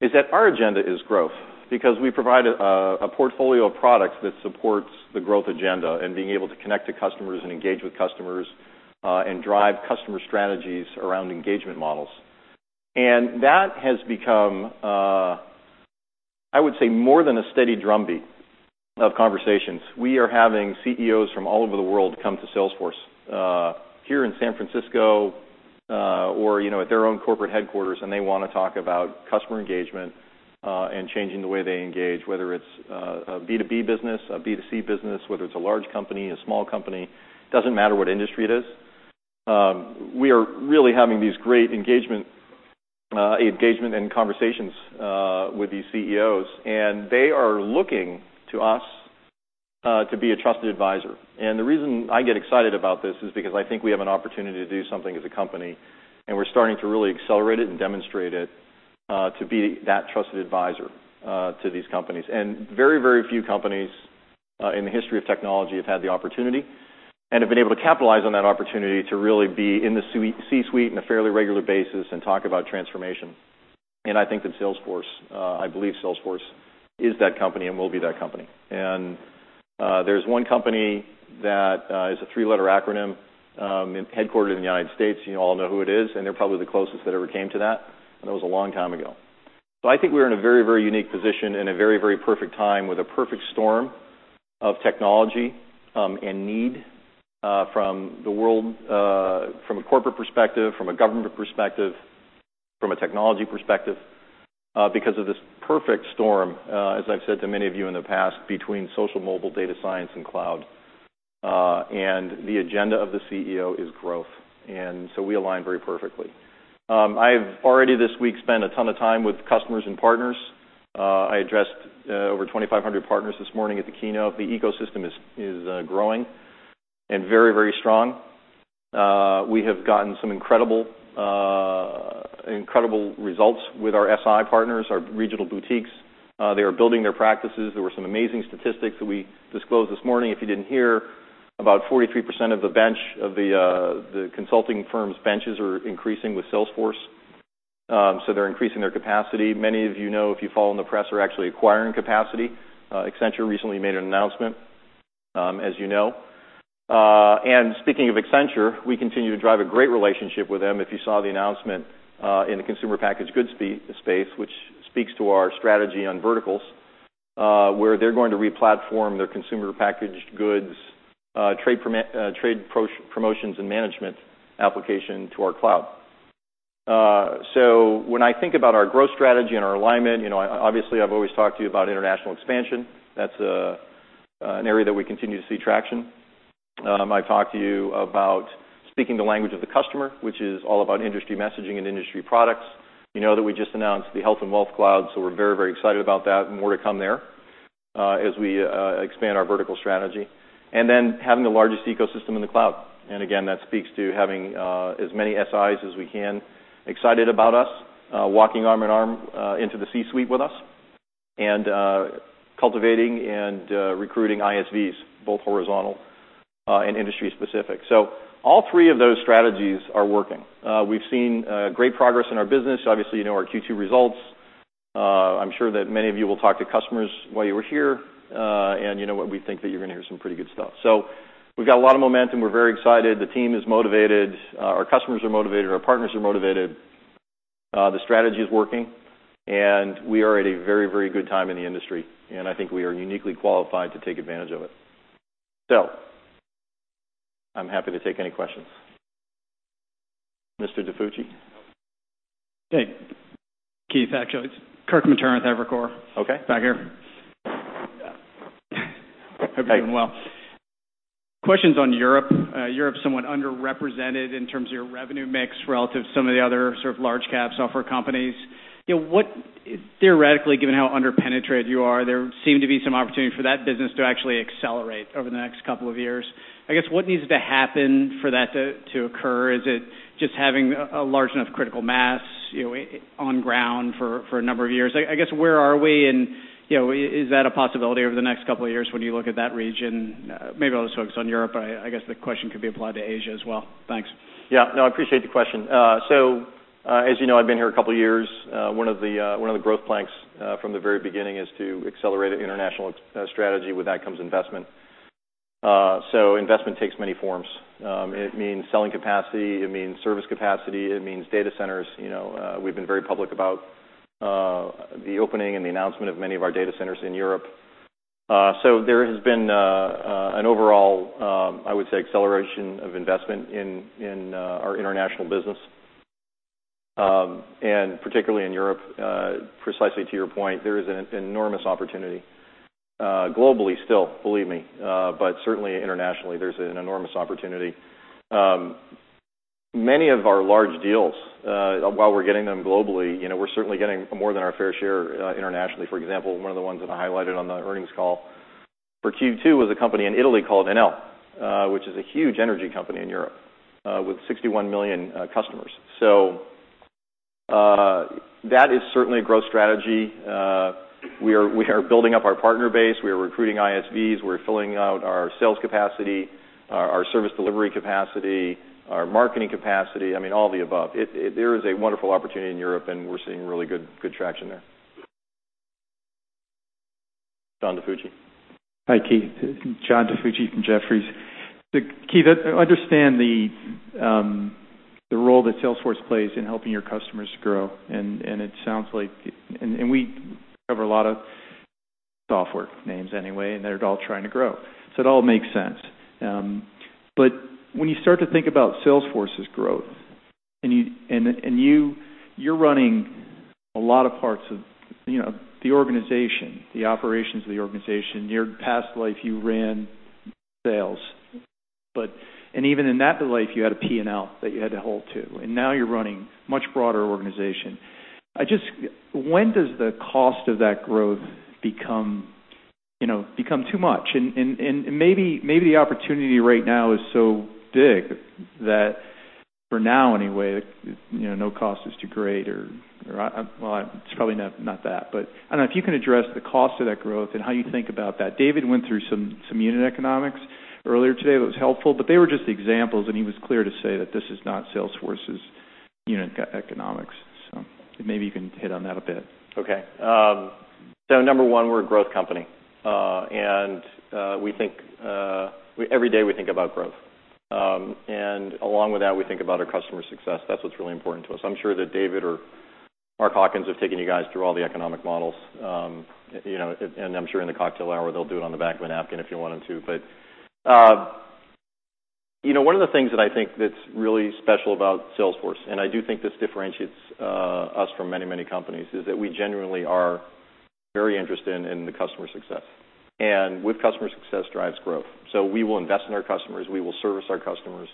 is that our agenda is growth because we provide a portfolio of products that supports the growth agenda and being able to connect to customers and engage with customers, and drive customer strategies around engagement models. That has become, I would say, more than a steady drumbeat of conversations. We are having CEOs from all over the world come to Salesforce, here in San Francisco, or at their own corporate headquarters, they want to talk about customer engagement, and changing the way they engage, whether it's a B2B business, a B2C business, whether it's a large company, a small company, doesn't matter what industry it is. We are really having these great engagement and conversations, with these CEOs, and they are looking to us to be a trusted advisor. The reason I get excited about this is because I think we have an opportunity to do something as a company, and we're starting to really accelerate it and demonstrate it, to be that trusted advisor to these companies. Very few companies in the history of technology have had the opportunity and have been able to capitalize on that opportunity to really be in the C-suite on a fairly regular basis and talk about transformation. I believe that Salesforce is that company and will be that company. There's one company that is a three-letter acronym, headquartered in the U.S. You all know who it is, and they're probably the closest that ever came to that, and that was a long time ago. I think we're in a very, very unique position in a very, very perfect time with a perfect storm of technology and need from the world, from a corporate perspective, from a government perspective, from a technology perspective because of this perfect storm, as I've said to many of you in the past, between social, mobile, data science, and cloud. The agenda of the CEO is growth. We align very perfectly. I've already this week spent a ton of time with customers and partners. I addressed over 2,500 partners this morning at the keynote. The ecosystem is growing and very, very strong. We have gotten some incredible results with our SI partners, our regional boutiques. They are building their practices. There were some amazing statistics that we disclosed this morning, if you didn't hear. About 43% of the consulting firms' benches are increasing with Salesforce. They're increasing their capacity. Many of you know, if you follow in the press, are actually acquiring capacity. Accenture recently made an announcement, as you know. Speaking of Accenture, we continue to drive a great relationship with them. If you saw the announcement in the consumer packaged goods space, which speaks to our strategy on verticals, where they're going to re-platform their consumer packaged goods trade promotions, and management application to our cloud. When I think about our growth strategy and our alignment, obviously I've always talked to you about international expansion. That's an area that we continue to see traction. I've talked to you about speaking the language of the customer, which is all about industry messaging and industry products. You know that we just announced the Health and Wealth Cloud, we're very, very excited about that, and more to come there as we expand our vertical strategy. Having the largest ecosystem in the cloud. That speaks to having as many SIs as we can excited about us, walking arm in arm into the C-suite with us, and cultivating and recruiting ISVs, both horizontal and industry specific. All three of those strategies are working. We've seen great progress in our business. Obviously, you know our Q2 results. I'm sure that many of you will talk to customers while you were here. You know what? We think that you're going to hear some pretty good stuff. We've got a lot of momentum. We're very excited. The team is motivated. Our customers are motivated. Our partners are motivated. The strategy is working. We are at a very, very good time in the industry, and I think we are uniquely qualified to take advantage of it. I'm happy to take any questions. Mr. DiFucci? Hey, Keith. It's Kirk Materne with Evercore. Okay. Back here. Hope you're doing well. Questions on Europe. Europe is somewhat underrepresented in terms of your revenue mix relative to some of the other sort of large cap software companies. Theoretically, given how under-penetrated you are, there seem to be some opportunity for that business to accelerate over the next couple of years. I guess what needs to happen for that to occur? Is it just having a large enough critical mass on ground for a number of years? I guess where are we, and is that a possibility over the next couple of years when you look at that region? Maybe I'll just focus on Europe, but I guess the question could be applied to Asia as well. Thanks. Yeah. No, I appreciate the question. As you know, I've been here a couple of years. One of the growth planks from the very beginning is to accelerate an international strategy. With that comes investment. Investment takes many forms. It means selling capacity, it means service capacity, it means data centers. We've been very public about the opening and the announcement of many of our data centers in Europe. There has been an overall, I would say, acceleration of investment in our international business, and particularly in Europe. Precisely to your point, there is an enormous opportunity globally still, believe me, but certainly internationally, there's an enormous opportunity. Many of our large deals, while we're getting them globally, we're certainly getting more than our fair share internationally. For example, one of the ones that I highlighted on the earnings call for Q2 was a company in Italy called Enel, which is a huge energy company in Europe with 61 million customers. That is certainly a growth strategy. We are building up our partner base. We are recruiting ISVs. We're filling out our sales capacity, our service delivery capacity, our marketing capacity, all of the above. There is a wonderful opportunity in Europe, and we're seeing really good traction there. John DiFucci. Hi, Keith. John DiFucci from Jefferies. Keith, I understand the role that Salesforce plays in helping your customers grow. We cover a lot of software names anyway, and they're all trying to grow. It all makes sense. When you start to think about Salesforce's growth, and you're running a lot of parts of the organization, the operations of the organization. In your past life, you ran sales. Even in that life, you had a P&L that you had to hold to, and now you're running a much broader organization. When does the cost of that growth become too much? Maybe the opportunity right now is so big that for now anyway, no cost is too great, or it's probably not that. I don't know if you can address the cost of that growth and how you think about that. David went through some unit economics earlier today that was helpful, but they were just examples, and he was clear to say that this is not Salesforce's unit economics. Maybe you can hit on that a bit. Number one, we're a growth company. Every day we think about growth. Along with that, we think about our customers' success. That's what's really important to us. I'm sure that David or Mark Hawkins have taken you guys through all the economic models. I'm sure in the cocktail hour, they'll do it on the back of a napkin if you want them to. One of the things that I think that's really special about Salesforce, and I do think this differentiates us from many, many companies, is that we genuinely are very interested in the customer success. With customer success drives growth. We will invest in our customers, we will service our customers.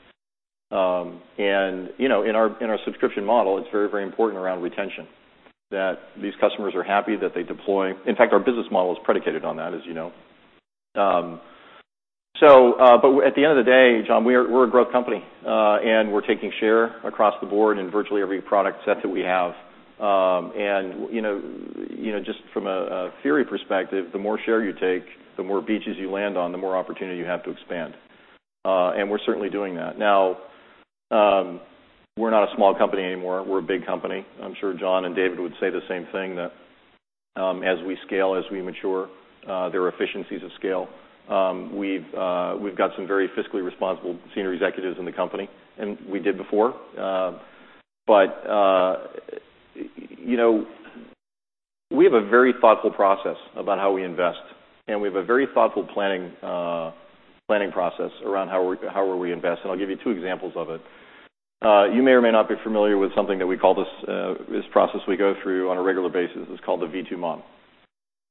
In our subscription model, it's very, very important around retention that these customers are happy that they deploy. In fact, our business model is predicated on that, as you know. At the end of the day, John, we're a growth company. We're taking share across the board in virtually every product set that we have. Just from a theory perspective, the more share you take, the more beaches you land on, the more opportunity you have to expand. We're certainly doing that. We're not a small company anymore, we're a big company. I'm sure John and David would say the same thing, that as we scale, as we mature, there are efficiencies of scale. We've got some very fiscally responsible senior executives in the company, and we did before. We have a very thoughtful process about how we invest, and we have a very thoughtful planning process around how where we invest, and I'll give you two examples of it. You may or may not be familiar with something that we call, this process we go through on a regular basis. It's called the V2MOM.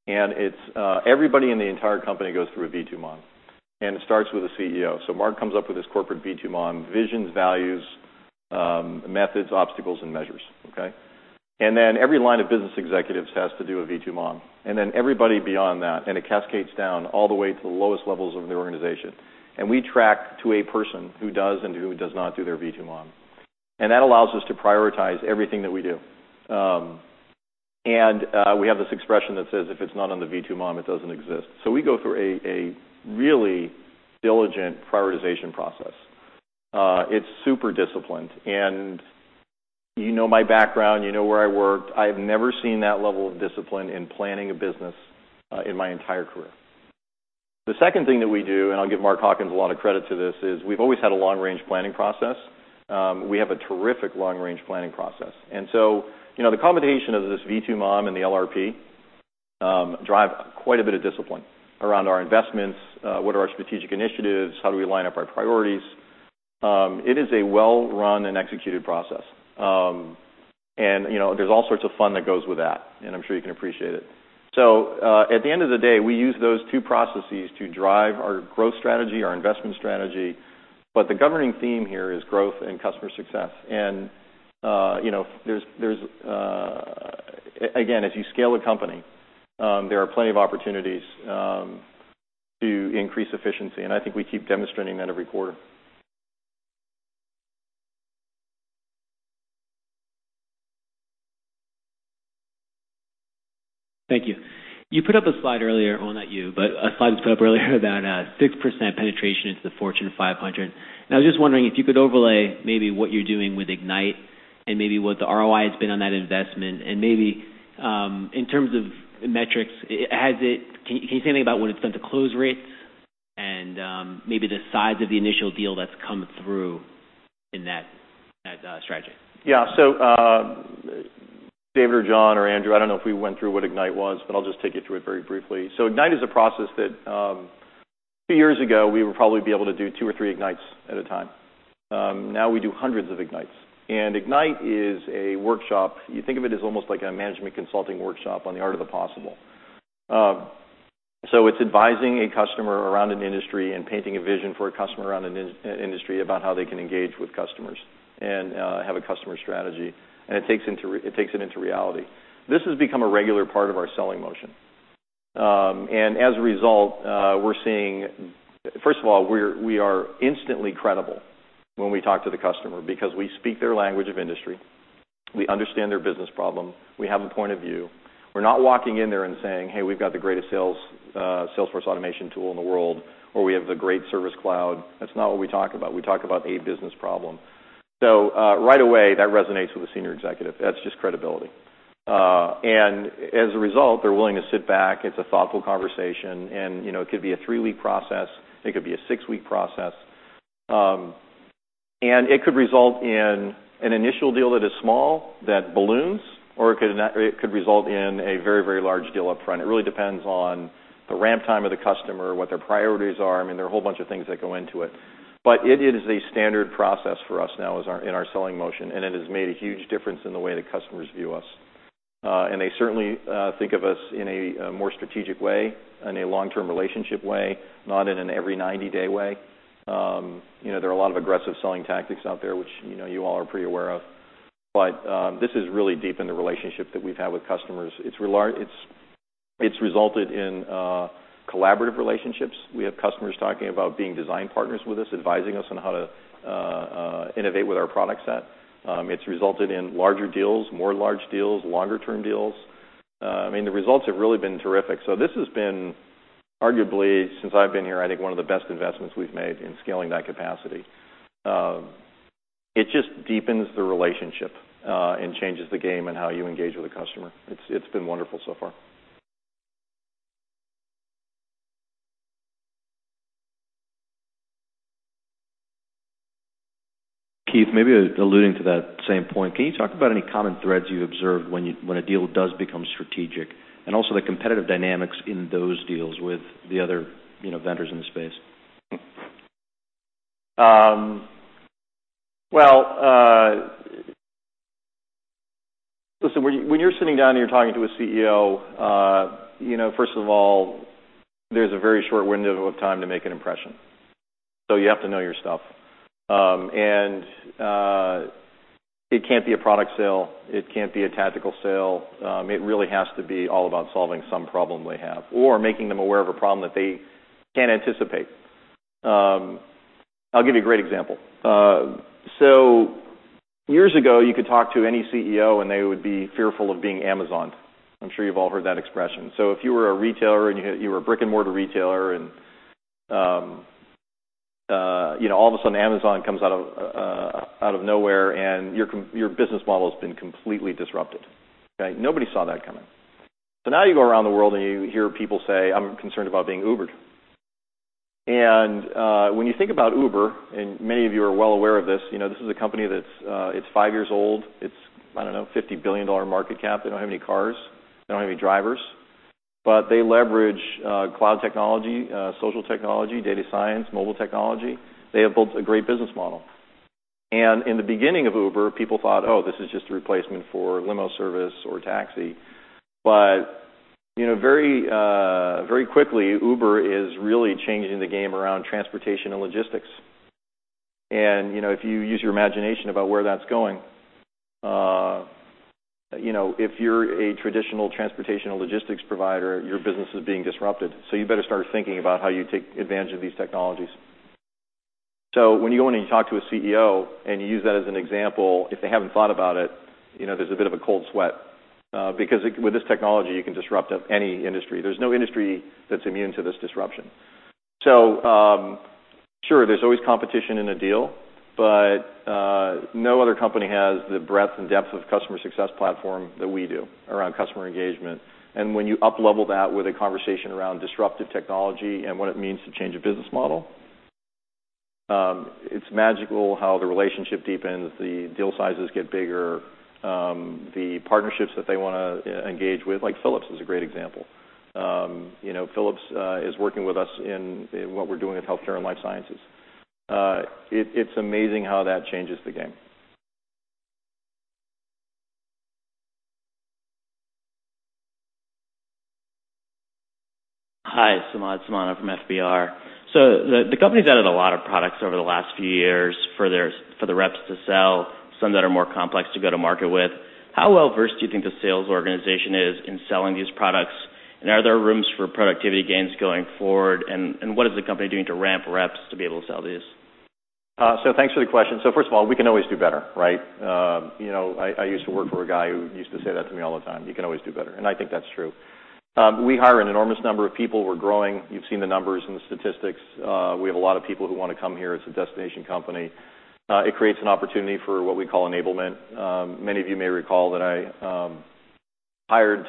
Everybody in the entire company goes through a V2MOM. It starts with the CEO. Mark comes up with this corporate V2MOM, visions, values, methods, obstacles, and measures, okay? Then every line of business executives has to do a V2MOM. Then everybody beyond that, it cascades down all the way to the lowest levels of the organization. We track to a person who does and who does not do their V2MOM. That allows us to prioritize everything that we do. We have this expression that says, "If it's not on the V2MOM, it doesn't exist." We go through a really diligent prioritization process. It's super disciplined. You know my background, you know where I worked. I've never seen that level of discipline in planning a business in my entire career. The second thing that we do, and I'll give Mark Hawkins a lot of credit to this, is we've always had a long-range planning process. We have a terrific long-range planning process. The combination of this V2MOM and the LRP drive quite a bit of discipline around our investments, what are our strategic initiatives, how do we line up our priorities. It is a well-run and executed process. There's all sorts of fun that goes with that, and I'm sure you can appreciate it. At the end of the day, we use those two processes to drive our growth strategy, our investment strategy. The governing theme here is growth and customer success. Again, as you scale a company, there are plenty of opportunities to increase efficiency, and I think we keep demonstrating that every quarter. Thank you. You put up a slide earlier, well, not you, but a slide was put up earlier about 6% penetration into the Fortune 500, I was just wondering if you could overlay maybe what you're doing with Ignite and maybe what the ROI has been on that investment, maybe, in terms of metrics, can you say anything about what it's done to close rates and maybe the size of the initial deal that's come through in that strategy? Yeah. David or John or Andrew, I don't know if we went through what Ignite was, but I'll just take you through it very briefly. Ignite is a process that a few years ago, we would probably be able to do two or three Ignites at a time. Now we do hundreds of Ignites. Ignite is a workshop. You think of it as almost like a management consulting workshop on the art of the possible. It's advising a customer around an industry and painting a vision for a customer around an industry about how they can engage with customers and have a customer strategy, and it takes it into reality. This has become a regular part of our selling motion. As a result, first of all, we are instantly credible when we talk to the customer because we speak their language of industry. We understand their business problem. We have a point of view. We're not walking in there and saying, "Hey, we've got the greatest Salesforce automation tool in the world," or, "We have the great Service Cloud." That's not what we talk about. We talk about a business problem. Right away, that resonates with a senior executive. That's just credibility. As a result, they're willing to sit back. It's a thoughtful conversation, and it could be a three-week process, it could be a six-week process. It could result in an initial deal that is small that balloons, or it could result in a very, very large deal up front. It really depends on the ramp time of the customer, what their priorities are. I mean, there are a whole bunch of things that go into it. It is a standard process for us now in our selling motion, and it has made a huge difference in the way that customers view us. They certainly think of us in a more strategic way and a long-term relationship way, not in an every 90-day way. There are a lot of aggressive selling tactics out there, which you all are pretty aware of. This is really deep in the relationship that we've had with customers. It's resulted in collaborative relationships. We have customers talking about being design partners with us, advising us on how to innovate with our product set. It's resulted in larger deals, more large deals, longer-term deals. I mean, the results have really been terrific. This has been Arguably, since I've been here, I think one of the best investments we've made in scaling that capacity. It just deepens the relationship and changes the game on how you engage with the customer. It's been wonderful so far. Keith, maybe alluding to that same point, can you talk about any common threads you observed when a deal does become strategic, and also the competitive dynamics in those deals with the other vendors in the space? Well, listen, when you're sitting down and you're talking to a CEO, first of all, there's a very short window of time to make an impression, you have to know your stuff. It can't be a product sale. It can't be a tactical sale. It really has to be all about solving some problem they have or making them aware of a problem that they can't anticipate. I'll give you a great example. Years ago, you could talk to any CEO, they would be fearful of being Amazoned. I'm sure you've all heard that expression. If you were a retailer, you were a brick-and-mortar retailer, all of a sudden, Amazon comes out of nowhere, your business model has been completely disrupted, okay? Nobody saw that coming. Now you go around the world, and you hear people say, "I'm concerned about being Ubered." When you think about Uber, and many of you are well aware of this is a company that it's five years old. It's, I don't know, $50 billion market cap. They don't have any cars. They don't have any drivers. They leverage cloud technology, social technology, data science, mobile technology. They have built a great business model. In the beginning of Uber, people thought, "Oh, this is just a replacement for limo service or taxi." Very quickly, Uber is really changing the game around transportation and logistics. If you use your imagination about where that's going, if you're a traditional transportation and logistics provider, your business is being disrupted. You better start thinking about how you take advantage of these technologies. When you go in and you talk to a CEO, and you use that as an example, if they haven't thought about it, there's a bit of a cold sweat. With this technology, you can disrupt any industry. There's no industry that's immune to this disruption. Sure, there's always competition in a deal. No other company has the breadth and depth of customer success platform that we do around customer engagement. When you up-level that with a conversation around disruptive technology and what it means to change a business model, it's magical how the relationship deepens. The deal sizes get bigger. The partnerships that they want to engage with, like Philips is a great example. Philips is working with us in what we're doing with healthcare and life sciences. It's amazing how that changes the game. Hi, Samad Samana from FBR. The company's added a lot of products over the last few years for the reps to sell, some that are more complex to go to market with. How well-versed do you think the sales organization is in selling these products? Are there rooms for productivity gains going forward? What is the company doing to ramp reps to be able to sell these? Thanks for the question. First of all, we can always do better, right? I used to work for a guy who used to say that to me all the time, "You can always do better." I think that's true. We hire an enormous number of people. We're growing. You've seen the numbers and the statistics. We have a lot of people who want to come here. It's a destination company. It creates an opportunity for what we call enablement. Many of you may recall that I hired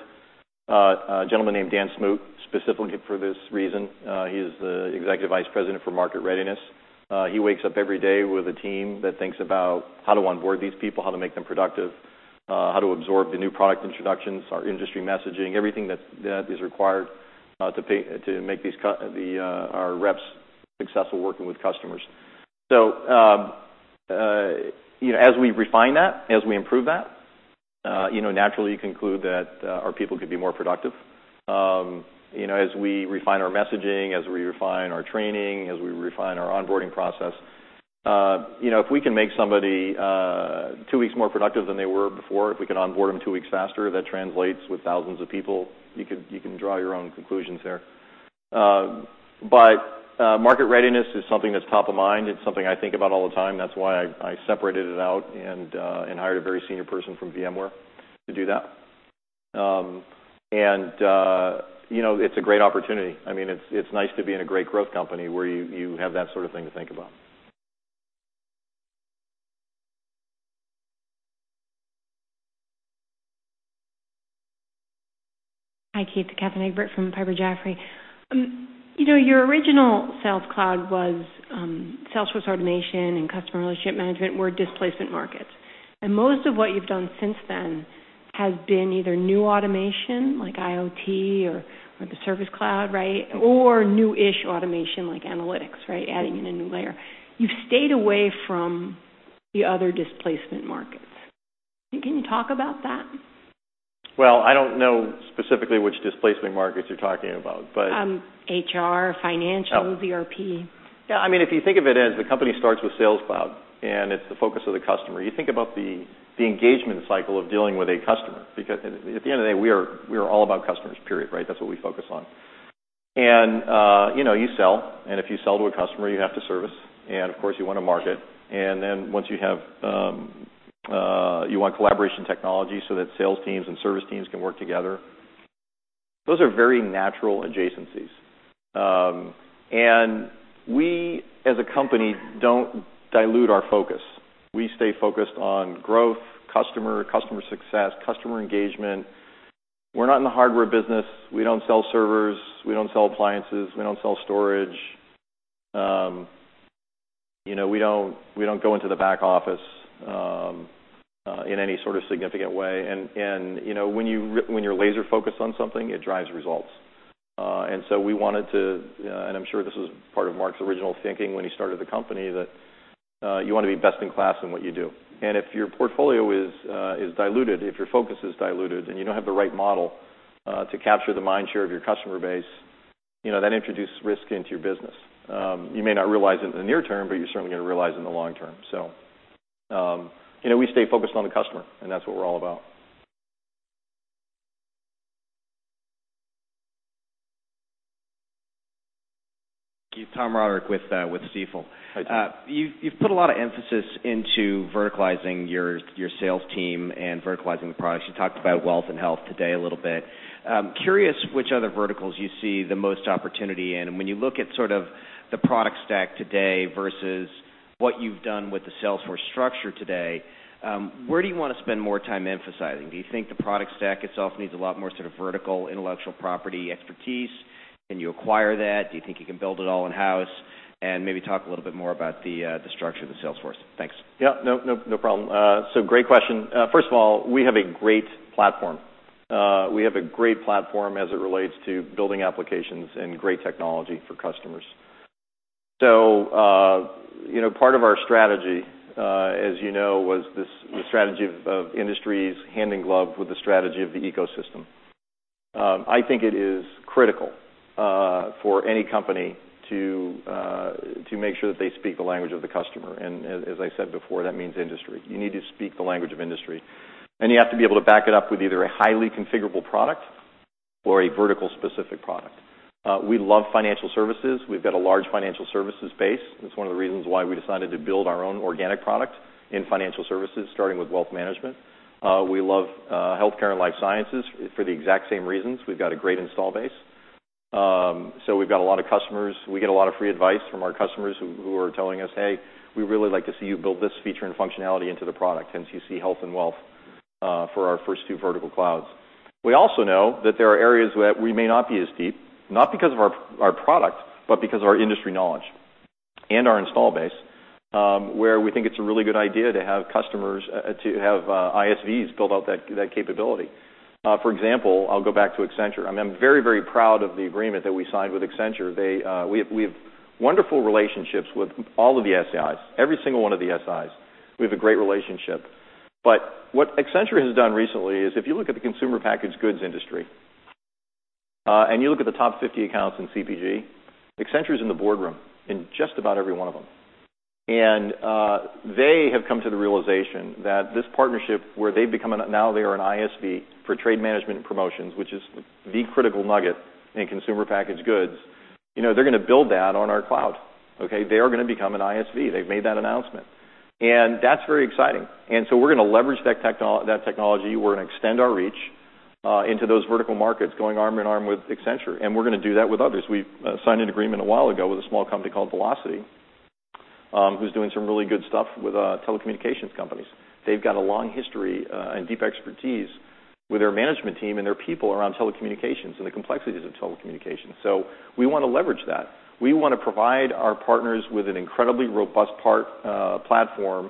a gentleman named Dan Smoot specifically for this reason. He is the Executive Vice President for Market Readiness. He wakes up every day with a team that thinks about how to onboard these people, how to make them productive, how to absorb the new product introductions, our industry messaging, everything that is required to make our reps successful working with customers. As we refine that, as we improve that, naturally you conclude that our people could be more productive. As we refine our messaging, as we refine our training, as we refine our onboarding process, if we can make somebody two weeks more productive than they were before, if we can onboard them two weeks faster, that translates with thousands of people. You can draw your own conclusions there. Market readiness is something that's top of mind. It's something I think about all the time. That's why I separated it out and hired a very senior person from VMware to do that. It's a great opportunity. It's nice to be in a great growth company where you have that sort of thing to think about. Hi, Keith. Katherine Egbert from Piper Jaffray. Your original Sales Cloud was Salesforce automation and customer relationship management were displacement markets. Most of what you've done since then has been either new automation, like IoT or the Service Cloud, right, or new-ish automation, like analytics, right, adding in a new layer. You've stayed away from the other displacement markets. Can you talk about that? I don't know specifically which displacement markets you're talking about. HR, financial, [ERP]. If you think of it as the company starts with Sales Cloud, and it's the focus of the customer. You think about the engagement cycle of dealing with a customer. Because at the end of the day, we are all about customers, period. Right? That's what we focus on. If you sell to a customer, you have to service, and of course, you want to market. Then you want collaboration technology so that sales teams and service teams can work together. Those are very natural adjacencies. We, as a company, don't dilute our focus. We stay focused on growth, customer success, customer engagement. We're not in the hardware business. We don't sell servers. We don't sell appliances. We don't sell storage. We don't go into the back office in any sort of significant way. When you're laser-focused on something, it drives results. We wanted to, and I'm sure this was part of Marc's original thinking when he started the company, that you want to be best in class in what you do. If your portfolio is diluted, if your focus is diluted, and you don't have the right model to capture the mind share of your customer base, that introduces risk into your business. You may not realize it in the near term, but you're certainly going to realize in the long term. We stay focused on the customer, and that's what we're all about. Thank you. Tom Roderick with Stifel. Hi, Tom. You've put a lot of emphasis into verticalizing your sales team and verticalizing the products. You talked about wealth and health today a little bit. Curious which other verticals you see the most opportunity in. When you look at sort of the product stack today versus what you've done with the Salesforce structure today, where do you want to spend more time emphasizing? Do you think the product stack itself needs a lot more sort of vertical intellectual property expertise? Can you acquire that? Do you think you can build it all in-house? Maybe talk a little bit more about the structure of the Salesforce. Thanks. Yeah. No problem. Great question. First of all, we have a great platform. We have a great platform as it relates to building applications and great technology for customers. Part of our strategy, as you know, was this strategy of industries hand in glove with the strategy of the ecosystem. I think it is critical for any company to make sure that they speak the language of the customer. As I said before, that means industry. You need to speak the language of industry. You have to be able to back it up with either a highly configurable product or a vertical-specific product. We love financial services. We've got a large financial services base. That's one of the reasons why we decided to build our own organic product in financial services, starting with wealth management. We love healthcare and life sciences for the exact same reasons. We've got a great install base. We've got a lot of customers. We get a lot of free advice from our customers who are telling us, "Hey, we really like to see you build this feature and functionality into the product." Hence, you see health and wealth for our first two vertical clouds. We also know that there are areas where we may not be as deep, not because of our product, but because of our industry knowledge and our install base, where we think it's a really good idea to have ISVs build out that capability. For example, I'll go back to Accenture. I'm very proud of the agreement that we signed with Accenture. We have wonderful relationships with all of the SIs. Every single one of the SIs, we have a great relationship. What Accenture has done recently is, if you look at the consumer packaged goods industry, and you look at the top 50 accounts in CPG, Accenture's in the boardroom in just about every one of them. They have come to the realization that this partnership where now they are an ISV for trade management and promotions, which is the critical nugget in consumer packaged goods, they're going to build that on our cloud. Okay? They are going to become an ISV. They've made that announcement. We're going to leverage that technology. We're going to extend our reach into those vertical markets, going arm in arm with Accenture, and we're going to do that with others. We signed an agreement a while ago with a small company called Vlocity, who's doing some really good stuff with telecommunications companies. They've got a long history and deep expertise with their management team and their people around telecommunications and the complexities of telecommunications. We want to leverage that. We want to provide our partners with an incredibly robust platform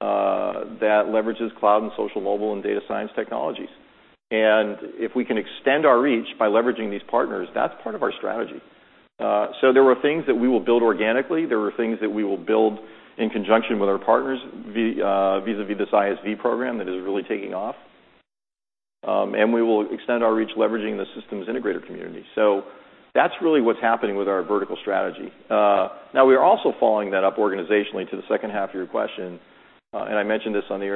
that leverages cloud and social, mobile, and data science technologies. If we can extend our reach by leveraging these partners, that's part of our strategy. There are things that we will build organically. There are things that we will build in conjunction with our partners vis-à-vis this ISV program that is really taking off. We will extend our reach leveraging the systems integrator community. That's really what's happening with our vertical strategy. We are also following that up organizationally to the second half of your question, and I mentioned this on the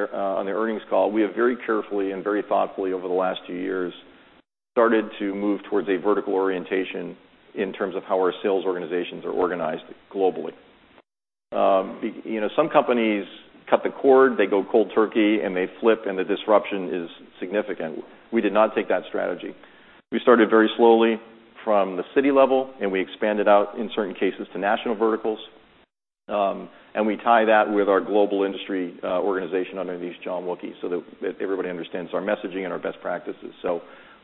earnings call. We have very carefully and very thoughtfully over the last few years started to move towards a vertical orientation in terms of how our sales organizations are organized globally. Some companies cut the cord, they go cold turkey, and they flip, and the disruption is significant. We did not take that strategy. We started very slowly from the city level, and we expanded out in certain cases to national verticals. We tie that with our global industry organization underneath John Wookey so that everybody understands our messaging and our best practices.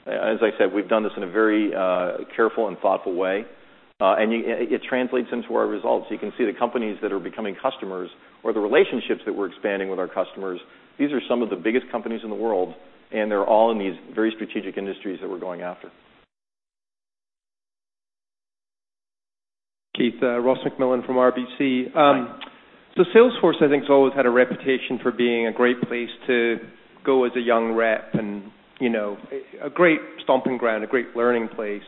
As I said, we've done this in a very careful and thoughtful way. It translates into our results. You can see the companies that are becoming customers or the relationships that we're expanding with our customers. These are some of the biggest companies in the world, and they're all in these very strategic industries that we're going after. Keith, Ross MacMillan from RBC. Hi. Salesforce, I think, has always had a reputation for being a great place to go as a young rep, a great stomping ground, a great learning place.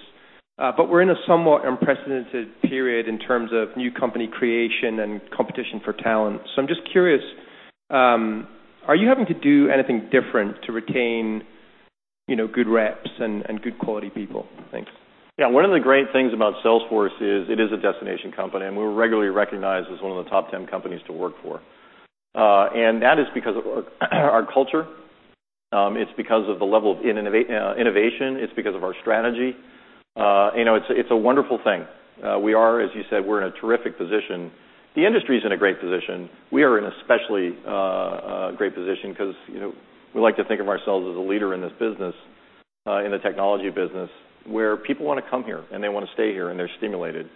We're in a somewhat unprecedented period in terms of new company creation and competition for talent. I'm just curious, are you having to do anything different to retain good reps and good quality people. Thanks. Yeah. One of the great things about Salesforce is it is a destination company, and we're regularly recognized as one of the top 10 companies to work for. That is because of our culture, it's because of the level of innovation, it's because of our strategy. It's a wonderful thing. We are, as you said, we're in a terrific position. The industry's in a great position. We are in an especially great position because we like to think of ourselves as a leader in this business, in the technology business, where people want to come here, and they want to stay here, and they're stimulated.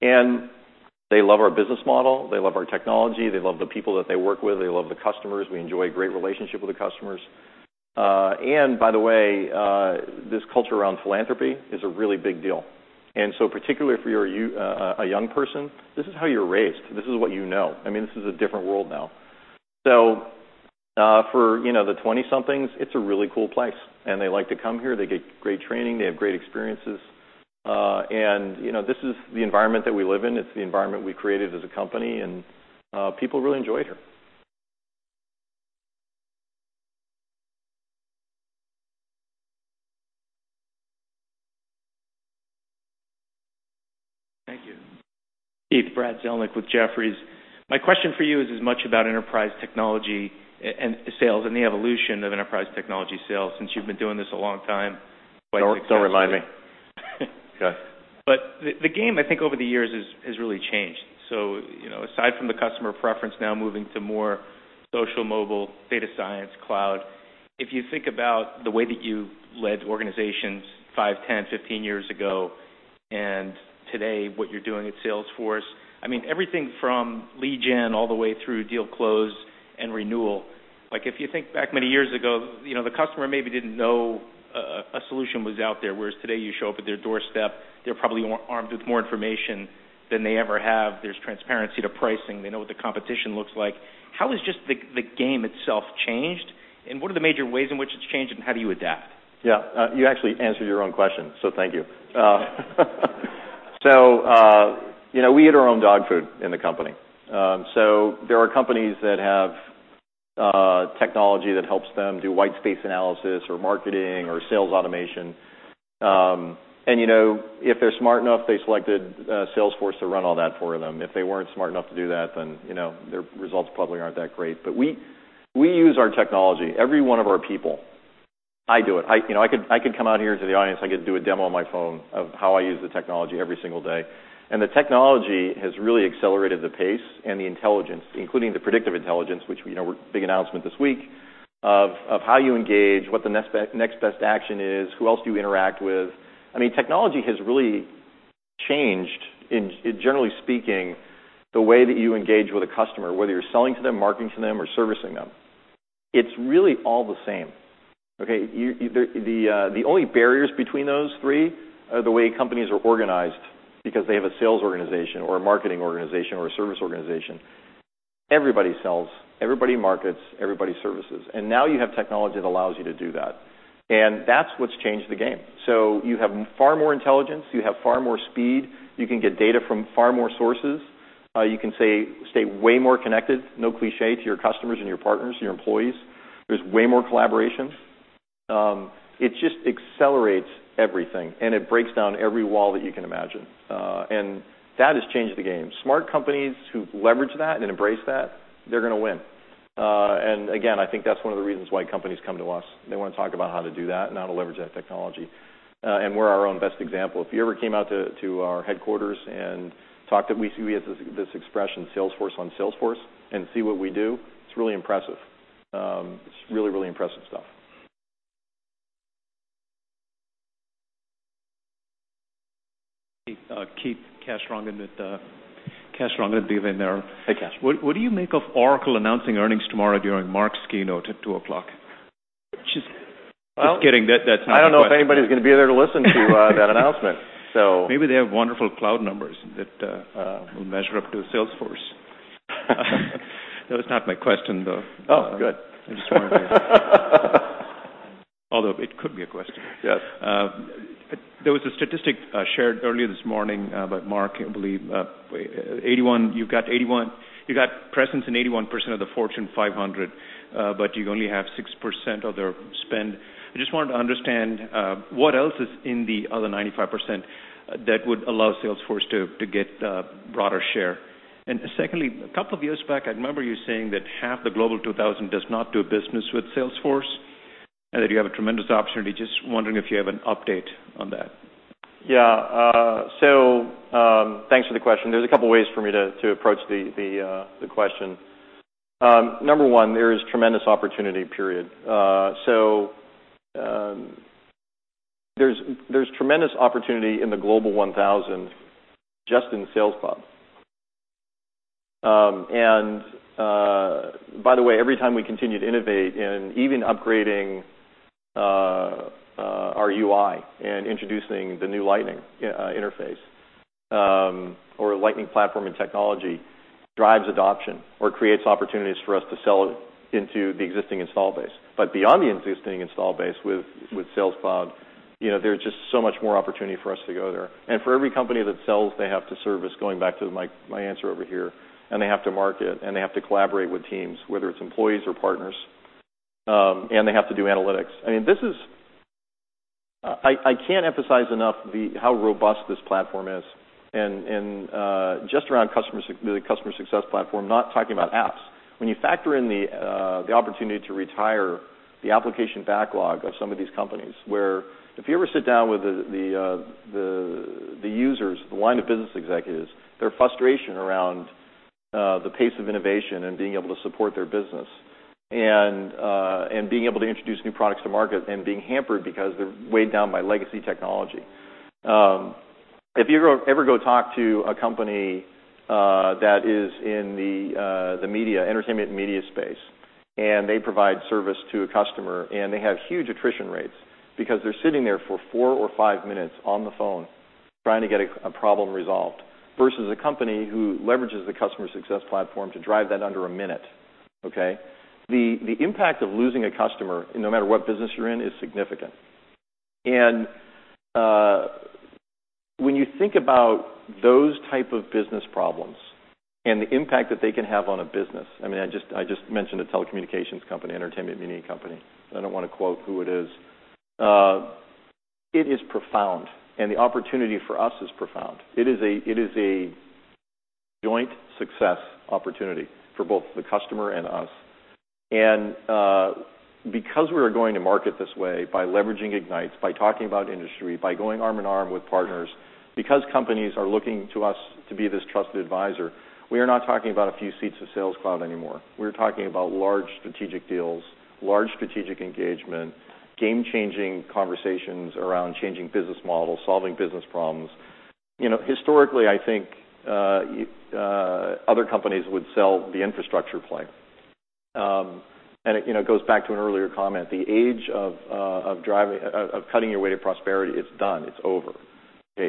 They love our business model. They love our technology. They love the people that they work with. They love the customers. We enjoy a great relationship with the customers. By the way, this culture around philanthropy is a really big deal. Particularly if you're a young person, this is how you're raised. This is what you know. This is a different world now. For the 20-somethings, it's a really cool place, and they like to come here. They get great training. They have great experiences. This is the environment that we live in. It's the environment we created as a company, and people really enjoy it here. Thank you. Keith, Brad Zelnick with Jefferies. My question for you is as much about enterprise technology and sales and the evolution of enterprise technology sales, since you've been doing this a long time. Still relying. Yes. The game, I think, over the years, has really changed. Aside from the customer preference now moving to more social, mobile, data science, cloud, if you think about the way that you led organizations five, 10, 15 years ago, and today what you're doing at Salesforce, everything from lead gen all the way through deal close and renewal. If you think back many years ago, the customer maybe didn't know a solution was out there, whereas today you show up at their doorstep, they're probably armed with more information than they ever have. There's transparency to pricing. They know what the competition looks like. How has just the game itself changed, and what are the major ways in which it's changed, and how do you adapt? Yeah. You actually answered your own question, thank you. We eat our own dog food in the company. There are companies that have technology that helps them do white space analysis or marketing or sales automation. If they're smart enough, they selected Salesforce to run all that for them. If they weren't smart enough to do that, their results probably aren't that great. We use our technology, every one of our people. I do it. I could come out here to the audience. I could do a demo on my phone of how I use the technology every single day. The technology has really accelerated the pace and the intelligence, including the predictive intelligence, which big announcement this week, of how you engage, what the next best action is, who else do you interact with. Technology has really changed in, generally speaking, the way that you engage with a customer, whether you're selling to them, marketing to them, or servicing them. It's really all the same, okay? The only barriers between those three are the way companies are organized because they have a sales organization or a marketing organization or a service organization. Everybody sells, everybody markets, everybody services. Now you have technology that allows you to do that. That's what's changed the game. You have far more intelligence. You have far more speed. You can get data from far more sources. You can stay way more connected, no cliche, to your customers and your partners and your employees. There's way more collaboration. It just accelerates everything, and it breaks down every wall that you can imagine. That has changed the game. Smart companies who leverage that and embrace that, they're going to win. Again, I think that's one of the reasons why companies come to us. They want to talk about how to do that and how to leverage that technology. We're our own best example. If you ever came out to our headquarters and we have this expression, Salesforce on Salesforce, and see what we do, it's really impressive. It's really, really impressive stuff. Keith, Kash Rangan at BofAML. Hey, Kash. What do you make of Oracle announcing earnings tomorrow during Mark's keynote at 2:00? Just kidding. That's not the question. I don't know if anybody's going to be there to listen to that announcement. Maybe they have wonderful cloud numbers that will measure up to Salesforce. That was not my question, though. Oh, good. Although it could be a question. Yes. There was a statistic shared earlier this morning about Mark, I believe. You've got presence in 81% of the Fortune 500, but you only have 6% of their spend. I just wanted to understand, what else is in the other 95% that would allow Salesforce to get broader share? Secondly, a couple of years back, I remember you saying that half the Global 2000 does not do business with Salesforce, that you have a tremendous opportunity. Just wondering if you have an update on that. Yeah. Thanks for the question. There's a couple ways for me to approach the question. Number 1, there is tremendous opportunity, period. There's tremendous opportunity in the Global 1000, just in Sales Cloud. By the way, every time we continue to innovate and even upgrading our UI and introducing the new Lightning interface, or Lightning Platform and technology, drives adoption or creates opportunities for us to sell into the existing install base. But beyond the existing install base with Sales Cloud, there's just so much more opportunity for us to go there. For every company that sells, they have to service, going back to my answer over here, they have to market, they have to collaborate with teams, whether it's employees or partners, they have to do analytics. I can't emphasize enough how robust this platform is, just around the customer success platform, not talking about apps. When you factor in the opportunity to retire the application backlog of some of these companies, where if you ever sit down with the users, the line-of-business executives, their frustration around the pace of innovation and being able to support their business, and being able to introduce new products to market, and being hampered because they're weighed down by legacy technology. If you ever go talk to a company that is in the entertainment and media space, and they provide service to a customer, and they have huge attrition rates because they're sitting there for four or five minutes on the phone trying to get a problem resolved, versus a company who leverages the customer success platform to drive that under a minute. Okay? The impact of losing a customer, no matter what business you're in, is significant. When you think about those type of business problems and the impact that they can have on a business, I just mentioned a telecommunications company, entertainment media company, I don't want to quote who it is, it is profound, and the opportunity for us is profound. It is a joint success opportunity for both the customer and us. Because we are going to market this way by leveraging Ignites, by talking about industry, by going arm in arm with partners, because companies are looking to us to be this trusted advisor, we are not talking about a few seats of Sales Cloud anymore. We're talking about large strategic deals, large strategic engagement, game-changing conversations around changing business models, solving business problems. Historically, I think other companies would sell the infrastructure play. It goes back to an earlier comment. The age of cutting your way to prosperity is done. It's over. Okay?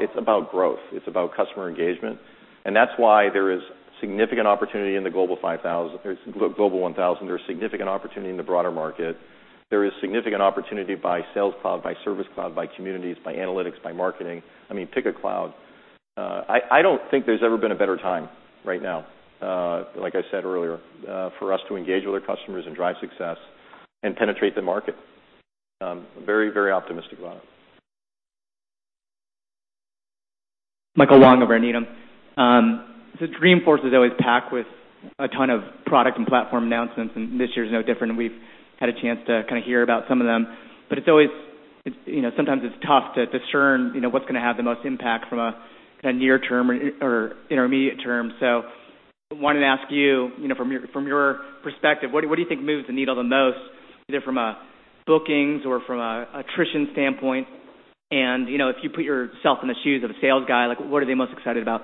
It's about growth, it's about customer engagement. That's why there is significant opportunity in the Global 1000. There's significant opportunity in the broader market. There is significant opportunity by Sales Cloud, by Service Cloud, by communities, by analytics, by marketing. Pick a cloud. I don't think there's ever been a better time right now, like I said earlier, for us to engage with our customers and drive success and penetrate the market. I'm very, very optimistic about it. Michael Long over at Needham. Dreamforce is always packed with a ton of product and platform announcements, and this year's no different, and we've had a chance to hear about some of them. Sometimes it's tough to discern what's going to have the most impact from a near term or intermediate term. I wanted to ask you, from your perspective, what do you think moves the needle the most, either from a bookings or from an attrition standpoint? If you put yourself in the shoes of a sales guy, what are they most excited about?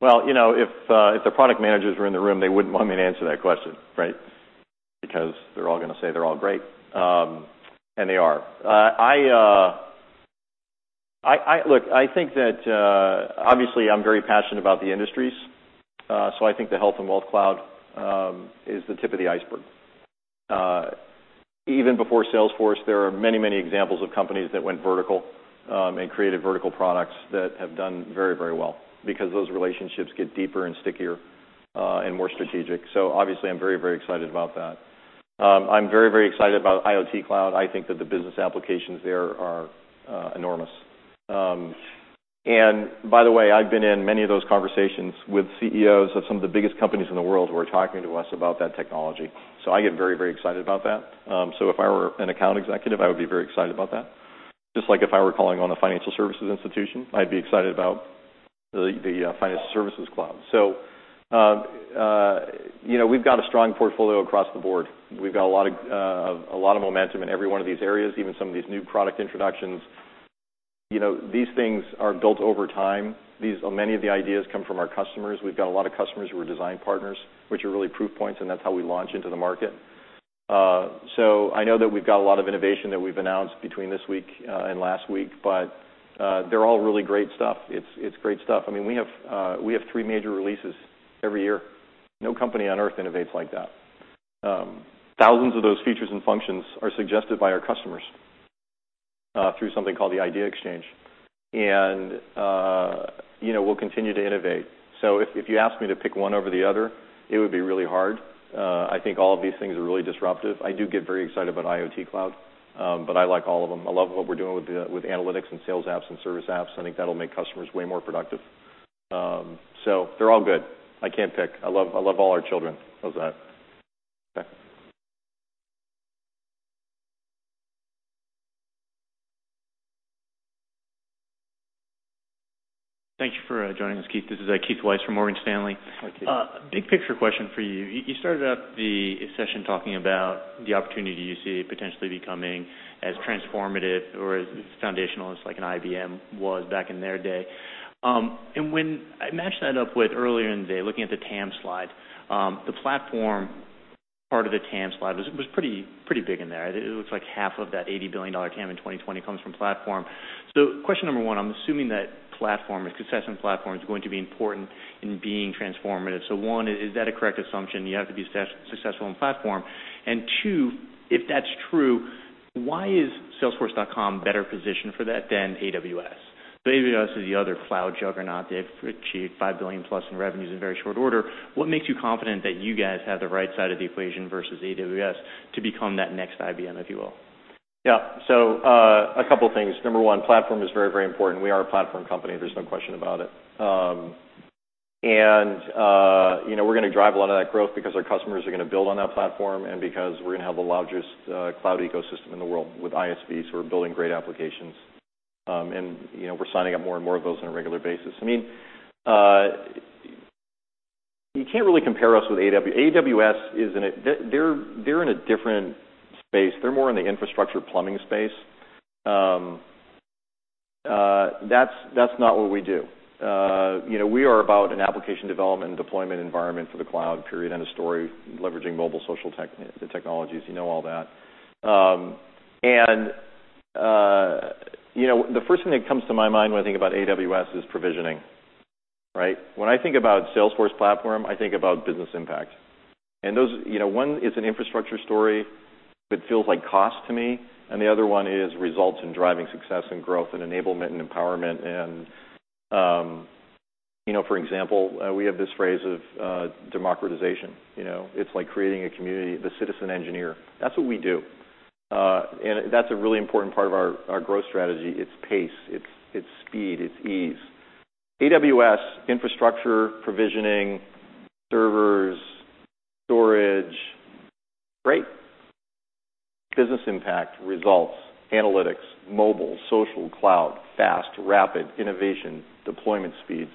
If the product managers were in the room, they wouldn't want me to answer that question, right? They're all going to say they're all great, and they are. I think that, obviously, I'm very passionate about the industries, so I think the Health and Wealth Cloud is the tip of the iceberg. Even before Salesforce, there are many, many examples of companies that went vertical and created vertical products that have done very, very well because those relationships get deeper and stickier and more strategic. Obviously, I'm very, very excited about that. I'm very, very excited about IoT Cloud. I think that the business applications there are enormous. By the way, I've been in many of those conversations with CEOs of some of the biggest companies in the world who are talking to us about that technology. I get very, very excited about that. If I were an account executive, I would be very excited about that. Just like if I were calling on a financial services institution, I'd be excited about the Financial Services Cloud. We've got a strong portfolio across the board. We've got a lot of momentum in every one of these areas, even some of these new product introductions. These things are built over time. Many of the ideas come from our customers. We've got a lot of customers who are design partners, which are really proof points, and that's how we launch into the market. I know that we've got a lot of innovation that we've announced between this week and last week, but they're all really great stuff. It's great stuff. We have three major releases every year. No company on earth innovates like that. Thousands of those features and functions are suggested by our customers through something called the IdeaExchange. We'll continue to innovate. If you ask me to pick one over the other, it would be really hard. I think all of these things are really disruptive. I do get very excited about IoT Cloud. I like all of them. I love what we're doing with analytics and sales apps and service apps. I think that'll make customers way more productive. They're all good. I can't pick. I love all our children. How's that? Okay. Thank you for joining us, Keith. This is Keith Weiss from Morgan Stanley. Hi, Keith. Big picture question for you. You started up the session talking about the opportunity you see potentially becoming as transformative or as foundational as like an IBM was back in their day. When I match that up with earlier in the day, looking at the TAM slide, the platform part of the TAM slide was pretty big in there. It looks like half of that $80 billion TAM in 2020 comes from platform. Question number one, I'm assuming that platform, a success on platform, is going to be important in being transformative. One, is that a correct assumption? You have to be successful on platform. Two, if that's true, why is salesforce.com better positioned for that than AWS? AWS is the other cloud juggernaut. They've achieved $5 billion plus in revenues in very short order. What makes you confident that you guys have the right side of the equation versus AWS to become that next IBM, if you will? Yeah. A couple of things. Number one, platform is very important. We are a platform company, there's no question about it. We're going to drive a lot of that growth because our customers are going to build on that platform, and because we're going to have the largest cloud ecosystem in the world with ISVs who are building great applications. We're signing up more and more of those on a regular basis. You can't really compare us with AWS. AWS, they're in a different space. They're more in the infrastructure plumbing space. That's not what we do. We are about an application development and deployment environment for the cloud, period, end of story, leveraging mobile social technologies, you know all that. The first thing that comes to my mind when I think about AWS is provisioning. Right? When I think about Salesforce Platform, I think about business impact. One is an infrastructure story that feels like cost to me, and the other one is results in driving success and growth and enablement and empowerment. For example, we have this phrase of democratization. It's like creating a community, the citizen engineer. That's what we do. That's a really important part of our growth strategy. It's pace, it's speed, it's ease. AWS, infrastructure, provisioning, servers, storage. Great. Business impact, results, analytics, mobile, social, cloud, fast, rapid, innovation, deployment speeds.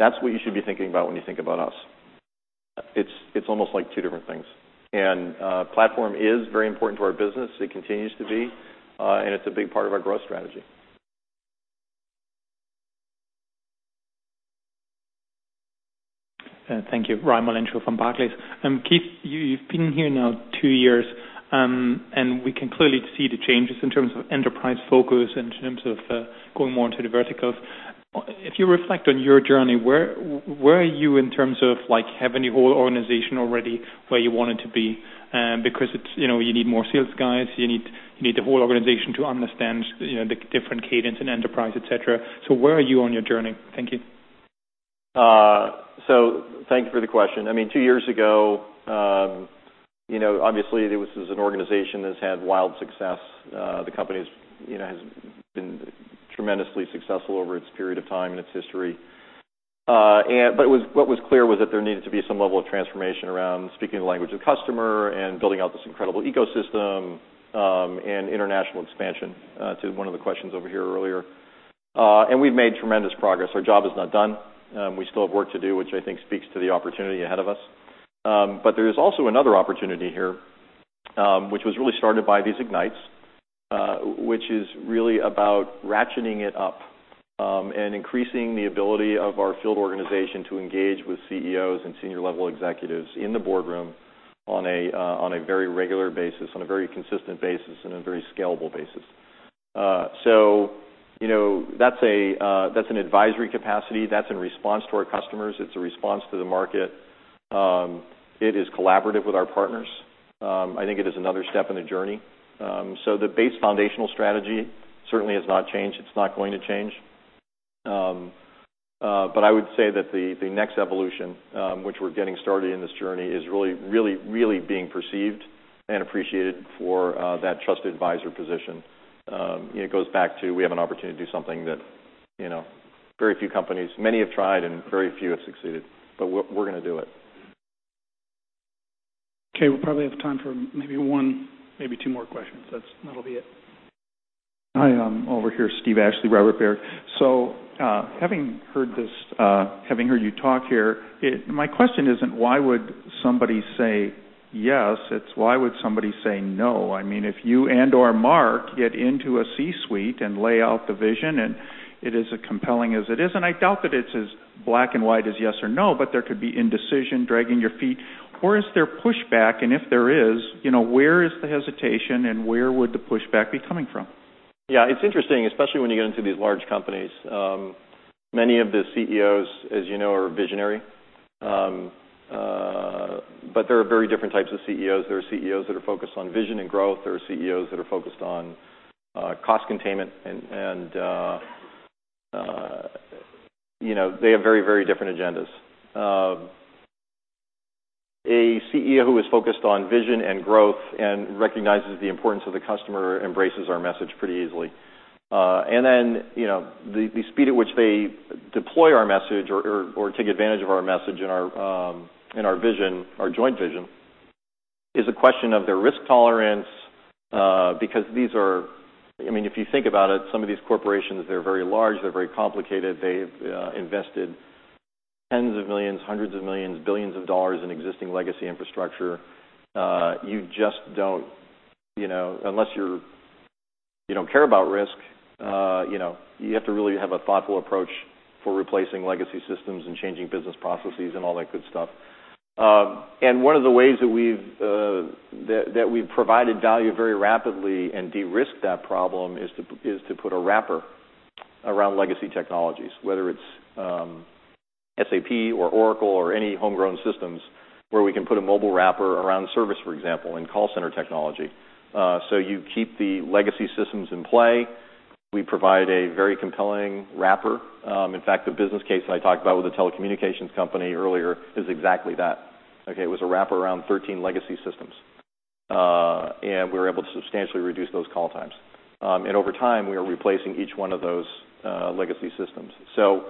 That's what you should be thinking about when you think about us. It's almost like two different things. Platform is very important to our business. It continues to be, and it's a big part of our growth strategy. Thank you. Raimo Lenschow from Barclays. Keith, you've been here now two years, and we can clearly see the changes in terms of enterprise focus, in terms of going more into the verticals. If you reflect on your journey, where are you in terms of having the whole organization already where you want it to be? Because you need more sales guys. You need the whole organization to understand the different cadence in enterprise, et cetera. Where are you on your journey? Thank you. Thank you for the question. Two years ago, obviously, this was an organization that's had wild success. The company has been tremendously successful over its period of time and its history. What was clear was that there needed to be some level of transformation around speaking the language of customer and building out this incredible ecosystem, and international expansion, to one of the questions over here earlier. We've made tremendous progress. Our job is not done. We still have work to do, which I think speaks to the opportunity ahead of us. There is also another opportunity here, which was really started by these Ignite, which is really about ratcheting it up, and increasing the ability of our field organization to engage with CEOs and senior-level executives in the boardroom on a very regular basis, on a very consistent basis, and a very scalable basis. That's an advisory capacity. That's in response to our customers. It's a response to the market. It is collaborative with our partners. I think it is another step in the journey. The base foundational strategy certainly has not changed. It's not going to change. I would say that the next evolution, which we're getting started in this journey, is really being perceived and appreciated for that trusted advisor position. It goes back to we have an opportunity to do something that very few companies, many have tried and very few have succeeded, but we're going to do it. Okay. We probably have time for maybe one, maybe two more questions. That'll be it. Hi, I'm over here. Steven Ashley, Robert Baird. Having heard you talk here, my question isn't why would somebody say yes, it's why would somebody say no? If you and/or Mark get into a C-suite and lay out the vision, and it is as compelling as it is, and I doubt that it's as black and white as yes or no, but there could be indecision, dragging your feet. Where is there pushback, and if there is, where is the hesitation, and where would the pushback be coming from? Yeah. It's interesting, especially when you get into these large companies. Many of the CEOs, as you know, are visionary. There are very different types of CEOs. There are CEOs that are focused on vision and growth. There are CEOs that are focused on cost containment, and they have very different agendas. A CEO who is focused on vision and growth and recognizes the importance of the customer embraces our message pretty easily. Then, the speed at which they deploy our message or take advantage of our message and our joint vision is a question of their risk tolerance. Because if you think about it, some of these corporations, they're very large, they're very complicated. They've invested tens of millions, hundreds of millions, billions of dollars in existing legacy infrastructure. Unless you don't care about risk, you have to really have a thoughtful approach for replacing legacy systems and changing business processes and all that good stuff. One of the ways that we've provided value very rapidly and de-risked that problem is to put a wrapper around legacy technologies, whether it's SAP or Oracle or any homegrown systems where we can put a mobile wrapper around service, for example, in call center technology. You keep the legacy systems in play. We provide a very compelling wrapper. In fact, the business case that I talked about with the telecommunications company earlier is exactly that. It was a wrapper around 13 legacy systems, and we were able to substantially reduce those call times. Over time, we are replacing each one of those legacy systems. The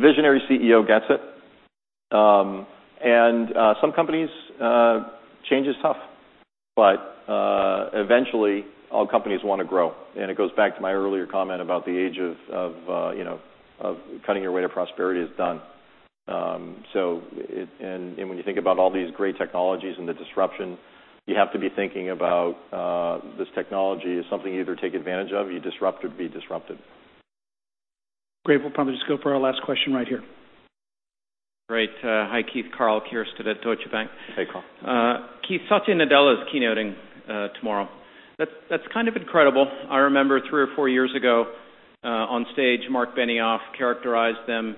visionary CEO gets it. Some companies, change is tough, but eventually all companies want to grow. It goes back to my earlier comment about the age of cutting your way to prosperity is done. When you think about all these great technologies and the disruption, you have to be thinking about this technology as something you either take advantage of, you disrupt or be disrupted. Great. We'll probably just go for our last question right here. Great. Hi, Keith. Karl Keirstead at Deutsche Bank. Hey, Karl. Keith, Satya Nadella is keynoting tomorrow. That's kind of incredible. I remember three or four years ago on stage, Marc Benioff characterized them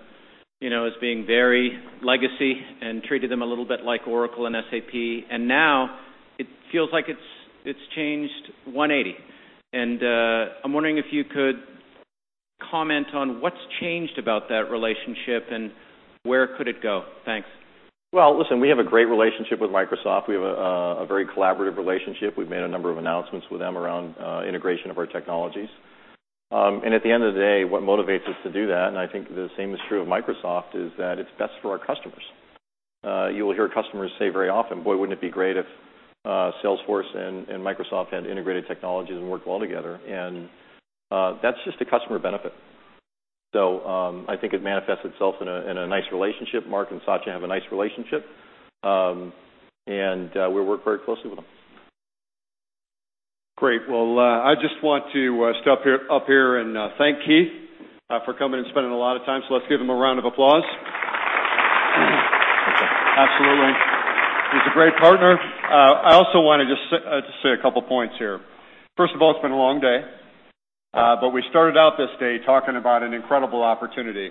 as being very legacy and treated them a little bit like Oracle and SAP, now it feels like it's changed 180. I'm wondering if you could comment on what's changed about that relationship and where could it go? Thanks. Well, listen, we have a great relationship with Microsoft. We have a very collaborative relationship. We've made a number of announcements with them around integration of our technologies. At the end of the day, what motivates us to do that, and I think the same is true of Microsoft, is that it's best for our customers. You will hear customers say very often, "Boy, wouldn't it be great if Salesforce and Microsoft had integrated technologies and worked well together?" That's just a customer benefit. I think it manifests itself in a nice relationship. Marc and Satya have a nice relationship, we work very closely with them. Great. Well, I just want to step up here and thank Keith for coming and spending a lot of time, let's give him a round of applause. Absolutely. He's a great partner. I also want to just say a couple points here. First of all, it's been a long day. We started out this day talking about an incredible opportunity.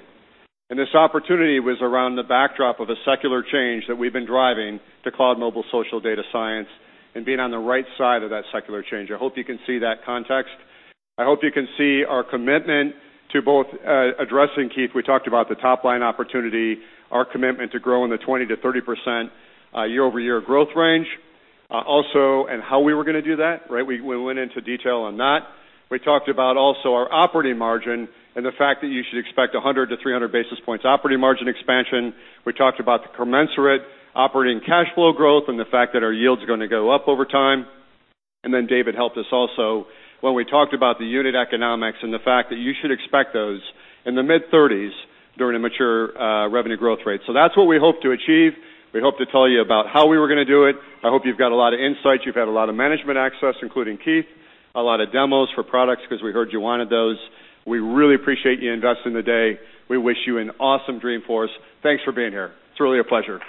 This opportunity was around the backdrop of a secular change that we've been driving to cloud mobile social data science and being on the right side of that secular change. I hope you can see that context. I hope you can see our commitment to both addressing, Keith, we talked about the top-line opportunity, our commitment to grow in the 20%-30% year-over-year growth range. Also, how we were going to do that. We went into detail on that. We talked about also our operating margin and the fact that you should expect 100-300 basis points operating margin expansion. We talked about the commensurate operating cash flow growth and the fact that our yields are going to go up over time. Then David helped us also when we talked about the unit economics and the fact that you should expect those in the mid-30s during a mature revenue growth rate. That's what we hope to achieve. We hope to tell you about how we were going to do it. I hope you've got a lot of insights. You've had a lot of management access, including Keith, a lot of demos for products because we heard you wanted those. We really appreciate you investing the day. We wish you an awesome Dreamforce. Thanks for being here. It's really a pleasure.